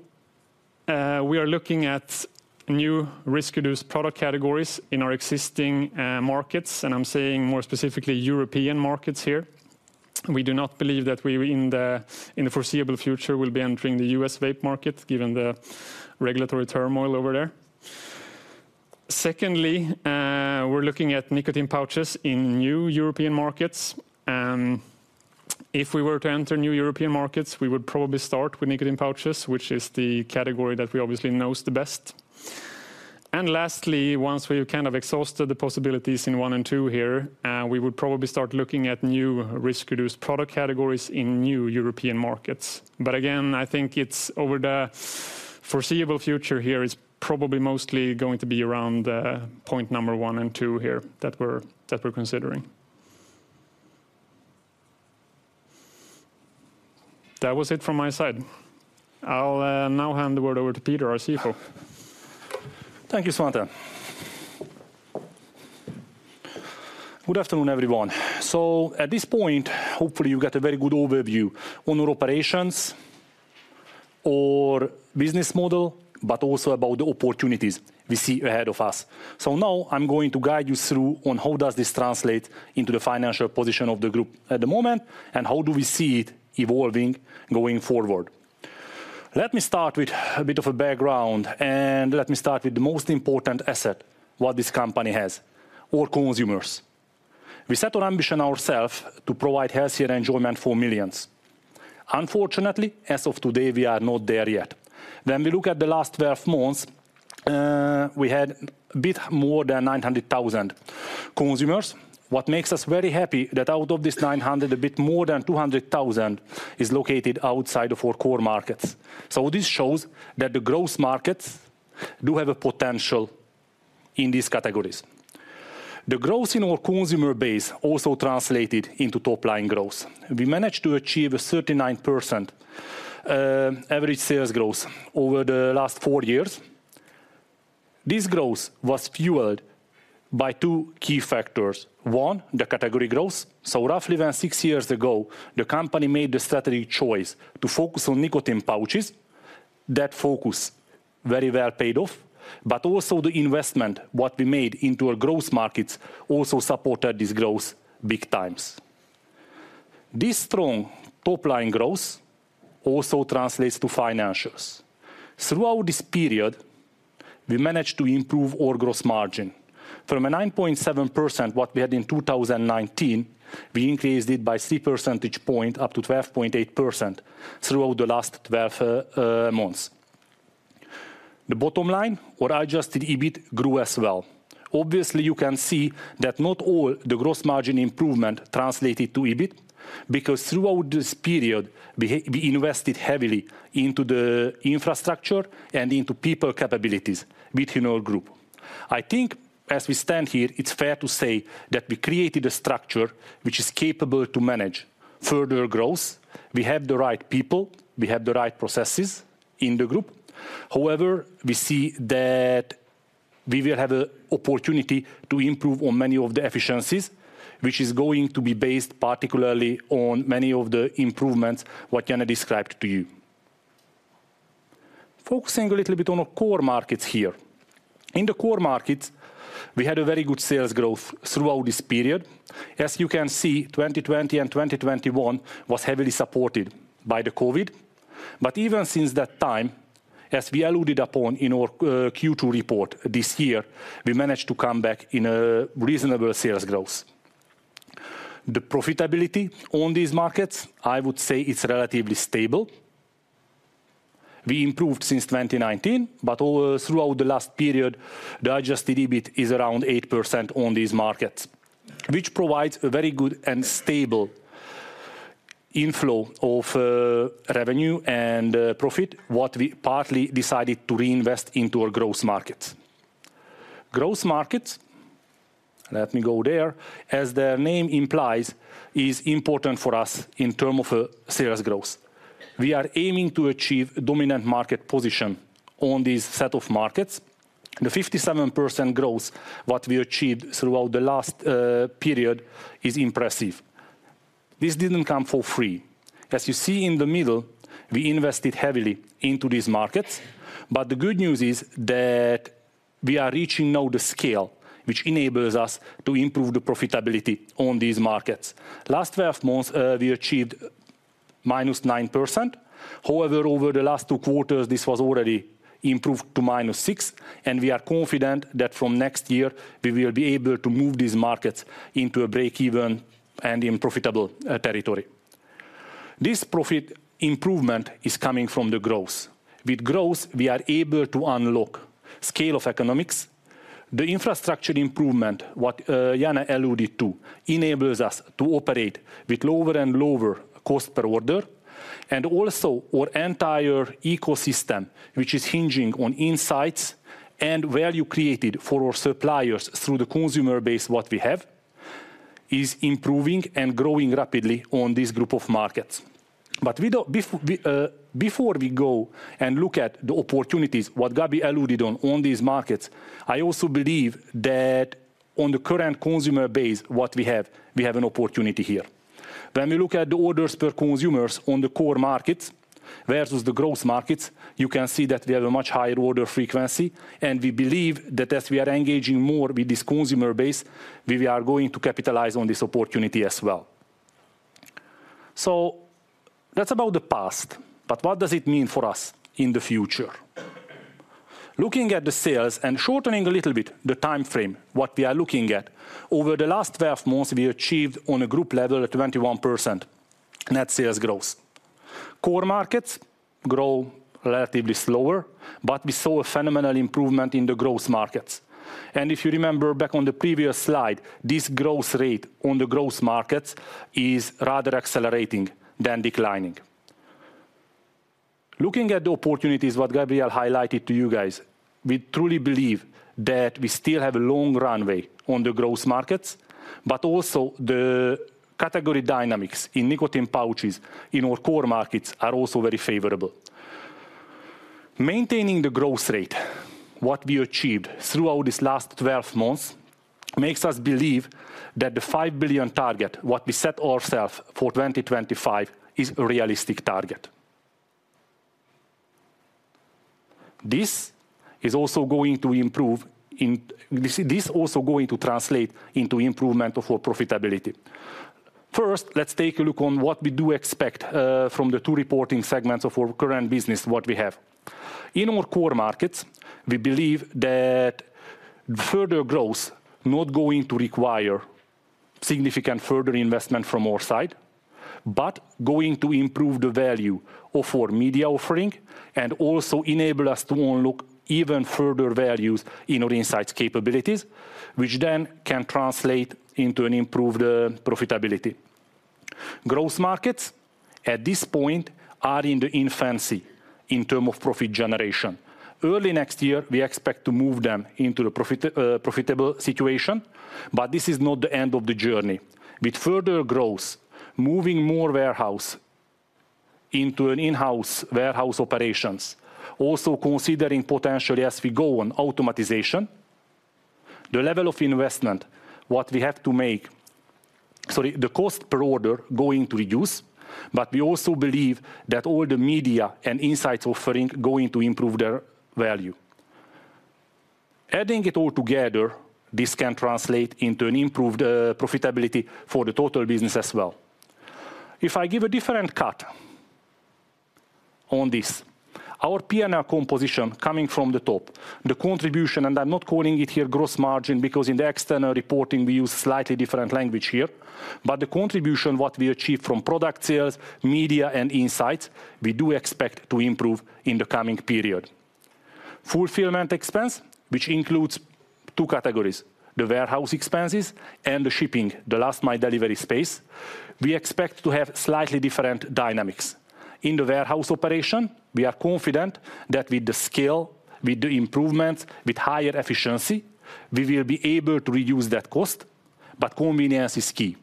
we are looking at new risk-reduced product categories in our existing markets, and I'm saying more specifically European markets here. We do not believe that we, in the foreseeable future, will be entering the U.S. vape market, given the regulatory turmoil over there. Secondly, we're looking at nicotine pouches in new European markets. If we were to enter new European markets, we would probably start with nicotine pouches, which is the category that we obviously knows the best. And lastly, once we've kind of exhausted the possibilities in one and two here, we would probably start looking at new risk-reduced product categories in new European markets. But again, I think it's over the foreseeable future here, is probably mostly going to be around point number one and two here that we're considering. That was it from my side. I'll now hand the word over to Peter, our CFO. Thank you, Svante. Good afternoon, everyone. At this point, hopefully you get a very good overview on our operations or business model, but also about the opportunities we see ahead of us. Now I'm going to guide you through on how does this translate into the financial position of the group at the moment, and how do we see it evolving going forward. Let me start with a bit of a background, and let me start with the most important asset, what this company has, our consumers. We set an ambition ourselves to provide healthier enjoyment for millions. Unfortunately, as of today, we are not there yet. When we look at the last 12 months, we had a bit more than 900,000 consumers. What makes us very happy, that out of this 900,000 a bit more than 200,000 is located outside of our core markets. So this shows that the growth markets do have a potential in these categories. The growth in our consumer base also translated into top-line growth. We managed to achieve a 39% average sales growth over the last four years. This growth was fueled by 2 key factors. One, the category growth. So roughly than six years ago, the company made the strategic choice to focus on nicotine pouches. That focus very well paid off, but also the investment, what we made into our growth markets also supported this growth big times. This strong top-line growth also translates to financials. Throughout this period, we managed to improve our gross margin. From a 9.7%, what we had in 2019, we increased it by three percentage point up to 12.8% throughout the last 12 months. The bottom line, our adjusted EBIT grew as well. Obviously, you can see that not all the gross margin improvement translated to EBIT, because throughout this period, we invested heavily into the infrastructure and into people capabilities within our group. I think as we stand here, it's fair to say that we created a structure which is capable to manage further growth. We have the right people, we have the right processes in the group. However, we see that we will have a opportunity to improve on many of the efficiencies, which is going to be based particularly on many of the improvements, what Janne described to you. Focusing a little bit on our core markets here. In the core markets, we had a very good sales growth throughout this period. As you can see, 2020 and 2021 was heavily supported by the COVID. But even since that time, as we alluded upon in our, Q2 report this year, we managed to come back in a reasonable sales growth. The profitability on these markets, I would say, it's relatively stable. We improved since 2019, but throughout the last period, the Adjusted EBIT is around 8% on these markets, which provides a very good and stable inflow of, revenue and, profit, what we partly decided to reinvest into our growth markets. Growth markets, let me go there, as the name implies, is important for us in term of, sales growth. We are aiming to achieve dominant market position on this set of markets. The 57% growth, what we achieved throughout the last, period, is impressive. This didn't come for free. As you see in the middle, we invested heavily into these markets, but the good news is that we are reaching now the scale, which enables us to improve the profitability on these markets. Last 12 months, we achieved -9%. However, over the last two quarters, this was already improved to -6%, and we are confident that from next year, we will be able to move these markets into a break-even and in profitable, territory. This profit improvement is coming from the growth. With growth, we are able to unlock scale of economics. The infrastructure improvement, what Janne alluded to, enables us to operate with lower and lower cost per order, and also our entire ecosystem, which is hinging on insights and value created for our suppliers through the consumer base what we have, is improving and growing rapidly on this group of markets. But before we go and look at the opportunities, what Gabi alluded on, on these markets, I also believe that on the current consumer base, what we have, we have an opportunity here. When we look at the orders per consumers on the core markets versus the growth markets, you can see that we have a much higher order frequency, and we believe that as we are engaging more with this consumer base, we are going to capitalize on this opportunity as well. So that's about the past, but what does it mean for us in the future? Looking at the sales and shortening a little bit the time frame, what we are looking at, over the last 12 months, we achieved on a group level, a 21% net sales growth. Core markets grow relatively slower, but we saw a phenomenal improvement in the growth markets. If you remember back on the previous slide, this growth rate on the growth markets is rather accelerating than declining. Looking at the opportunities, what Gabriel highlighted to you guys, we truly believe that we still have a long runway on the growth markets, but also the category dynamics in nicotine pouches in our core markets are also very favorable. Maintaining the growth rate, what we achieved throughout this last 12 months, makes us believe that the 5 billion target, what we set ourself for 2025, is a realistic target. This is also going to improve this, this also going to translate into improvement of our profitability. First, let's take a look on what we do expect from the two reporting segments of our current business, what we have. In our core markets, we believe that further growth not going to require significant further investment from our side, but going to improve the value of our media offering and also enable us to unlock even further values in our insights capabilities, which then can translate into an improved profitability. Growth markets, at this point, are in the infancy in term of profit generation. Early next year, we expect to move them into a profitable situation, but this is not the end of the journey. With further growth, moving more into an in-house warehouse operations, also considering potentially as we go on automatization. The level of investment, what we have to make, the cost per order going to reduce, but we also believe that all the media and insights offering going to improve their value. Adding it all together, this can translate into an improved profitability for the total business as well. If I give a different cut on this, our P&L composition coming from the top, the contribution, and I'm not calling it here gross margin, because in the external reporting, we use slightly different language here. But the contribution, what we achieve from product sales, media, and insights, we do expect to improve in the coming period. Fulfillment expense, which includes two categories: the warehouse expenses and the shipping, the last mile delivery space, we expect to have slightly different dynamics. In the warehouse operation, we are confident that with the scale, with the improvements, with higher efficiency, we will be able to reduce that cost, but convenience is key.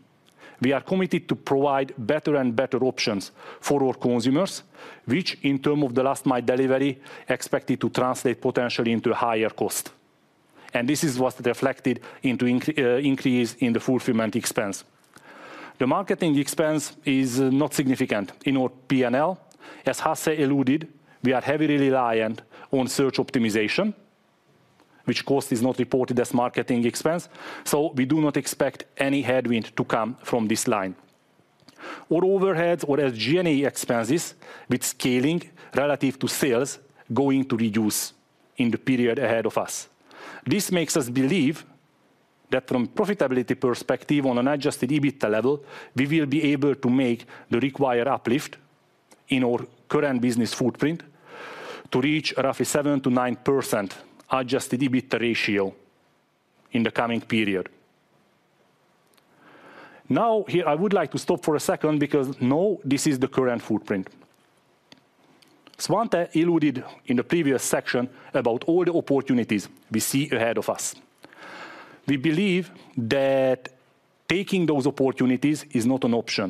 We are committed to provide better and better options for our consumers, which in term of the last mile delivery, expected to translate potentially into a higher cost. And this is what's reflected into increase in the fulfillment expense. The marketing expense is not significant in our P&L. As Hasse alluded, we are heavily reliant on search optimization, which cost is not reported as marketing expense, so we do not expect any headwind to come from this line. Our overheads, or as G&A expenses, with scaling relative to sales, going to reduce in the period ahead of us. This makes us believe that from profitability perspective, on an adjusted EBITDA level, we will be able to make the required uplift in our current business footprint to reach roughly 7%-9% adjusted EBITDA ratio in the coming period. Now, here I would like to stop for a second because, no, this is the current footprint. Svante alluded in the previous section about all the opportunities we see ahead of us. We believe that taking those opportunities is not an option,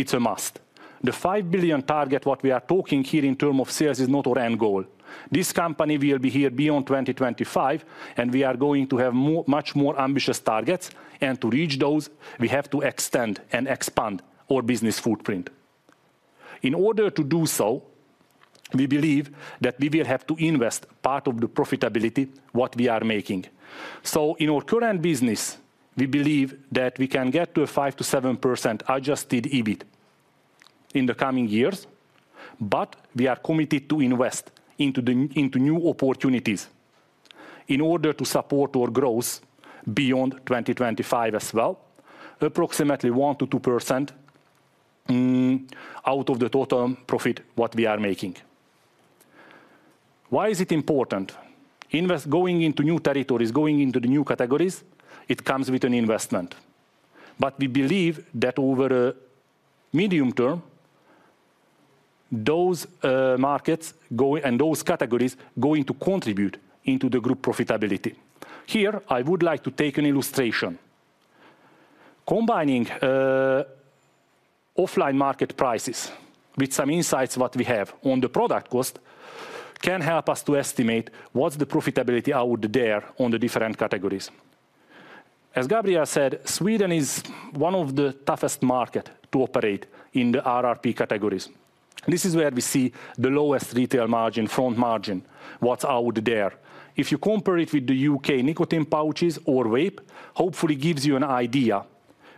it's a must. The 5 billion target, what we are talking here in terms of sales, is not our end goal. This company will be here beyond 2025, and we are going to have much more ambitious targets, and to reach those, we have to extend and expand our business footprint. In order to do so, we believe that we will have to invest part of the profitability, what we are making. So in our current business, we believe that we can get to a 5%-7% Adjusted EBIT in the coming years, but we are committed to invest into new opportunities in order to support our growth beyond 2025 as well, approximately 1%-2% out of the total profit, what we are making. Why is it important? Going into new territories, going into the new categories, it comes with an investment. But we believe that over a medium term, those markets go, and those categories going to contribute into the group profitability. Here, I would like to take an illustration. Combining offline market prices with some insights, what we have on the product cost, can help us to estimate what's the profitability out there on the different categories. As Gabriel said, Sweden is one of the toughest market to operate in the RRP categories. This is where we see the lowest retail margin, front margin, what's out there. If you compare it with the U.K. nicotine pouches or vape, hopefully gives you an idea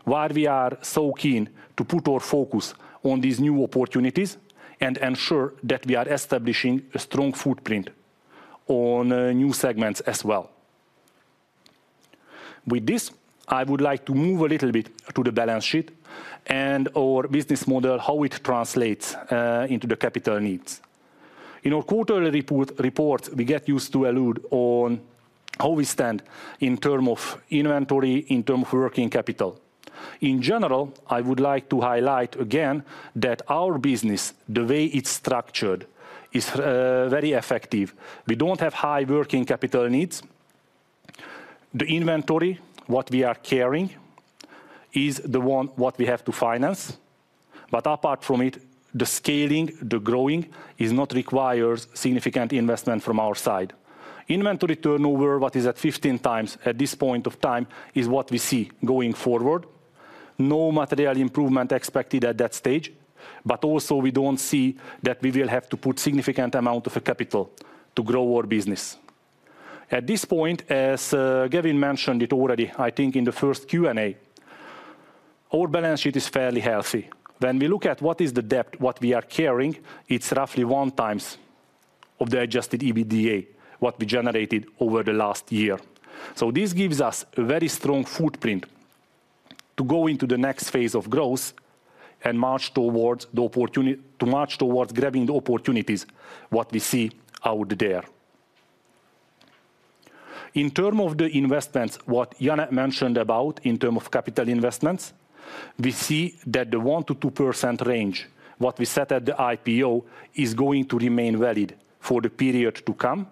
why we are so keen to put our focus on these new opportunities and ensure that we are establishing a strong footprint on new segments as well. With this, I would like to move a little bit to the balance sheet and our business model, how it translates into the capital needs. In our quarterly report, we get used to allude on how we stand in term of inventory, in term of working capital. In general, I would like to highlight again that our business, the way it's structured, is very effective. We don't have high working capital needs. The inventory, what we are carrying, is the one what we have to finance, but apart from it, the scaling, the growing, is not requires significant investment from our side. Inventory turnover, what is at 15 times at this point of time, is what we see going forward. No material improvement expected at that stage, but also we don't see that we will have to put significant amount of the capital to grow our business. At this point, as Gavin mentioned it already, I think in the first Q&A, our balance sheet is fairly healthy. When we look at what is the debt, what we are carrying, it's roughly 1 times of the Adjusted EBITDA, what we generated over the last year. So this gives us a very strong footprint to go into the next phase of growth and march towards the opportunity, to march towards grabbing the opportunities, what we see out there. In term of the investments, what Janne mentioned about in term of capital investments, we see that the 1%-2% range, what we set at the IPO, is going to remain valid for the period to come.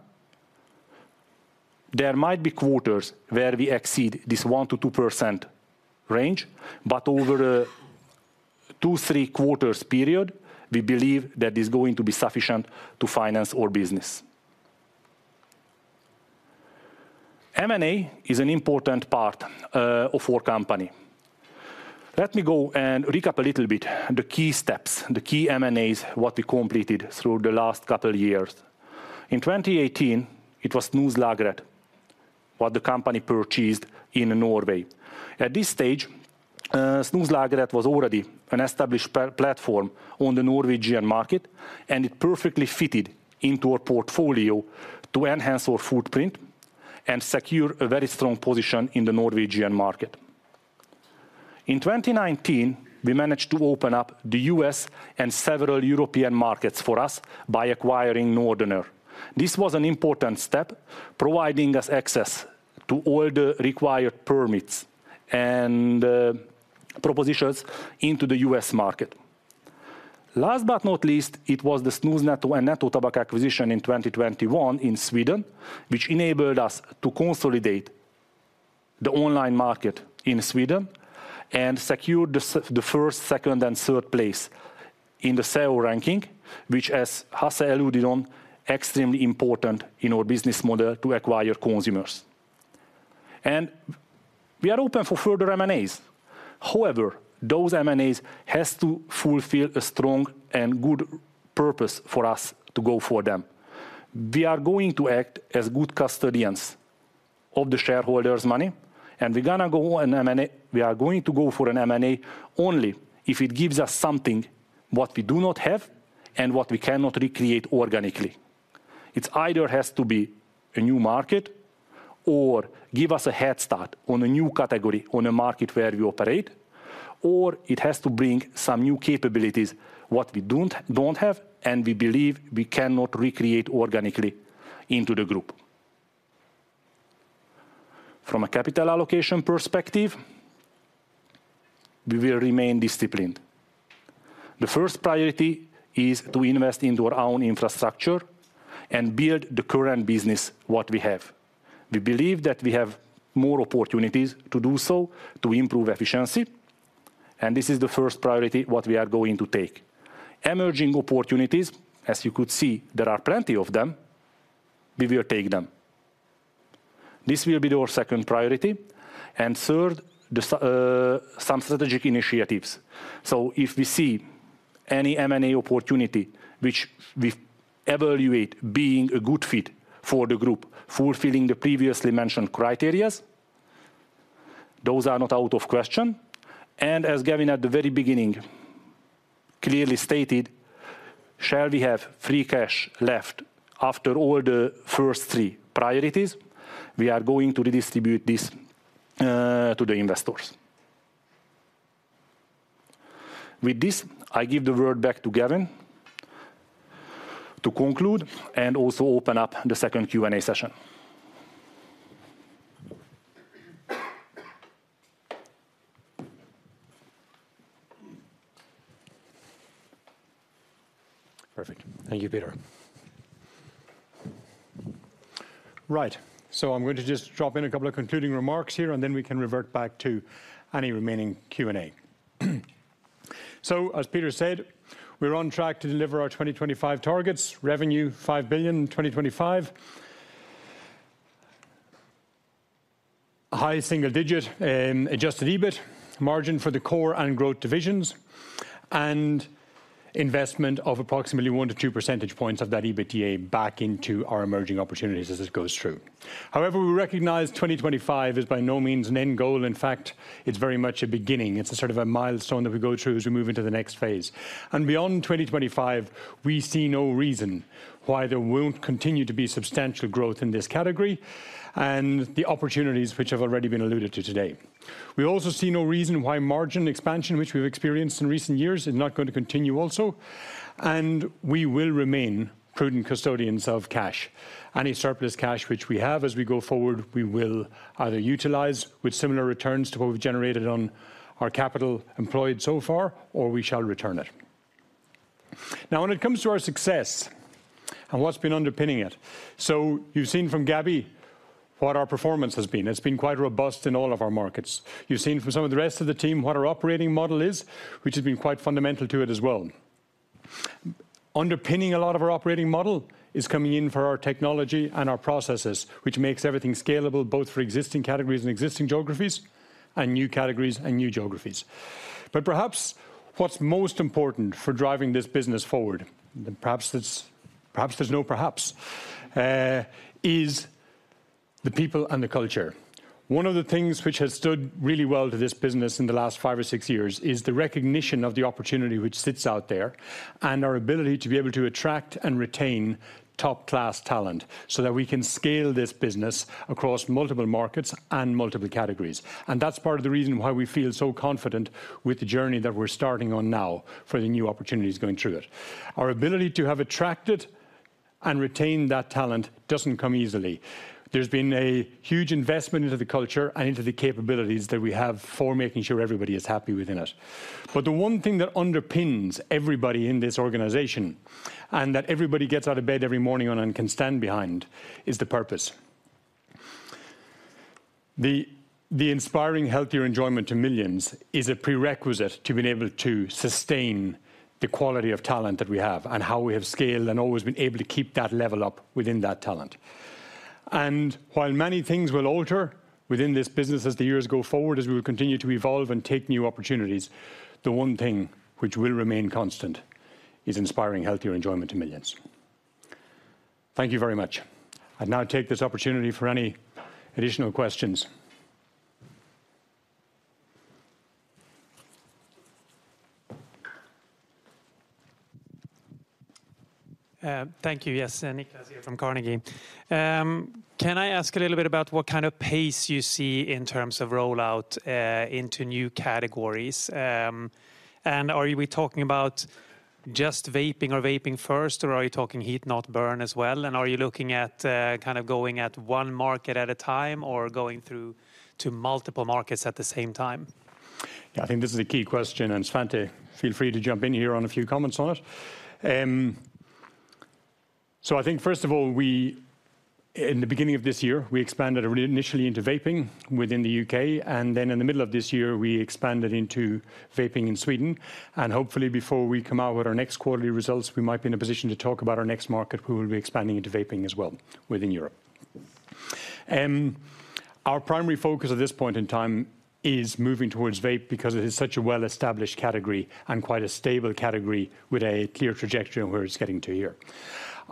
There might be quarters where we exceed this 1%-2% range, but over a 2-3 quarters period, we believe that is going to be sufficient to finance our business. M&A is an important part of our company. Let me go and recap a little bit the key steps, the key M&As, what we completed through the last couple years. In 2018, it was Snuslageret what the company purchased in Norway. At this stage, Snuslageret was already an established platform on the Norwegian market, and it perfectly fitted into our portfolio to enhance our footprint and secure a very strong position in the Norwegian market. In 2019, we managed to open up the U.S. and several European markets for us by acquiring Northerner. This was an important step, providing us access to all the required permits and propositions into the US market. Last but not least, it was the Snusnetto and Nettotobak acquisition in 2021 in Sweden, which enabled us to consolidate the online market in Sweden and secure the first, second, and third place in the sale ranking, which, as Hasse alluded on, extremely important in our business model to acquire consumers. And we are open for further M&As. However, those M&As has to fulfill a strong and good purpose for us to go for them. We are going to act as good custodians of the shareholders' money, and we are going to go for an M&A only if it gives us something what we do not have and what we cannot recreate organically. It either has to be a new market or give us a head start on a new category on a market where we operate, or it has to bring some new capabilities, what we don't have, and we believe we cannot recreate organically into the group. From a capital allocation perspective, we will remain disciplined. The first priority is to invest into our own infrastructure and build the current business what we have. We believe that we have more opportunities to do so, to improve efficiency, and this is the first priority what we are going to take. Emerging opportunities, as you could see, there are plenty of them. We will take them. This will be our second priority, and third, some strategic initiatives. So if we see any M&A opportunity, which we evaluate being a good fit for the group, fulfilling the previously mentioned criteria, those are not out of question. And as Gavin, at the very beginning, clearly stated, shall we have free cash left after all the first three priorities, we are going to redistribute this to the investors. With this, I give the word back to Gavin to conclude and also open up the second Q&A session. Perfect. Thank you, Peter. Right, so I'm going to just drop in a couple of concluding remarks here, and then we can revert back to any remaining Q&A. So as Peter said, we're on track to deliver our 2025 targets, revenue 5 billion in 2025. High single digit adjusted EBIT margin for the core and growth divisions, and investment of approximately 1-2 percentage points of that EBITDA back into our emerging opportunities as it goes through. However, we recognize 2025 is by no means an end goal. In fact, it's very much a beginning. It's a sort of a milestone that we go through as we move into the next phase. And beyond 2025, we see no reason why there won't continue to be substantial growth in this category and the opportunities which have already been alluded to today. We also see no reason why margin expansion, which we've experienced in recent years, is not going to continue also, and we will remain prudent custodians of cash. Any surplus cash which we have as we go forward, we will either utilize with similar returns to what we've generated on our capital employed so far, or we shall return it. Now, when it comes to our success and what's been underpinning it, so you've seen from Gabby what our performance has been. It's been quite robust in all of our markets. You've seen from some of the rest of the team what our operating model is, which has been quite fundamental to it as well. Underpinning a lot of our operating model is coming in for our technology and our processes, which makes everything scalable, both for existing categories and existing geographies, and new categories and new geographies. But perhaps what's most important for driving this business forward, and perhaps that's, perhaps there's no perhaps, is the people and the culture. One of the things which has stood really well to this business in the last five or six years, is the recognition of the opportunity which sits out there, and our ability to be able to attract and retain top-class talent, so that we can scale this business across multiple markets and multiple categories. And that's part of the reason why we feel so confident with the journey that we're starting on now for the new opportunities going through it. Our ability to have attracted and retained that talent doesn't come easily. There's been a huge investment into the culture and into the capabilities that we have for making sure everybody is happy within it. But the one thing that underpins everybody in this organization, and that everybody gets out of bed every morning and, and can stand behind, is the purpose.... The, the inspiring healthier enjoyment to millions is a prerequisite to being able to sustain the quality of talent that we have, and how we have scaled and always been able to keep that level up within that talent. And while many things will alter within this business as the years go forward, as we will continue to evolve and take new opportunities, the one thing which will remain constant is inspiring healthier enjoyment to millions. Thank you very much. I'd now take this opportunity for any additional questions. Thank you, yes. Niklas here from Carnegie. Can I ask a little bit about what kind of pace you see in terms of rollout into new categories? And are we talking about just vaping or vaping first, or are you talking heat-not-burn as well? And are you looking at kind of going at one market at a time or going through to multiple markets at the same time? Yeah, I think this is a key question, and Svante, feel free to jump in here on a few comments on it. So I think first of all, we, in the beginning of this year, we expanded initially into vaping within the U.K., and then in the middle of this year, we expanded into vaping in Sweden. Hopefully, before we come out with our next quarterly results, we might be in a position to talk about our next market. We will be expanding into vaping as well within Europe. Our primary focus at this point in time is moving towards vape, because it is such a well-established category and quite a stable category with a clear trajectory on where it's getting to here.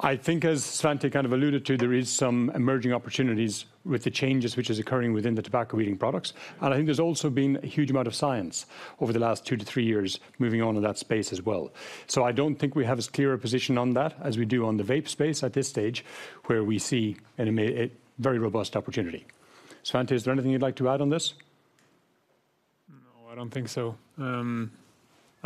I think, as Svante kind of alluded to, there is some emerging opportunities with the changes which is occurring within the tobacco heating products. And I think there's also been a huge amount of science over the last 2-3 years moving on in that space as well. So I don't think we have as clear a position on that as we do on the vape space at this stage, where we see a very robust opportunity. Svante, is there anything you'd like to add on this? No, I don't think so.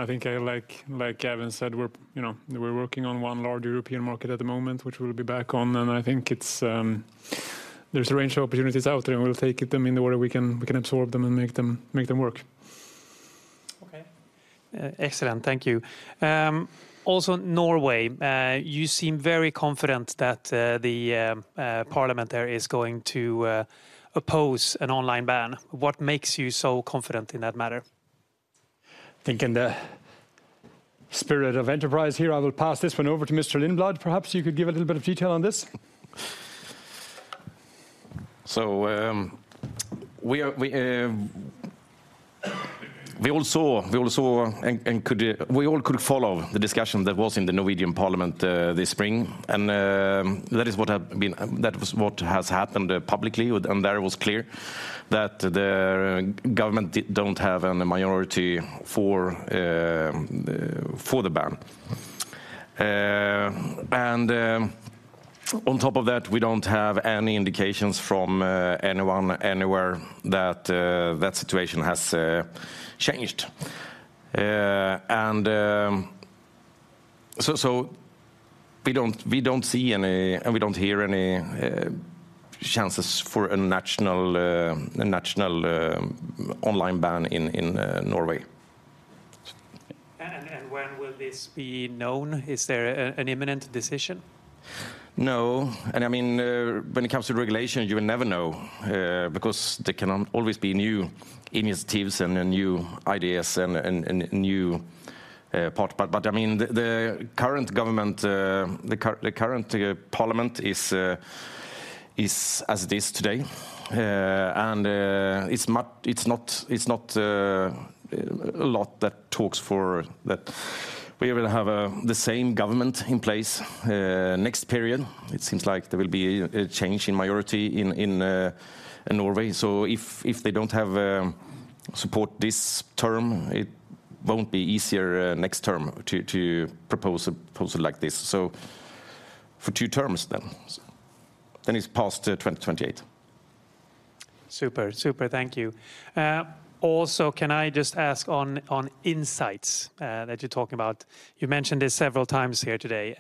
I think I like, like Gavin said, we're, you know, we're working on one large European market at the moment, which we'll be back on, and I think it's, there's a range of opportunities out there, and we'll take them in the order we can absorb them and make them work. Okay. Excellent, thank you. Also, Norway, you seem very confident that the parliament there is going to oppose an online ban. What makes you so confident in that matter? I think in the spirit of enterprise here, I will pass this one over to Mr. Lindblad. Perhaps you could give a little bit of detail on this. So, we all could follow the discussion that was in the Norwegian parliament this spring. That was what has happened publicly. And there it was clear that the government doesn't have a majority for the ban. And on top of that, we don't have any indications from anyone anywhere that that situation has changed. So we don't see any, and we don't hear any chances for a national online ban in Norway. And when will this be known? Is there an imminent decision? No, and I mean, when it comes to regulation, you will never know, because there can always be new initiatives and then new ideas and new party. But I mean, the current government, the current parliament is as it is today. And it's not much that talks for that. We will have the same government in place next period. It seems like there will be a change in minority in Norway. So if they don't have support this term, it won't be easier next term to propose a proposal like this. So for two terms then. Then it's past 2028. Super, super, thank you. Also, can I just ask on insights that you're talking about? You mentioned this several times here today.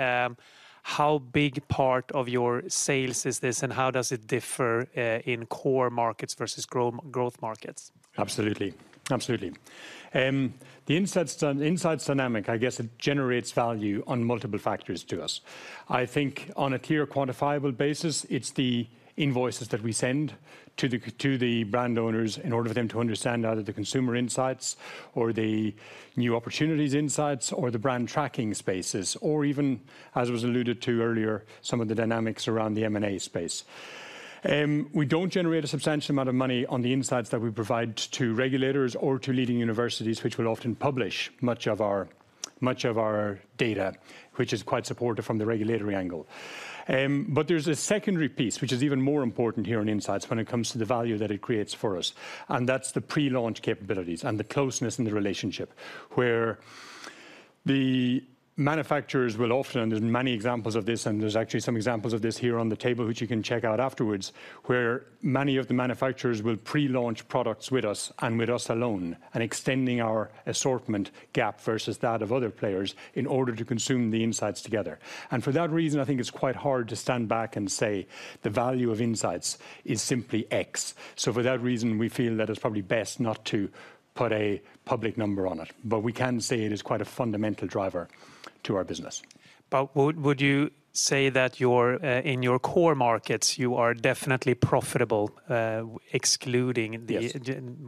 How big part of your sales is this, and how does it differ in core markets versus growth markets? Absolutely. Absolutely. The insights dynamic, I guess it generates value on multiple factors to us. I think on a clear quantifiable basis, it's the invoices that we send to the brand owners in order for them to understand either the consumer insights or the new opportunities insights, or the brand tracking spaces, or even, as was alluded to earlier, some of the dynamics around the M&A space. We don't generate a substantial amount of money on the insights that we provide to regulators or to leading universities, which will often publish much of our, much of our data, which is quite supportive from the regulatory angle. But there's a secondary piece, which is even more important here on insights when it comes to the value that it creates for us, and that's the pre-launch capabilities and the closeness in the relationship. Where the manufacturers will often, there's many examples of this, and there's actually some examples of this here on the table, which you can check out afterwards, where many of the manufacturers will pre-launch products with us and with us alone, and extending our assortment gap versus that of other players in order to consume the insights together. For that reason, I think it's quite hard to stand back and say the value of insights is simply X. For that reason, we feel that it's probably best not to put a public number on it. We can say it is quite a fundamental driver to our business. Would you say that, in your core markets, you are definitely profitable? Yes... excluding the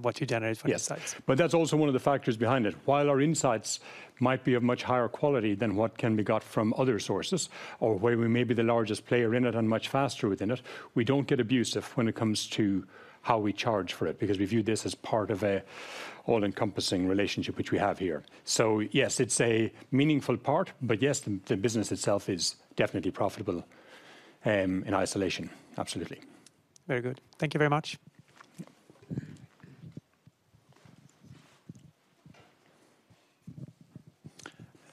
what you generate from the insights? Yes. But that's also one of the factors behind it. While our insights might be of much higher quality than what can be got from other sources, or where we may be the largest player in it and much faster within it. We don't get abusive when it comes to how we charge for it, because we view this as part of an all-encompassing relationship which we have here. So yes, it's a meaningful part, but yes, the business itself is definitely profitable in isolation. Absolutely. Very good. Thank you very much.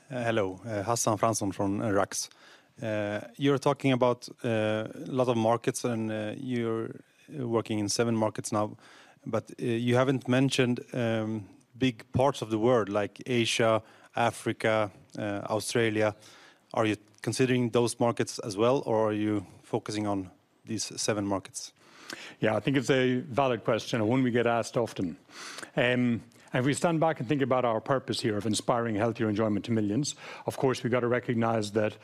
Hello. Hasan Fransson from Raqs. You're talking about a lot of markets, and you're working in seven markets now, but you haven't mentioned big parts of the world like Asia, Africa, Australia. Are you considering those markets as well, or are you focusing on these seven markets? Yeah, I think it's a valid question, and one we get asked often. If we stand back and think about our purpose here of inspiring healthier enjoyment to millions, of course, we've got to recognize that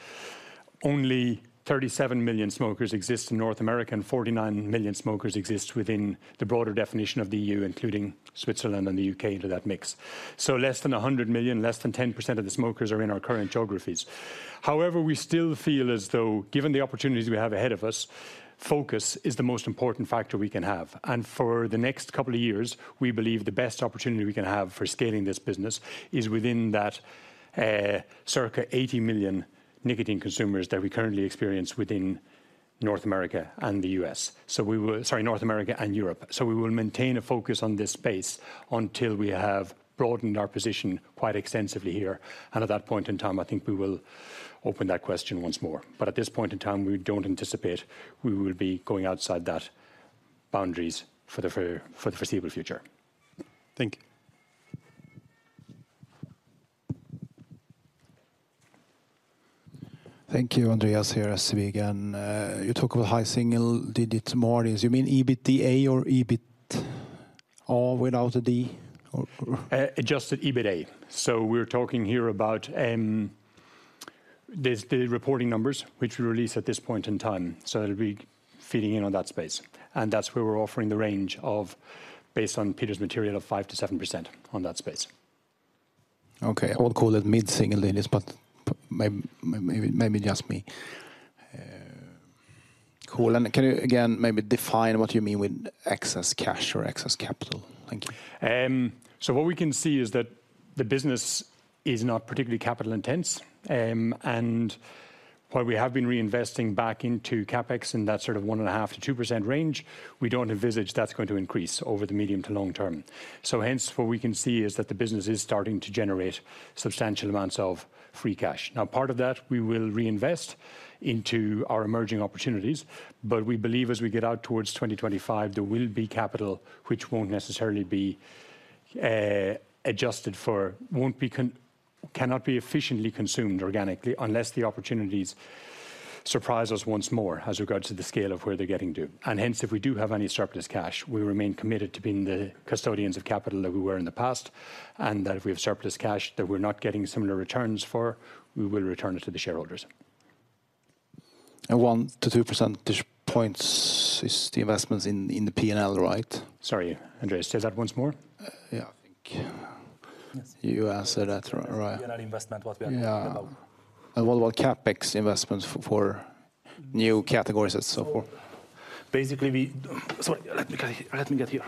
only 37 million smokers exist in North America, and 49 million smokers exist within the broader definition of the E.U., including Switzerland and the U.K., into that mix. So less than 100 million, less than 10% of the smokers are in our current geographies. However, we still feel as though, given the opportunities we have ahead of us, focus is the most important factor we can have. And for the next couple of years, we believe the best opportunity we can have for scaling this business is within that, circa 80 million nicotine consumers that we currently experience within North America and the U.S. So we will... Sorry, North America and Europe. So we will maintain a focus on this space until we have broadened our position quite extensively here. And at that point in time, I think we will open that question once more. But at this point in time, we don't anticipate we will be going outside those boundaries for the foreseeable future. Thank you. Thank you, Andreas, here, SEB. You talk about high single digit margins. You mean EBITDA or EBIT or without a D, or? Adjusted EBITDA. So we're talking here about the reporting numbers, which we release at this point in time. So it'll be feeding in on that space, and that's where we're offering the range of, based on Peter's material, of 5%-7% on that space. Okay, I would call it mid-single digits, but maybe, maybe just me. Cool. And can you, again, maybe define what you mean with excess cash or excess capital? Thank you. So what we can see is that the business is not particularly capital intense. And while we have been reinvesting back into CapEx in that sort of 1.5%-2% range, we don't envisage that's going to increase over the medium to long term. So hence, what we can see is that the business is starting to generate substantial amounts of free cash. Now, part of that, we will reinvest into our emerging opportunities, but we believe as we get out towards 2025, there will be capital which won't necessarily be adjusted for, cannot be efficiently consumed organically, unless the opportunities surprise us once more as regards to the scale of where they're getting to. Hence, if we do have any surplus cash, we remain committed to being the custodians of capital that we were in the past, and that if we have surplus cash that we're not getting similar returns for, we will return it to the shareholders. 1-2 percentage points is the investments in the P&L, right? Sorry, Andreas, say that once more. Yeah. I think you answered that right. P&L investment, what we are talking about. Yeah. And what about CapEx investments for new categories and so forth? Basically, sorry, let me get here.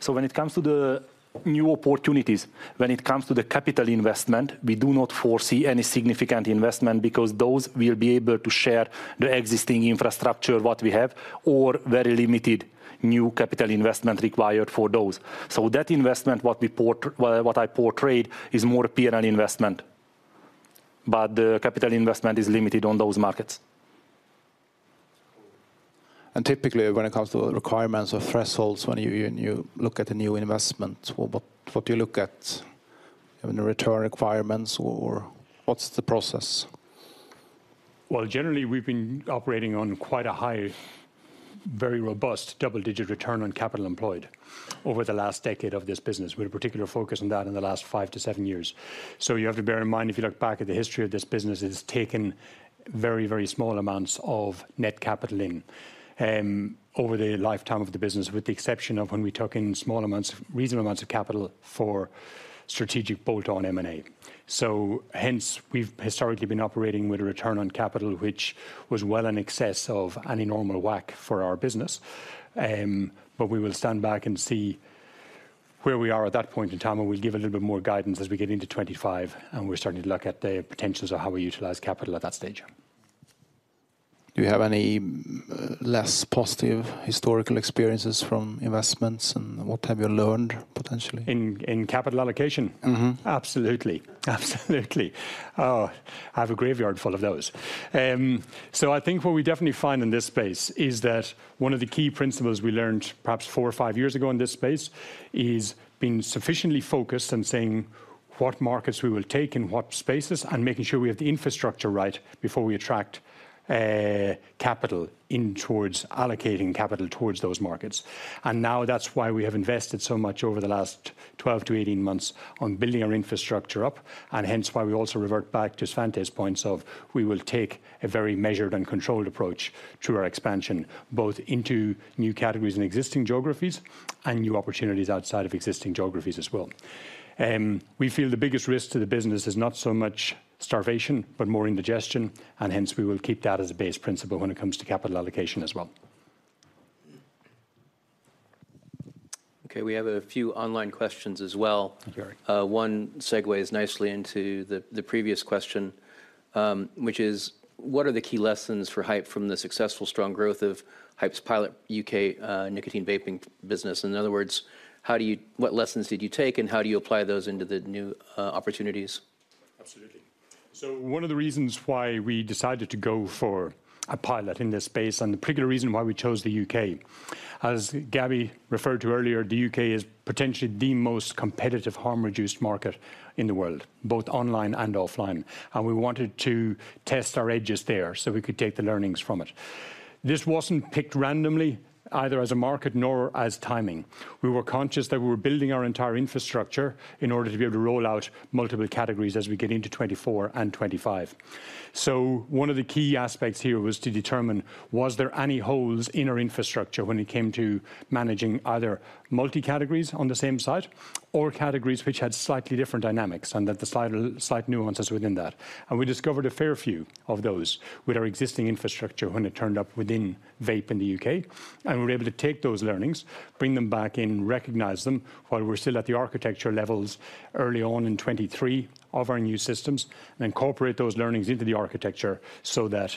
So when it comes to the new opportunities, when it comes to the capital investment, we do not foresee any significant investment because those will be able to share the existing infrastructure, what we have, or very limited new capital investment required for those. So that investment, what I portrayed, is more P&L investment, but the capital investment is limited on those markets. Typically, when it comes to the requirements or thresholds, when you look at the new investment, what do you look at? In the return requirements or what's the process? Well, generally, we've been operating on quite a high, very robust double-digit return on capital employed over the last decade of this business, with a particular focus on that in the last 5-7 years. So you have to bear in mind, if you look back at the history of this business, it has taken very, very small amounts of net capital in over the lifetime of the business, with the exception of when we took in small amounts, reasonable amounts of capital for strategic bolt-on M&A. So hence, we've historically been operating with a return on capital, which was well in excess of any normal WACC for our business. But we will stand back and see where we are at that point in time, and we'll give a little bit more guidance as we get into 2025, and we're starting to look at the potentials of how we utilize capital at that stage. Do you have any less positive historical experiences from investments, and what have you learned, potentially? In capital allocation? Mm-hmm. Absolutely. Absolutely. Oh, I have a graveyard full of those. So I think what we definitely find in this space is that one of the key principles we learned perhaps 4 or 5 years ago in this space is being sufficiently focused and saying what markets we will take and what spaces, and making sure we have the infrastructure right before we attract capital in towards allocating capital towards those markets. And now that's why we have invested so much over the last 12-18 months on building our infrastructure up, and hence why we also revert back to Svante's points, we will take a very measured and controlled approach to our expansion, both into new categories and existing geographies, and new opportunities outside of existing geographies as well. We feel the biggest risk to the business is not so much starvation, but more indigestion, and hence we will keep that as a base principle when it comes to capital allocation as well. Okay, we have a few online questions as well. Okay. One segues nicely into the previous question, which is: What are the key lessons for Haypp from the successful strong growth of Haypp's pilot U.K. nicotine vaping business? In other words, how do you—what lessons did you take, and how do you apply those into the new opportunities? Absolutely. So one of the reasons why we decided to go for a pilot in this space, and the particular reason why we chose the U.K., as Gabby referred to earlier, the U.K. is potentially the most competitive harm-reduced market in the world, both online and offline, and we wanted to test our edges there, so we could take the learnings from it. This wasn't picked randomly, either as a market nor as timing. We were conscious that we were building our entire infrastructure in order to be able to roll out multiple categories as we get into 2024 and 2025. So one of the key aspects here was to determine, was there any holes in our infrastructure when it came to managing either multi-categories on the same site or categories which had slightly different dynamics, and that the slight nuances within that. We discovered a fair few of those with our existing infrastructure when it turned up within vape in the U.K. We were able to take those learnings, bring them back and recognize them while we're still at the architecture levels, early on in 2023, of our new systems, and incorporate those learnings into the architecture so that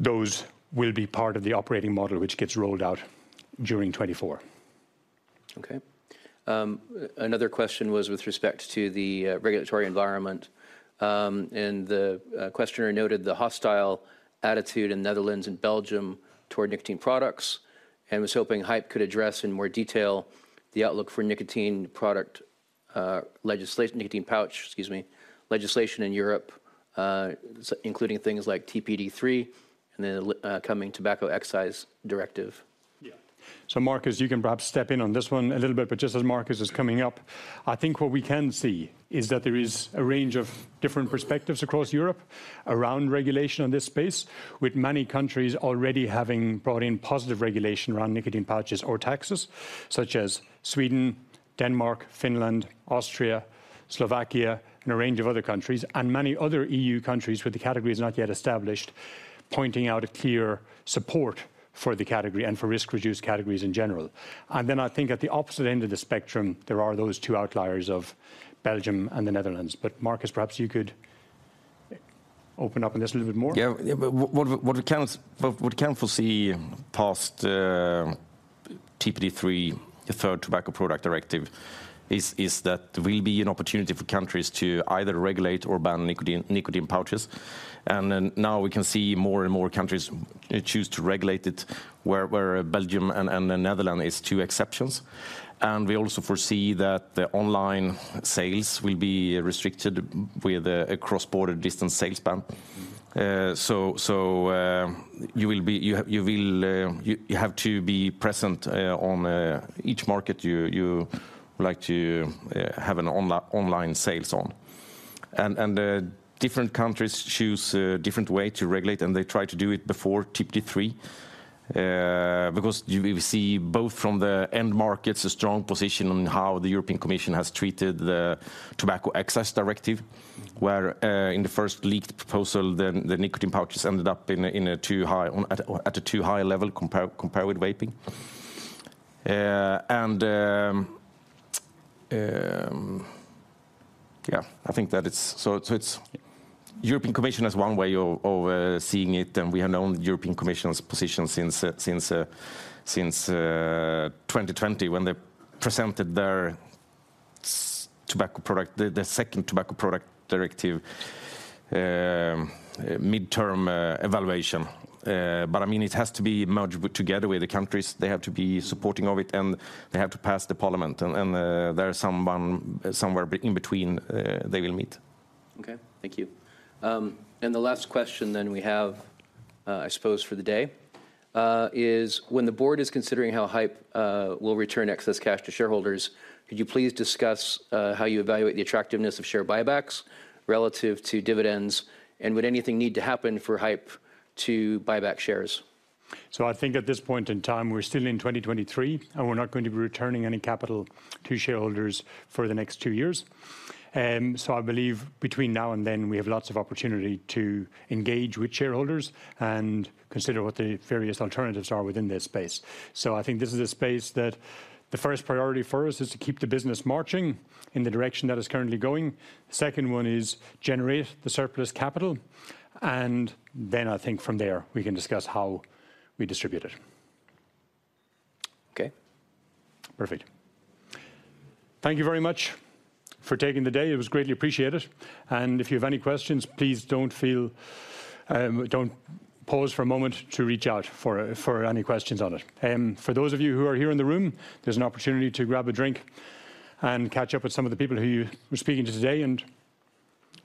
those will be part of the operating model which gets rolled out during 2024. Okay. Another question was with respect to the regulatory environment. And the questioner noted the hostile attitude in Netherlands and Belgium toward nicotine products and was hoping Haypp could address in more detail the outlook for nicotine pouch, excuse me, legislation in Europe, including things like TPD3 and the coming Tobacco Excise Directive. Yeah. So Markus, you can perhaps step in on this one a little bit, but just as Markus is coming up, I think what we can see is that there is a range of different perspectives across Europe around regulation in this space, with many countries already having brought in positive regulation around nicotine pouches or taxes, such as Sweden, Denmark, Finland, Austria, Slovakia, and a range of other countries, and many other EU countries where the category is not yet established, pointing out a clear support for the category and for risk-reduced categories in general. And then I think at the opposite end of the spectrum, there are those two outliers of Belgium and the Netherlands. But Markus, perhaps you could open up on this a little bit more? Yeah. Yeah, but what we can foresee past TPD3, the third Tobacco Products Directive, is that there will be an opportunity for countries to either regulate or ban nicotine pouches. And now we can see more and more countries choose to regulate it, where Belgium and the Netherlands is two exceptions. And we also foresee that the online sales will be restricted with a cross-border distance sales ban. So, you will be... You will have to be present on each market you like to have online sales on. And different countries choose a different way to regulate, and they try to do it before TPD3. Because you will see both from the end markets a strong position on how the European Commission has treated the Tobacco Excise Directive, where in the first leaked proposal, the nicotine pouches ended up in a too high, at a too high level compared with vaping. And yeah, I think that it's. So it's the European Commission has one way of seeing it, and we have known the European Commission's position since 2020, when they presented their tobacco product. The second Tobacco Products Directive mid-term evaluation. But I mean, it has to be merged together with the countries. They have to be supporting of it, and they have to pass the parliament, and there is someone, somewhere in between, they will meet. Okay, thank you. And the last question then we have, I suppose for the day, is: When the board is considering how Haypp will return excess cash to shareholders, could you please discuss how you evaluate the attractiveness of share buybacks relative to dividends? And would anything need to happen for Haypp to buy back shares? I think at this point in time, we're still in 2023, and we're not going to be returning any capital to shareholders for the next two years. I believe between now and then, we have lots of opportunity to engage with shareholders and consider what the various alternatives are within this space. I think this is a space that the first priority for us is to keep the business marching in the direction that it's currently going. The second one is generate the surplus capital, and then I think from there, we can discuss how we distribute it. Okay. Perfect. Thank you very much for taking the day. It was greatly appreciated. If you have any questions, please don't feel, don't pause for a moment to reach out for any questions on it. For those of you who are here in the room, there's an opportunity to grab a drink and catch up with some of the people who you were speaking to today, and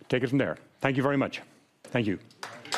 take it from there. Thank you very much. Thank you.